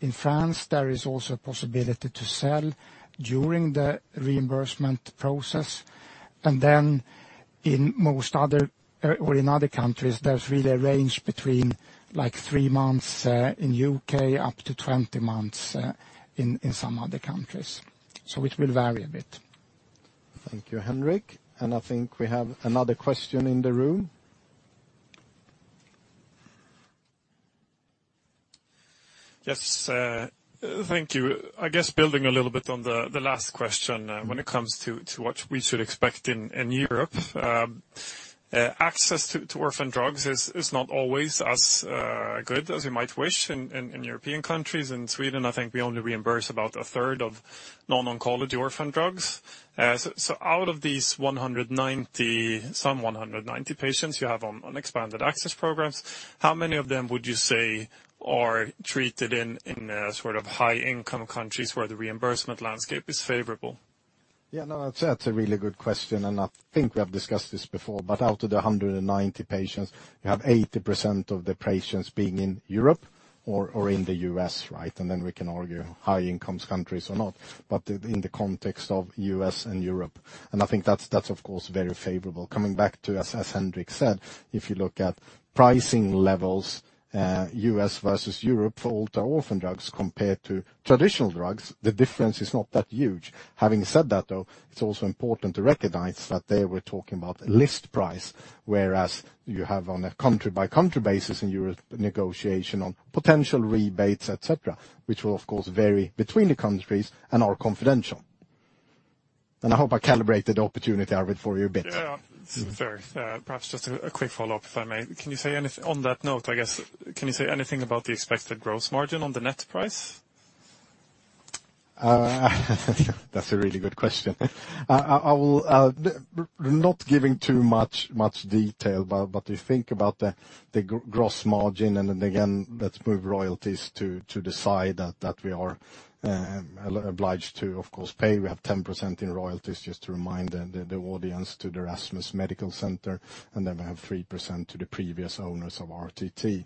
Speaker 6: In France, there is also a possibility to sell during the reimbursement process. And then in most other, or in other countries, there's really a range between, like, three months in UK, up to 20 months in some other countries. So it will vary a bit.
Speaker 1: Thank you, Henrik. I think we have another question in the room.
Speaker 4: Yes, thank you. I guess building a little bit on the last question, when it comes to what we should expect in Europe. Access to orphan drugs is not always as good as we might wish in European countries. In Sweden, I think we only reimburse about a third of non-oncology orphan drugs. So, out of these 190, some 190 patients you have on expanded access programs, how many of them would you say are treated in sort of high-income countries where the reimbursement landscape is favorable?
Speaker 1: Yeah, no, that's a really good question, and I think we have discussed this before. But out of the 190 patients, you have 80% of the patients being in Europe or, or in the U.S., right? And then we can argue high-income countries or not, but in the context of U.S. and Europe, and I think that's, that's of course, very favorable. Coming back to, as, as Henrik said, if you look at pricing levels, U.S. versus Europe for ultra-orphan drugs compared to traditional drugs, the difference is not that huge. Having said that, though, it's also important to recognize that there we're talking about a list price, whereas you have on a country-by-country basis in Europe, negotiation on potential rebates, et cetera, which will of course vary between the countries and are confidential. And I hope I calibrated the opportunity, Arvid, for you a bit.
Speaker 4: Yeah, fair. Perhaps just a quick follow-up, if I may. Can you say any... On that note, I guess, can you say anything about the expected gross margin on the net price?
Speaker 1: That's a really good question. I will not giving too much detail, but you think about the gross margin, and then again, let's move royalties to the side, that we are obliged to, of course, pay. We have 10% in royalties, just to remind the audience, to the Erasmus Medical Center, and then we have 3% to the previous owners of RTT.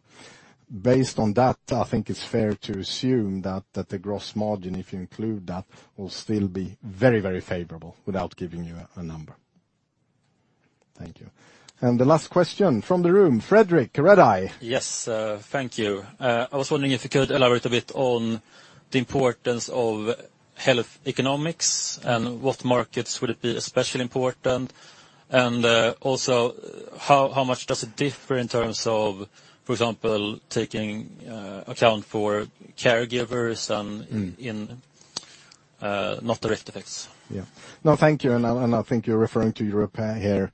Speaker 1: Based on that, I think it's fair to assume that the gross margin, if you include that, will still be very, very favorable without giving you a number. Thank you. And the last question from the room, Frederick, Redeye.
Speaker 12: Yes, thank you. I was wondering if you could elaborate a bit on the importance of health economics, and what markets would it be especially important? Also, how much does it differ in terms of, for example, taking account for caregivers and not the rift effects?
Speaker 1: Yeah. No, thank you. And I, and I think you're referring to Europe here,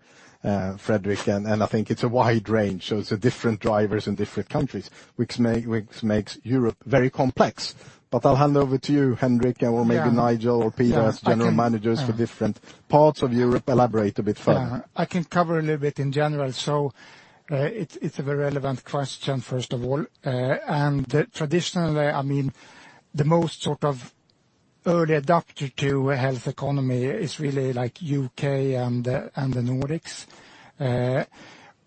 Speaker 1: Frederick, and, and I think it's a wide range, so it's a different drivers in different countries, which makes Europe very complex. But I'll hand over to you, Henrik, or maybe Nigel or Peter, as general managers for different parts of Europe. Elaborate a bit further.
Speaker 6: Yeah. I can cover a little bit in general. So, it's a very relevant question, first of all. And traditionally, I mean, the most sort of early adopter to a health economy is really like UK and the Nordics.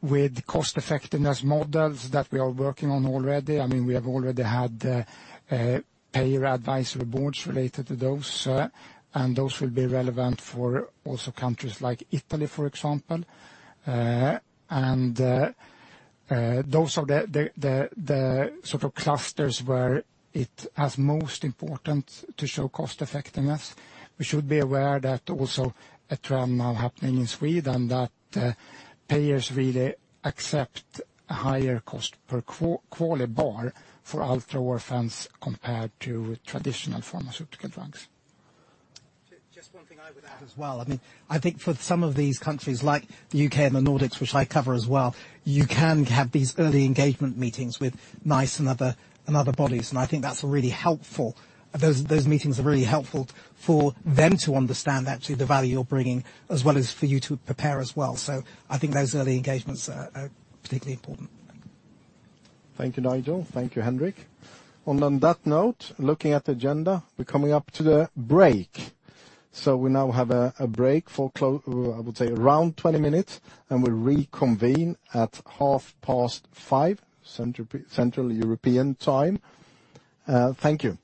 Speaker 6: With cost-effectiveness models that we are working on already, I mean, we have already had payer advisory boards related to those, and those will be relevant for also countries like Italy, for example. And those are the sort of clusters where it has most important to show cost-effectiveness. We should be aware that also a trend now happening in Sweden, that payers really accept a higher cost per quality bar for ultra orphans compared to traditional pharmaceutical drugs.
Speaker 7: Just one thing I would add as well. I mean, I think for some of these countries, like the UK and the Nordics, which I cover as well, you can have these early engagement meetings with NICE and other bodies, and I think that's really helpful. Those meetings are really helpful for them to understand actually the value you're bringing, as well as for you to prepare as well. So I think those early engagements are particularly important.
Speaker 1: Thank you, Nigel. Thank you, Henrik. On that note, looking at the agenda, we're coming up to the break. So we now have a break for, I would say around 20 minutes, and we'll reconvene at 5:30 P.M. Central European Time. Thank you. ...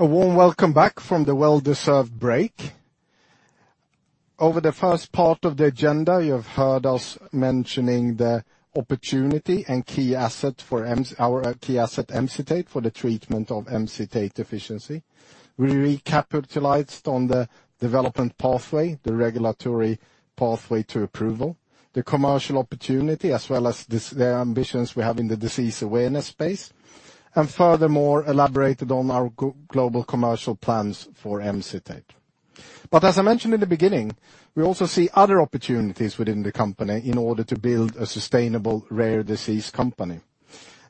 Speaker 1: A warm welcome back from the well-deserved break. Over the first part of the agenda, you have heard us mentioning the opportunity and key asset for our key asset, MCT8, for the treatment of MCT8 deficiency. We recapitalized on the development pathway, the regulatory pathway to approval, the commercial opportunity, as well as the ambitions we have in the disease awareness space, and furthermore, elaborated on our global commercial plans for MCT8. But as I mentioned in the beginning, we also see other opportunities within the company in order to build a sustainable, rare disease company.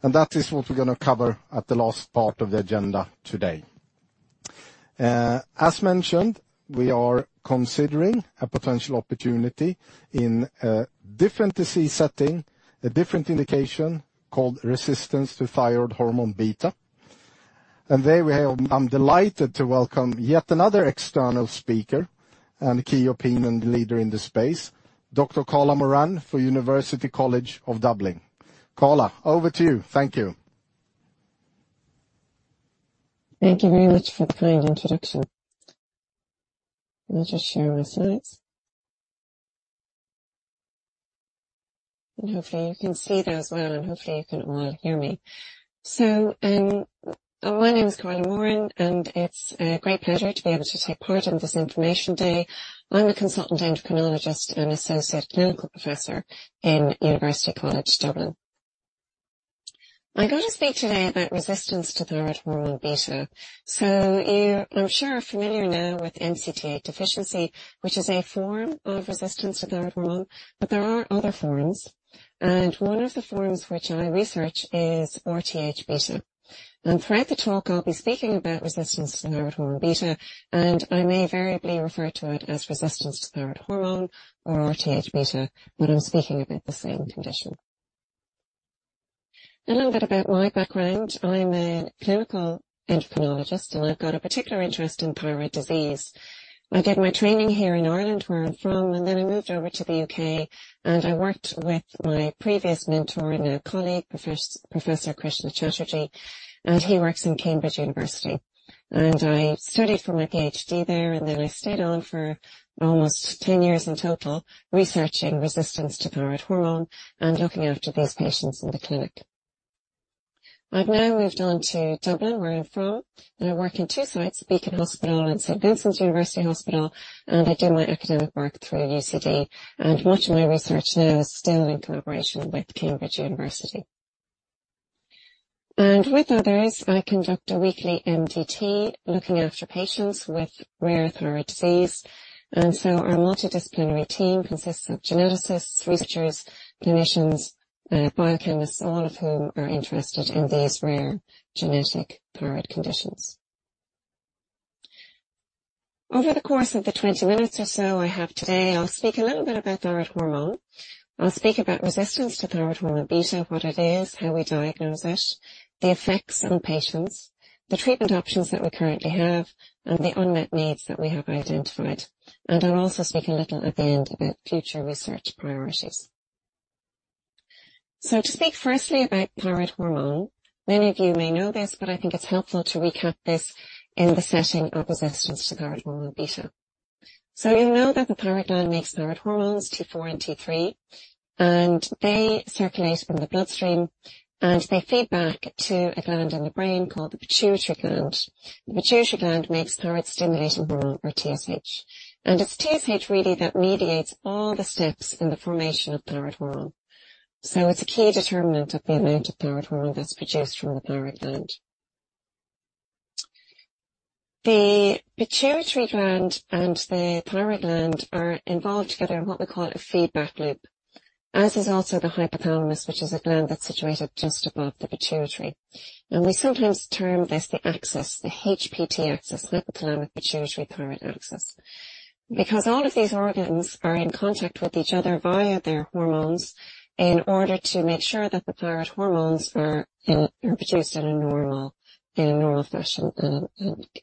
Speaker 1: And that is what we're gonna cover at the last part of the agenda today. As mentioned, we are considering a potential opportunity in a different disease setting, a different indication called resistance to thyroid hormone beta. And there we have, I'm delighted to welcome yet another external speaker and a key opinion leader in this space, Dr. Carla Moran, for University College Dublin. Carla, over to you. Thank you.
Speaker 13: Thank you very much for the kind introduction. Let me just share my slides. Hopefully, you can see those well, and hopefully, you can all hear me. So, my name is Carla Moran, and it's a great pleasure to be able to take part in this information day. I'm a consultant endocrinologist and associate clinical professor in University College Dublin. I'm going to speak today about resistance to thyroid hormone Beta. So you, I'm sure, are familiar now with MCT8 deficiency, which is a form of resistance to thyroid hormone, but there are other forms, and one of the forms which I research RTH beta. throughout the talk, I'll be speaking about resistance to thyroid hormone Beta, and I may variably refer to it as resistance to thyroid hormone RTH beta, but I'm speaking about the same condition. A little bit about my background. I'm a clinical endocrinologist, and I've got a particular interest in thyroid disease. I did my training here in Ireland, where I'm from, and then I moved over to the UK, and I worked with my previous mentor and a colleague, Professor Krishna Chatterjee, and he works in Cambridge University. I studied for my PhD there, and then I stayed on for almost 10 years in total, researching resistance to thyroid hormone and looking after these patients in the clinic. I've now moved on to Dublin, where I'm from, and I work in two sites, Beacon Hospital and St. Vincent's University Hospital, and I do my academic work through UCD, and much of my research now is still in collaboration with Cambridge University. With others, I conduct a weekly MDT, looking after patients with rare thyroid disease. Our multidisciplinary team consists of geneticists, researchers, clinicians, biochemists, all of whom are interested in these rare genetic thyroid conditions. Over the course of the 20 minutes or so I have today, I'll speak a little bit about thyroid hormone. I'll speak about Resistance to Thyroid Hormone Beta, what it is, how we diagnose it, the effects on patients, the treatment options that we currently have, and the unmet needs that we have identified. I'll also speak a little at the end about future research priorities. To speak firstly about thyroid hormone, many of you may know this, but I think it's helpful to recap this in the setting of Resistance to Thyroid Hormone Beta. So you'll know that the thyroid gland makes thyroid hormones, T4 and T3, and they circulate in the bloodstream, and they feed back to a gland in the brain called the pituitary gland. The pituitary gland makes thyroid-stimulating hormone or TSH, and it's TSH, really, that mediates all the steps in the formation of thyroid hormone. So it's a key determinant of the amount of thyroid hormone that's produced from the thyroid gland. The pituitary gland and the thyroid gland are involved together in what we call a feedback loop, as is also the hypothalamus, which is a gland that's situated just above the pituitary. And we sometimes term this the axis, the HPT axis, hypothalamic-pituitary-thyroid axis. Because all of these organs are in contact with each other via their hormones, in order to make sure that the thyroid hormones are produced at a normal, in a normal fashion, and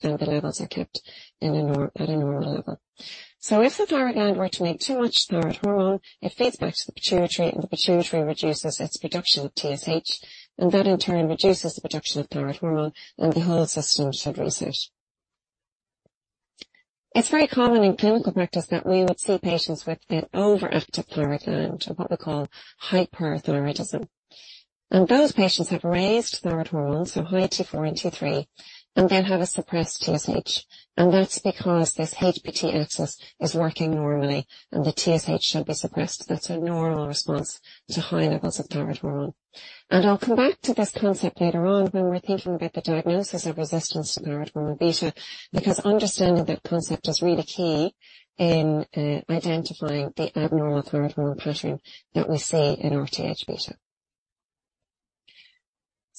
Speaker 13: the levels are kept at a normal level. So if the thyroid gland were to make too much thyroid hormone, it feeds back to the pituitary, and the pituitary reduces its production of TSH, and that, in turn, reduces the production of thyroid hormone, and the whole system should reset. It's very common in clinical practice that we would see patients with an overactive thyroid gland, or what we call hyperthyroidism. Those patients have raised thyroid hormones, so high T4 and T3, and they'll have a suppressed TSH. That's because this HPT axis is working normally and the TSH should be suppressed. That's a normal response to high levels of thyroid hormone. I'll come back to this concept later on when we're thinking about the diagnosis of resistance to thyroid hormone beta, because understanding that concept is really key in identifying the abnormal thyroid hormone pattern that we see RTH beta.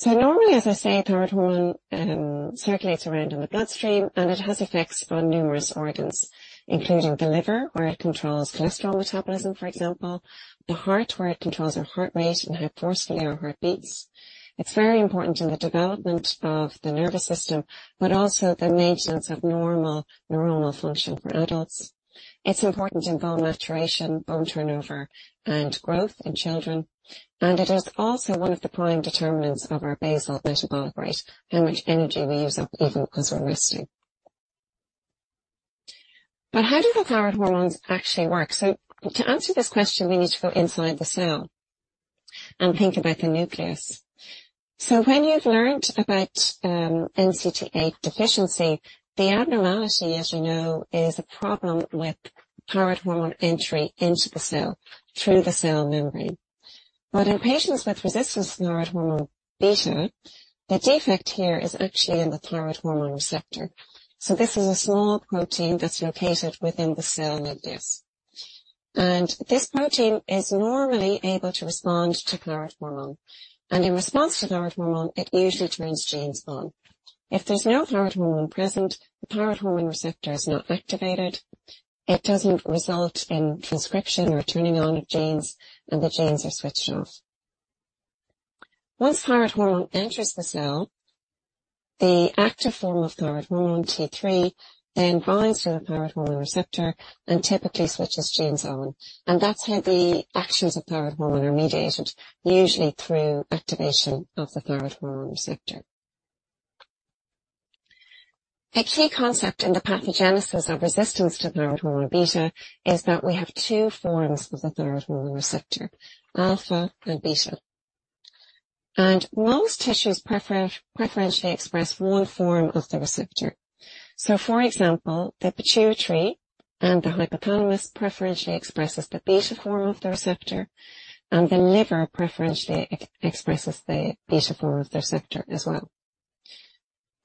Speaker 13: normally, as I say, thyroid hormone circulates around in the bloodstream, and it has effects on numerous organs, including the liver, where it controls cholesterol metabolism, for example, the heart, where it controls our heart rate and how forcefully our heart beats. It's very important in the development of the nervous system, but also the maintenance of normal neuronal function for adults. It's important in bone maturation, bone turnover, and growth in children, and it is also one of the prime determinants of our basal metabolic rate, how much energy we use up even as we're resting. But how do the thyroid hormones actually work? So to answer this question, we need to go inside the cell and think about the nucleus. So when you've learned about MCT8 deficiency, the abnormality, as you know, is a problem with thyroid hormone entry into the cell through the cell membrane. But in patients with resistance to thyroid hormone beta, the defect here is actually in the thyroid hormone receptor. So this is a small protein that's located within the cell nucleus, and this protein is normally able to respond to thyroid hormone, and in response to thyroid hormone, it usually turns genes on. If there's no thyroid hormone present, the thyroid hormone receptor is not activated, it doesn't result in transcription or turning on of genes, and the genes are switched off. Once thyroid hormone enters the cell, the active form of thyroid hormone, T3, then binds to the thyroid hormone receptor and typically switches genes on, and that's how the actions of thyroid hormone are mediated, usually through activation of the thyroid hormone receptor. A key concept in the pathogenesis of resistance to thyroid hormone beta is that we have two forms of the thyroid hormone receptor: alpha and beta. Most tissues preferentially express one form of the receptor. So, for example, the pituitary and the hypothalamus preferentially expresses the beta form of the receptor, and the liver preferentially expresses the beta form of the receptor as well.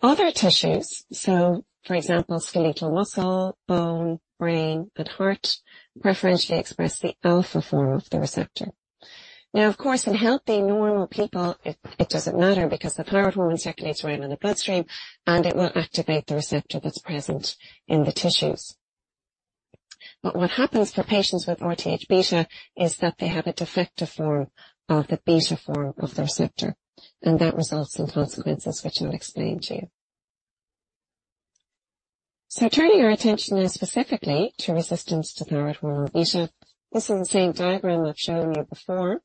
Speaker 13: Other tissues, so for example, skeletal muscle, bone, brain, and heart, preferentially express the alpha form of the receptor. Now, of course, in healthy, normal people, it doesn't matter because the thyroid hormone circulates around in the bloodstream, and it will activate the receptor that's present in the tissues. But what happens for patients RTH beta is that they have a defective form of the beta form of the receptor, and that results in consequences, which I'll explain to you. So turning our attention now specifically to resistance to thyroid hormone beta. This is the same diagram I've shown you before,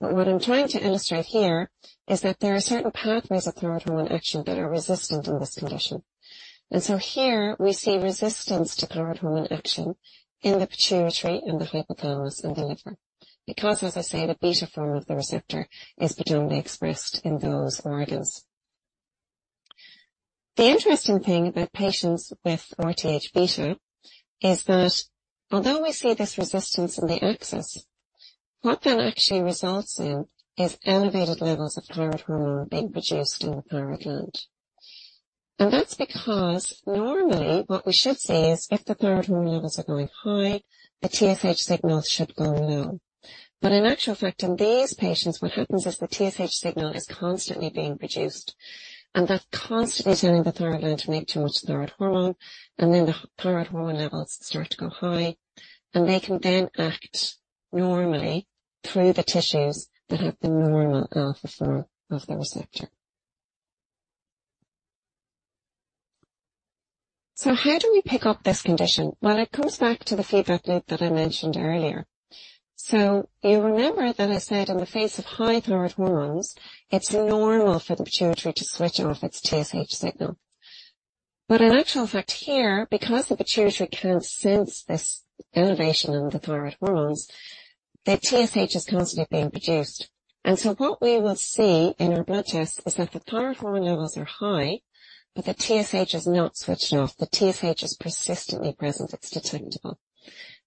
Speaker 13: but what I'm trying to illustrate here is that there are certain pathways of thyroid hormone action that are resistant in this condition. And so here we see resistance to thyroid hormone action in the pituitary, and the hypothalamus, and the liver. Because, as I say, the beta form of the receptor is predominantly expressed in those organs. The interesting thing about patients RTH beta is that although we see this resistance in the axis, what that actually results in is elevated levels of thyroid hormone being produced in the thyroid gland. And that's because normally what we should see is if the thyroid hormone levels are going high, the TSH signal should go low. But in actual fact, in these patients, what happens is the TSH signal is constantly being produced, and that's constantly telling the thyroid gland to make too much thyroid hormone, and then the thyroid hormone levels start to go high, and they can then act normally through the tissues that have the normal alpha form of the receptor. So how do we pick up this condition? Well, it comes back to the feedback loop that I mentioned earlier. So you remember that I said in the face of high thyroid hormones, it's normal for the pituitary to switch off its TSH signal. But in actual fact here, because the pituitary can't sense this elevation in the thyroid hormones, the TSH is constantly being produced. And so what we will see in our blood test is that the thyroid hormone levels are high, but the TSH is not switched off. The TSH is persistently present. It's detectable.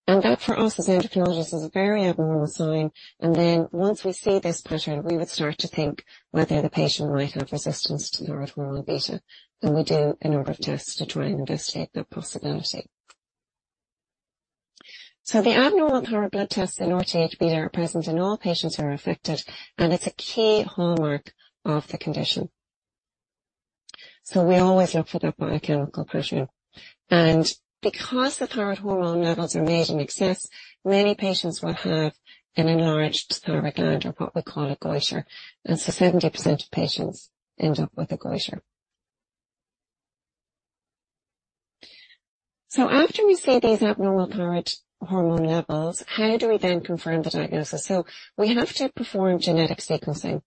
Speaker 13: And that, for us, as endocrinologists, is a very abnormal sign, and then once we see this pattern, we would start to think whether the patient might have Resistance to Thyroid Hormone Beta, and we do a number of tests to try and investigate that possibility.... So the abnormal thyroid blood tests RTH beta are present in all patients who are affected, and it's a key hallmark of the condition. So we always look for that biochemical pattern. And because the thyroid hormone levels are made in excess, many patients will have an enlarged thyroid gland, or what we call a goiter. And so 70% of patients end up with a goiter. So after we see these abnormal thyroid hormone levels, how do we then confirm the diagnosis? So we have to perform genetic sequencing,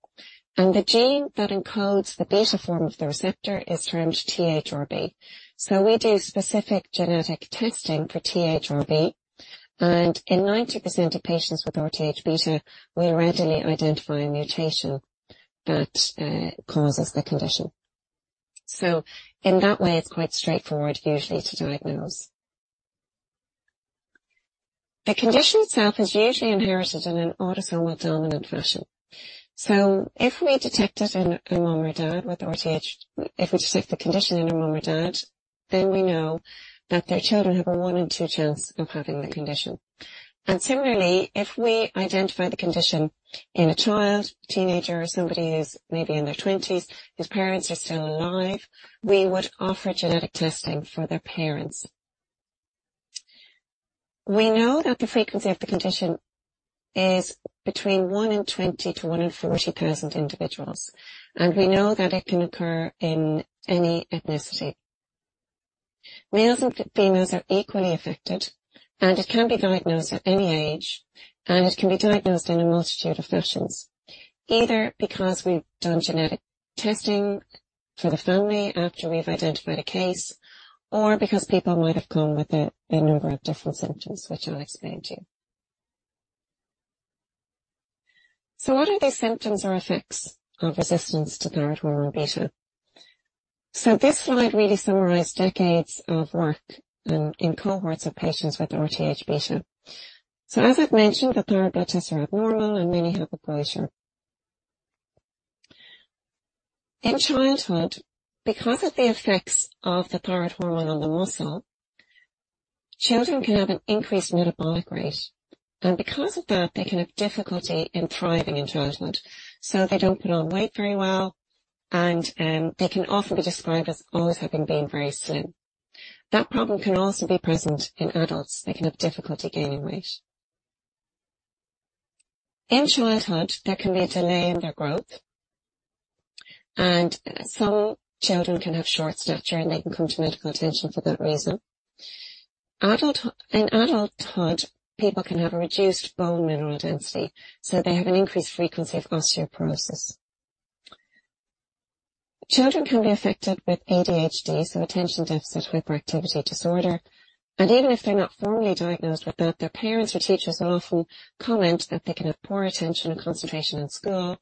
Speaker 13: and the gene that encodes the beta form of the receptor is termed THRB. So we do specific genetic testing for THRB, and in 90% of patients RTH beta, we readily identify a mutation that causes the condition. So in that way, it's quite straightforward, usually, to diagnose. The condition itself is usually inherited in an autosomal dominant fashion. So if we detect it in a mom or dad with RTH—if we detect the condition in a mom or dad, then we know that their children have a 1 in 2 chance of having the condition. And similarly, if we identify the condition in a child, teenager, or somebody who's maybe in their twenties, whose parents are still alive, we would offer genetic testing for their parents. We know that the frequency of the condition is between 1 in 20 to 1 in 40,000 individuals, and we know that it can occur in any ethnicity. Males and females are equally affected, and it can be diagnosed at any age, and it can be diagnosed in a multitude of fashions. Either because we've done genetic testing for the family after we've identified a case, or because people might have come with a number of different symptoms, which I'll explain to you. What are the symptoms or effects of Resistance to Thyroid Hormone Beta? This slide really summarized decades of work in cohorts of patients RTH beta. as I've mentioned, the thyroid blood tests are abnormal, and many have a goiter. In childhood, because of the effects of the thyroid hormone on the muscle, children can have an increased metabolic rate, and because of that, they can have difficulty in thriving in childhood. They don't put on weight very well, and they can often be described as always having been very slim. That problem can also be present in adults. They can have difficulty gaining weight. In childhood, there can be a delay in their growth, and some children can have short stature, and they can come to medical attention for that reason. In adulthood, people can have a reduced bone mineral density, so they have an increased frequency of osteoporosis. Children can be affected with ADHD, so attention deficit hyperactivity disorder, and even if they're not formally diagnosed with that, their parents or teachers often comment that they can have poor attention and concentration in school.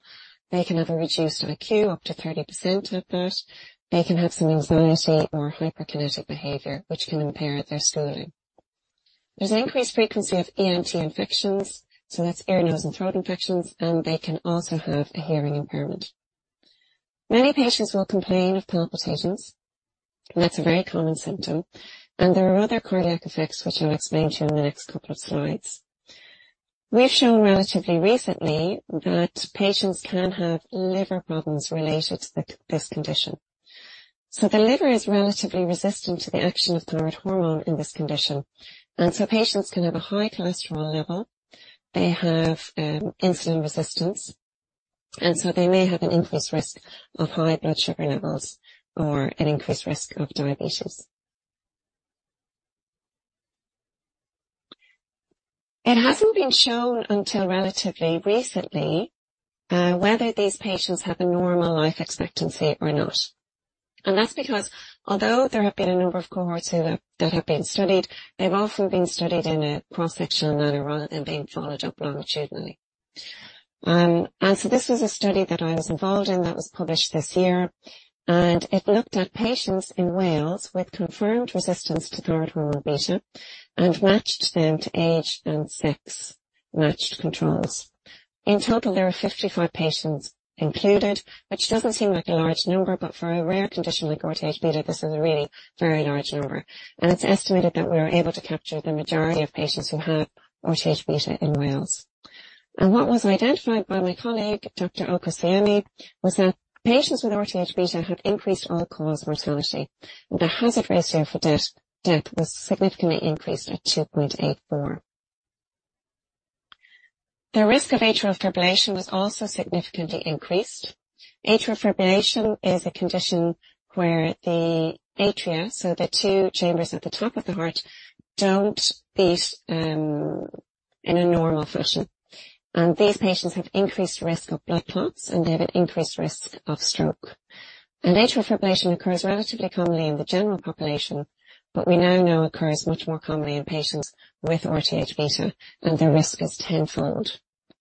Speaker 13: They can have a reduced IQ, up to 30% of that. They can have some anxiety or hyperkinetic behavior, which can impair their schooling. There's an increased frequency of ENT infections, so that's ear, nose, and throat infections, and they can also have a hearing impairment. Many patients will complain of palpitations, and that's a very common symptom. There are other cardiac effects, which I'll explain to you in the next couple of slides. We've shown relatively recently that patients can have liver problems related to this condition. So the liver is relatively resistant to the action of thyroid hormone in this condition, and so patients can have a high cholesterol level. They have insulin resistance, and so they may have an increased risk of high blood sugar levels or an increased risk of diabetes. It hasn't been shown until relatively recently whether these patients have a normal life expectancy or not, and that's because although there have been a number of cohorts who have, that have been studied, they've often been studied in a cross-sectional manner rather than being followed up longitudinally. And so this is a study that I was involved in that was published this year, and it looked at patients in Wales with confirmed resistance to thyroid hormone beta and matched them to age and sex, matched controls. In total, there are 55 patients included, which doesn't seem like a large number, but for a rare condition RTH beta, this is a really very large number. And it's estimated that we were able to capture the majority of patients who RTH beta in Wales. And what was identified by my colleague, Dr. Okosieme, was that patients RTH beta had increased all-cause mortality. The hazard ratio for death, death was significantly increased at 2.84. The risk of atrial fibrillation was also significantly increased. Atrial fibrillation is a condition where the atria, so the two chambers at the top of the heart, don't beat in a normal fashion. And these patients have increased risk of blood clots, and they have an increased risk of stroke. And atrial fibrillation occurs relatively commonly in the general population, but we now know occurs much more commonly in patients RTH beta, and their risk is tenfold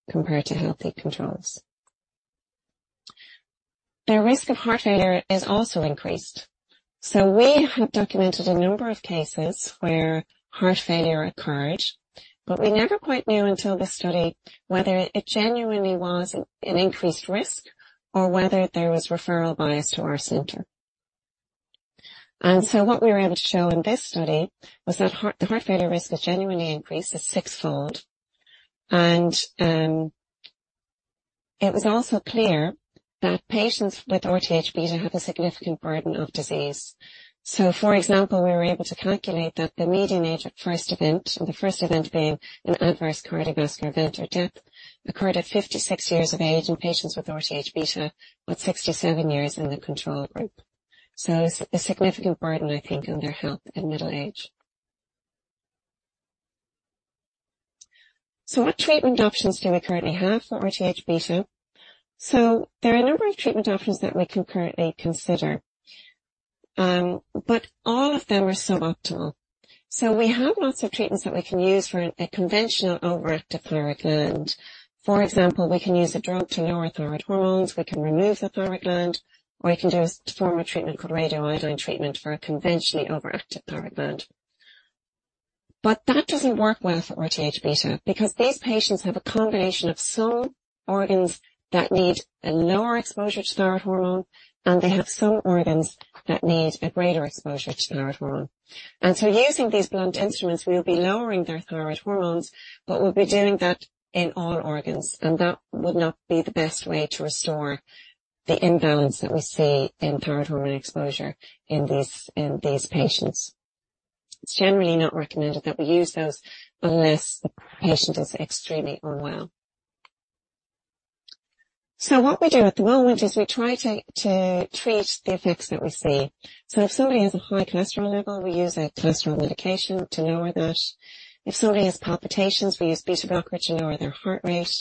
Speaker 13: compared to healthy controls. Their risk of heart failure is also increased. So we have documented a number of cases where heart failure occurred, but we never quite knew until this study whether it genuinely was an increased risk or whether there was referral bias to our center.... And so what we were able to show in this study was that the heart failure risk was genuinely increased to sixfold. It was also clear that patients RTH beta have a significant burden of disease. For example, we were able to calculate that the median age at first event, the first event being an adverse cardiovascular event or death, occurred at 56 years of age in patients RTH beta, but 67 years in the control group. So a significant burden, I think, on their health in middle age. What treatment options do we currently have RTH beta? there are a number of treatment options that we can currently consider, but all of them are suboptimal. We have lots of treatments that we can use for a conventional overactive thyroid gland. For example, we can use a drug to lower thyroid hormones, we can remove the thyroid gland, or we can do a form of treatment called radioiodine treatment for a conventionally overactive thyroid gland. But that doesn't work well RTH beta, because these patients have a combination of some organs that need a lower exposure to thyroid hormone, and they have some organs that need a greater exposure to thyroid hormone. And so using these blunt instruments, we'll be lowering their thyroid hormones, but we'll be doing that in all organs, and that would not be the best way to restore the imbalance that we see in thyroid hormone exposure in these, in these patients. It's generally not recommended that we use those unless the patient is extremely unwell. So what we do at the moment is we try to, to treat the effects that we see. So if somebody has a high cholesterol level, we use a cholesterol medication to lower that. If somebody has palpitations, we use beta blocker to lower their heart rate,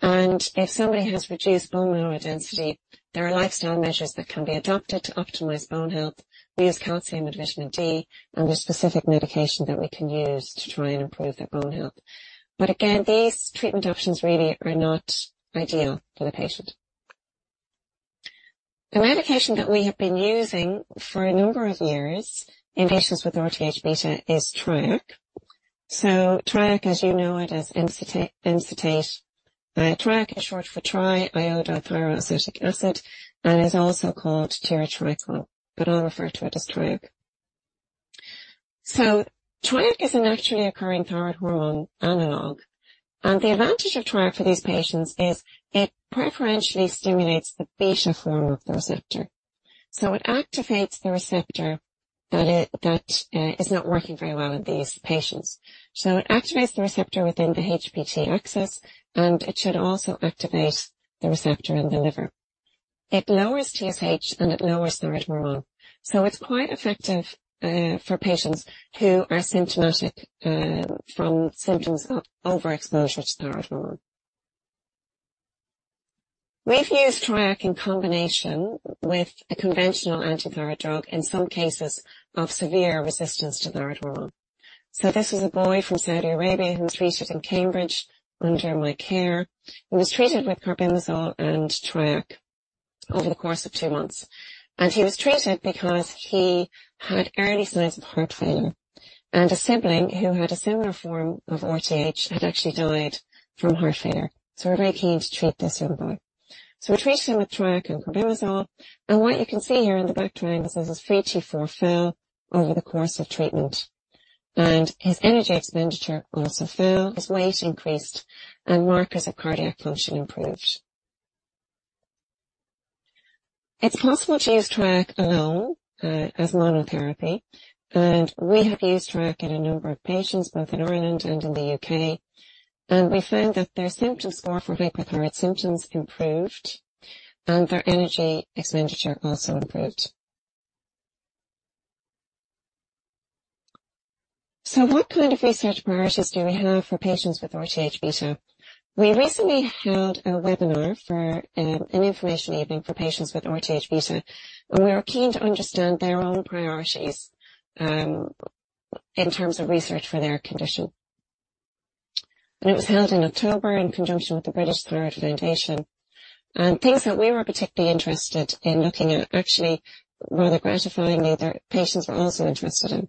Speaker 13: and if somebody has reduced bone mineral density, there are lifestyle measures that can be adopted to optimize bone health. We use calcium and vitamin D, and there's specific medication that we can use to try and improve their bone health. But again, these treatment options really are not ideal for the patient. The medication that we have been using for a number of years in patients RTH beta is Triac. So Triac, as you know it, as Emcitate. Triac is short for triiodothyroacetic acid, and is also called tiratricol, but I'll refer to it as Triac. So Triac is a naturally occurring thyroid hormone analog, and the advantage of Triac for these patients is it preferentially stimulates the beta form of the receptor. So it activates the receptor that is not working very well in these patients. So it activates the receptor within the HPT axis, and it should also activate the receptor in the liver. It lowers TSH and it lowers thyroid hormone. So it's quite effective for patients who are symptomatic from symptoms of overexposure to thyroid hormone. We've used Triac in combination with a conventional anti-thyroid drug in some cases of severe resistance to thyroid hormone. So this is a boy from Saudi Arabia who was treated in Cambridge under my care. He was treated with carbimazole and Triac over the course of two months, and he was treated because he had early signs of heart failure, and a sibling who had a similar form of RTH had actually died from heart failure. So we were very keen to treat this young boy. So we treated him with Triac and carbimazole, and what you can see here in the back triangle is his free T4 fell over the course of treatment, and his energy expenditure also fell, his weight increased, and markers of cardiac function improved. It's possible to use Triac alone, as monotherapy, and we have used Triac in a number of patients, both in Ireland and in the UK, and we found that their symptom score for hyperthyroid symptoms improved and their energy expenditure also improved. So what kind of research priorities do we have for patients RTH beta? we recently held a webinar for an information evening for patients RTH beta, and we are keen to understand their own priorities in terms of research for their condition. And it was held in October in conjunction with the British Thyroid Foundation, and things that we were particularly interested in looking at, actually, rather gratifyingly, their patients were also interested in.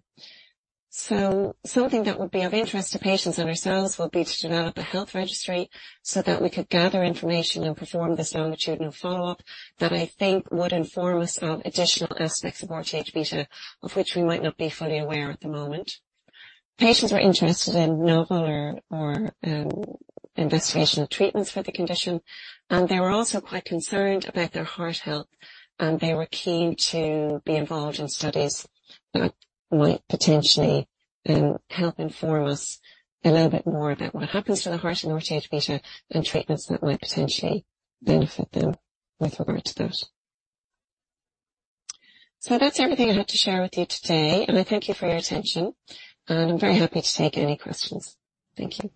Speaker 13: So something that would be of interest to patients and ourselves would be to develop a health registry, so that we could gather information and perform this longitudinal follow-up, that I think would inform us of additional aspects RTH beta, of which we might not be fully aware at the moment. Patients were interested in novel investigational treatments for the condition, and they were also quite concerned about their heart health, and they were keen to be involved in studies that might potentially help inform us a little bit more about what happens to the heart RTH beta, and treatments that might potentially benefit them with regard to that. So that's everything I had to share with you today, and I thank you for your attention, and I'm very happy to take any questions. Thank you.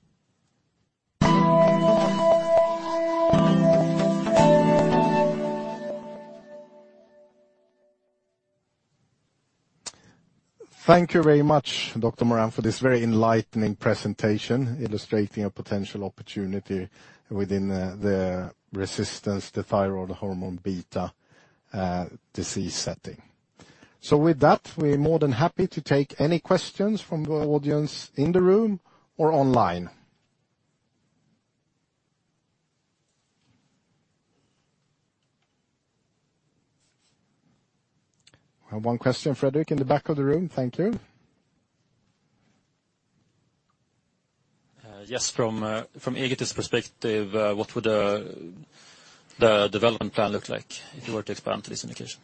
Speaker 1: Thank you very much, Dr. Moran, for this very enlightening presentation, illustrating a potential opportunity within the resistance to thyroid hormone beta disease setting. So with that, we're more than happy to take any questions from the audience in the room or online.... I have one question, Frederick, in the back of the room. Thank you.
Speaker 14: Yes, from Egetis perspective, what would the development plan look like if you were to expand to this indication?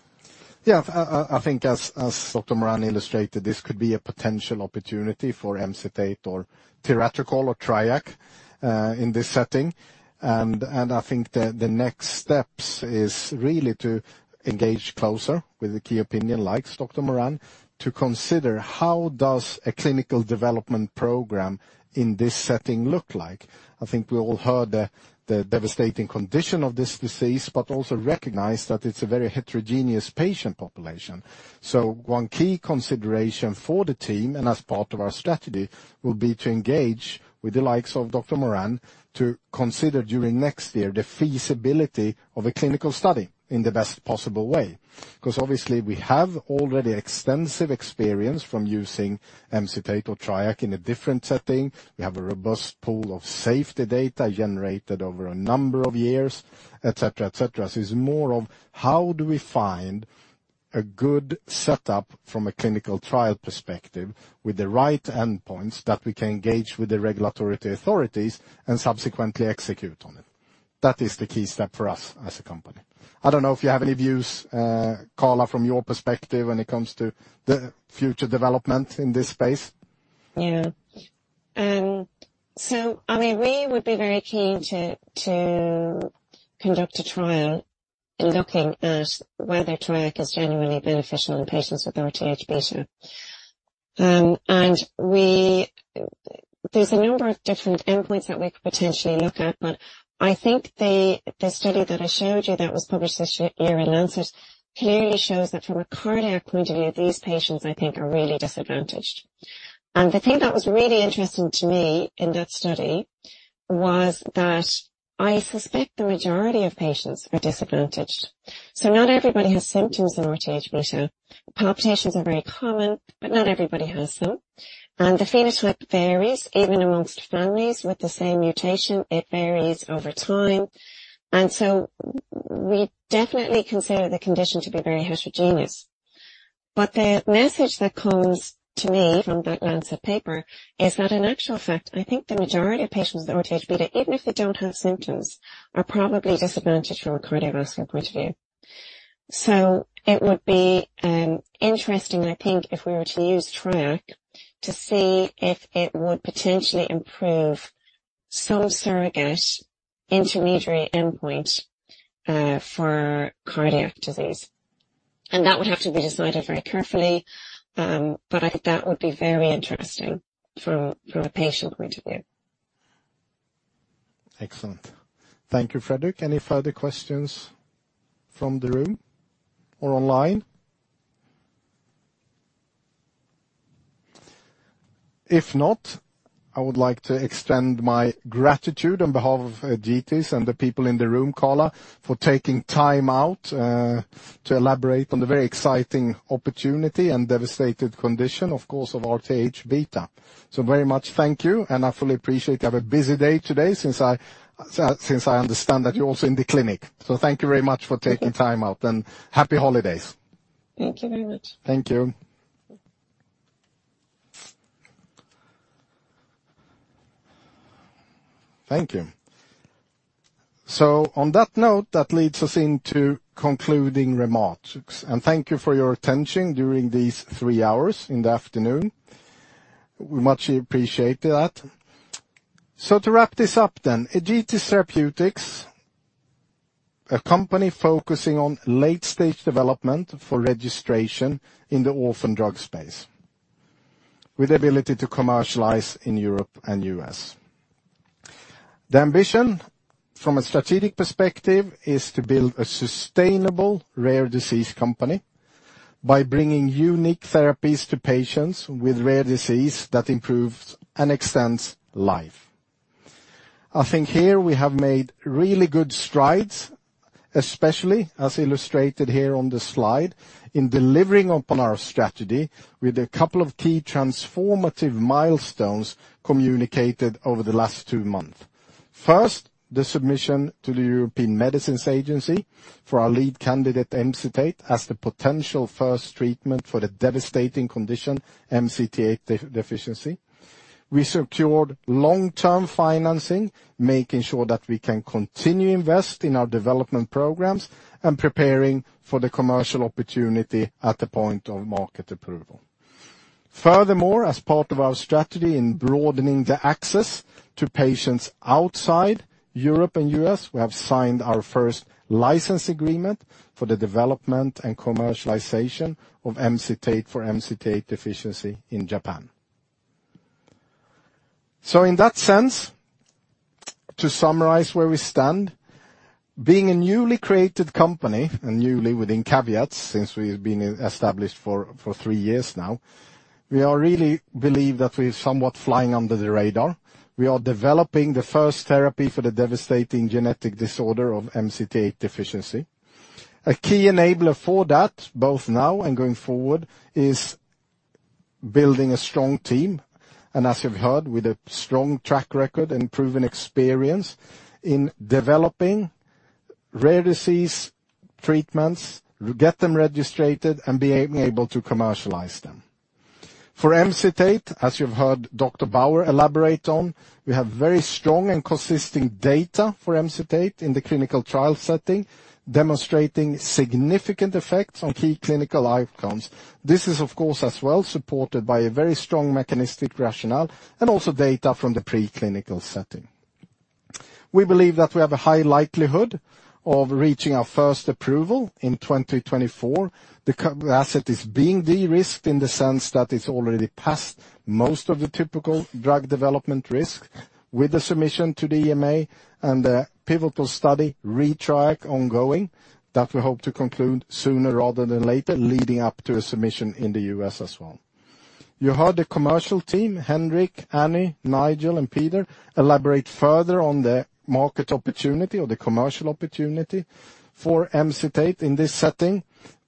Speaker 1: Yeah, I think as Dr. Moran illustrated, this could be a potential opportunity for MCT8 or paracetamol or Triac in this setting. I think the next steps is really to engage closer with the key opinion leaders like Dr. Moran to consider how does a clinical development program in this setting look like? I think we all heard the devastating condition of this disease, but also recognize that it's a very heterogeneous patient population. So one key consideration for the team, and as part of our strategy, will be to engage with the likes of Dr. Moran to consider during next year the feasibility of a clinical study in the best possible way. Because obviously, we have already extensive experience from using MCT8 or Triac in a different setting. We have a robust pool of safety data generated over a number of years, et cetera, et cetera. So it's more of how do we find a good setup from a clinical trial perspective with the right endpoints that we can engage with the regulatory authorities and subsequently execute on it. That is the key step for us as a company. I don't know if you have any views, Carla, from your perspective when it comes to the future development in this space.
Speaker 13: Yeah. So, I mean, we would be very keen to conduct a trial in looking at whether Triac is genuinely beneficial in patients RTH beta. and there's a number of different endpoints that we could potentially look at, but I think the study that I showed you that was published this year in Lancet clearly shows that from a cardiac point of view, these patients, I think, are really disadvantaged. And the thing that was really interesting to me in that study was that I suspect the majority of patients are disadvantaged. So not everybody has symptoms RTH beta. palpitations are very common, but not everybody has them. And the phenotype varies even among families with the same mutation, it varies over time. And so we definitely consider the condition to be very heterogeneous. But the message that comes to me from that Lancet paper is that in actual fact, I think the majority of patients RTH beta, even if they don't have symptoms, are probably disadvantaged from a cardiovascular point of view. So it would be interesting, I think, if we were to use Triac to see if it would potentially improve some surrogate intermediary endpoint for cardiac disease. And that would have to be decided very carefully, but I think that would be very interesting from a patient point of view.
Speaker 1: Excellent. Thank you, Frederick. Any further questions from the room or online? If not, I would like to extend my gratitude on behalf of Egetis and the people in the room, Carla, for taking time out to elaborate on the very exciting opportunity and devastating condition, of course, RTH beta. so very much thank you, and I fully appreciate you have a busy day today since I, since I understand that you're also in the clinic. So thank you very much for taking time out and happy holidays.
Speaker 13: Thank you very much.
Speaker 1: Thank you. Thank you. So on that note, that leads us into concluding remarks, and thank you for your attention during these three hours in the afternoon. We much appreciate that. So to wrap this up then, Egetis Therapeutics, a company focusing on late-stage development for registration in the orphan drug space with the ability to commercialize in Europe and US. The ambition from a strategic perspective is to build a sustainable rare disease company by bringing unique therapies to patients with rare disease that improves and extends life. I think here we have made really good strides, especially as illustrated here on this slide, in delivering upon our strategy with a couple of key transformative milestones communicated over the last two months. First, the submission to the European Medicines Agency for our lead candidate, Emcitate, as the potential first treatment for the devastating condition, MCT8 deficiency. We secured long-term financing, making sure that we can continue to invest in our development programs and preparing for the commercial opportunity at the point of market approval. Furthermore, as part of our strategy in broadening the access to patients outside Europe and U.S., we have signed our first license agreement for the development and commercialization of MCT8 for MCT8 deficiency in Japan. So in that sense, to summarize where we stand, being a newly created company, and newly within caveats, since we've been established for three years now, we are really believe that we are somewhat flying under the radar. We are developing the first therapy for the devastating genetic disorder of MCT8 deficiency. A key enabler for that, both now and going forward, is-... Building a strong team, and as you've heard, with a strong track record and proven experience in developing rare disease treatments, get them registered, and being able to commercialize them. For Emcitate, as you've heard Dr. Bauer elaborate on, we have very strong and consistent data for Emcitate in the clinical trial setting, demonstrating significant effects on key clinical outcomes. This is, of course, as well supported by a very strong mechanistic rationale and also data from the preclinical setting. We believe that we have a high likelihood of reaching our first approval in 2024. The asset is being de-risked in the sense that it's already passed most of the typical drug development risk with the submission to the EMA and the pivotal study ReTRIACt ongoing, that we hope to conclude sooner rather than later, leading up to a submission in the US as well. You heard the commercial team, Henrik, Anny, Nigel, and Peter, elaborate further on the market opportunity or the commercial opportunity for Emcitate in this setting.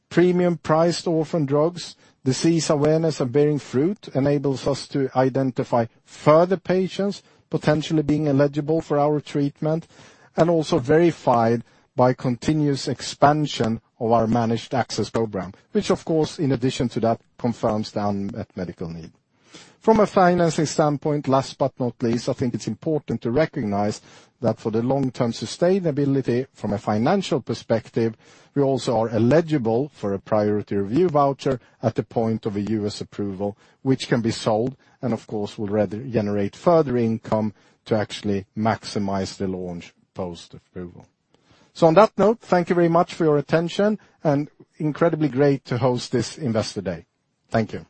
Speaker 1: Premium priced orphan drugs, disease awareness are bearing fruit, enables us to identify further patients potentially being eligible for our treatment, and also verified by continuous expansion of our managed access program, which of course, in addition to that, confirms the unmet medical need. From a financing standpoint, last but not least, I think it's important to recognize that for the long-term sustainability from a financial perspective, we also are eligible for a priority review voucher at the point of a U.S. approval, which can be sold and, of course, will rather generate further income to actually maximize the launch post-approval. So on that note, thank you very much for your attention, and incredibly great to host this Investor Day. Thank you.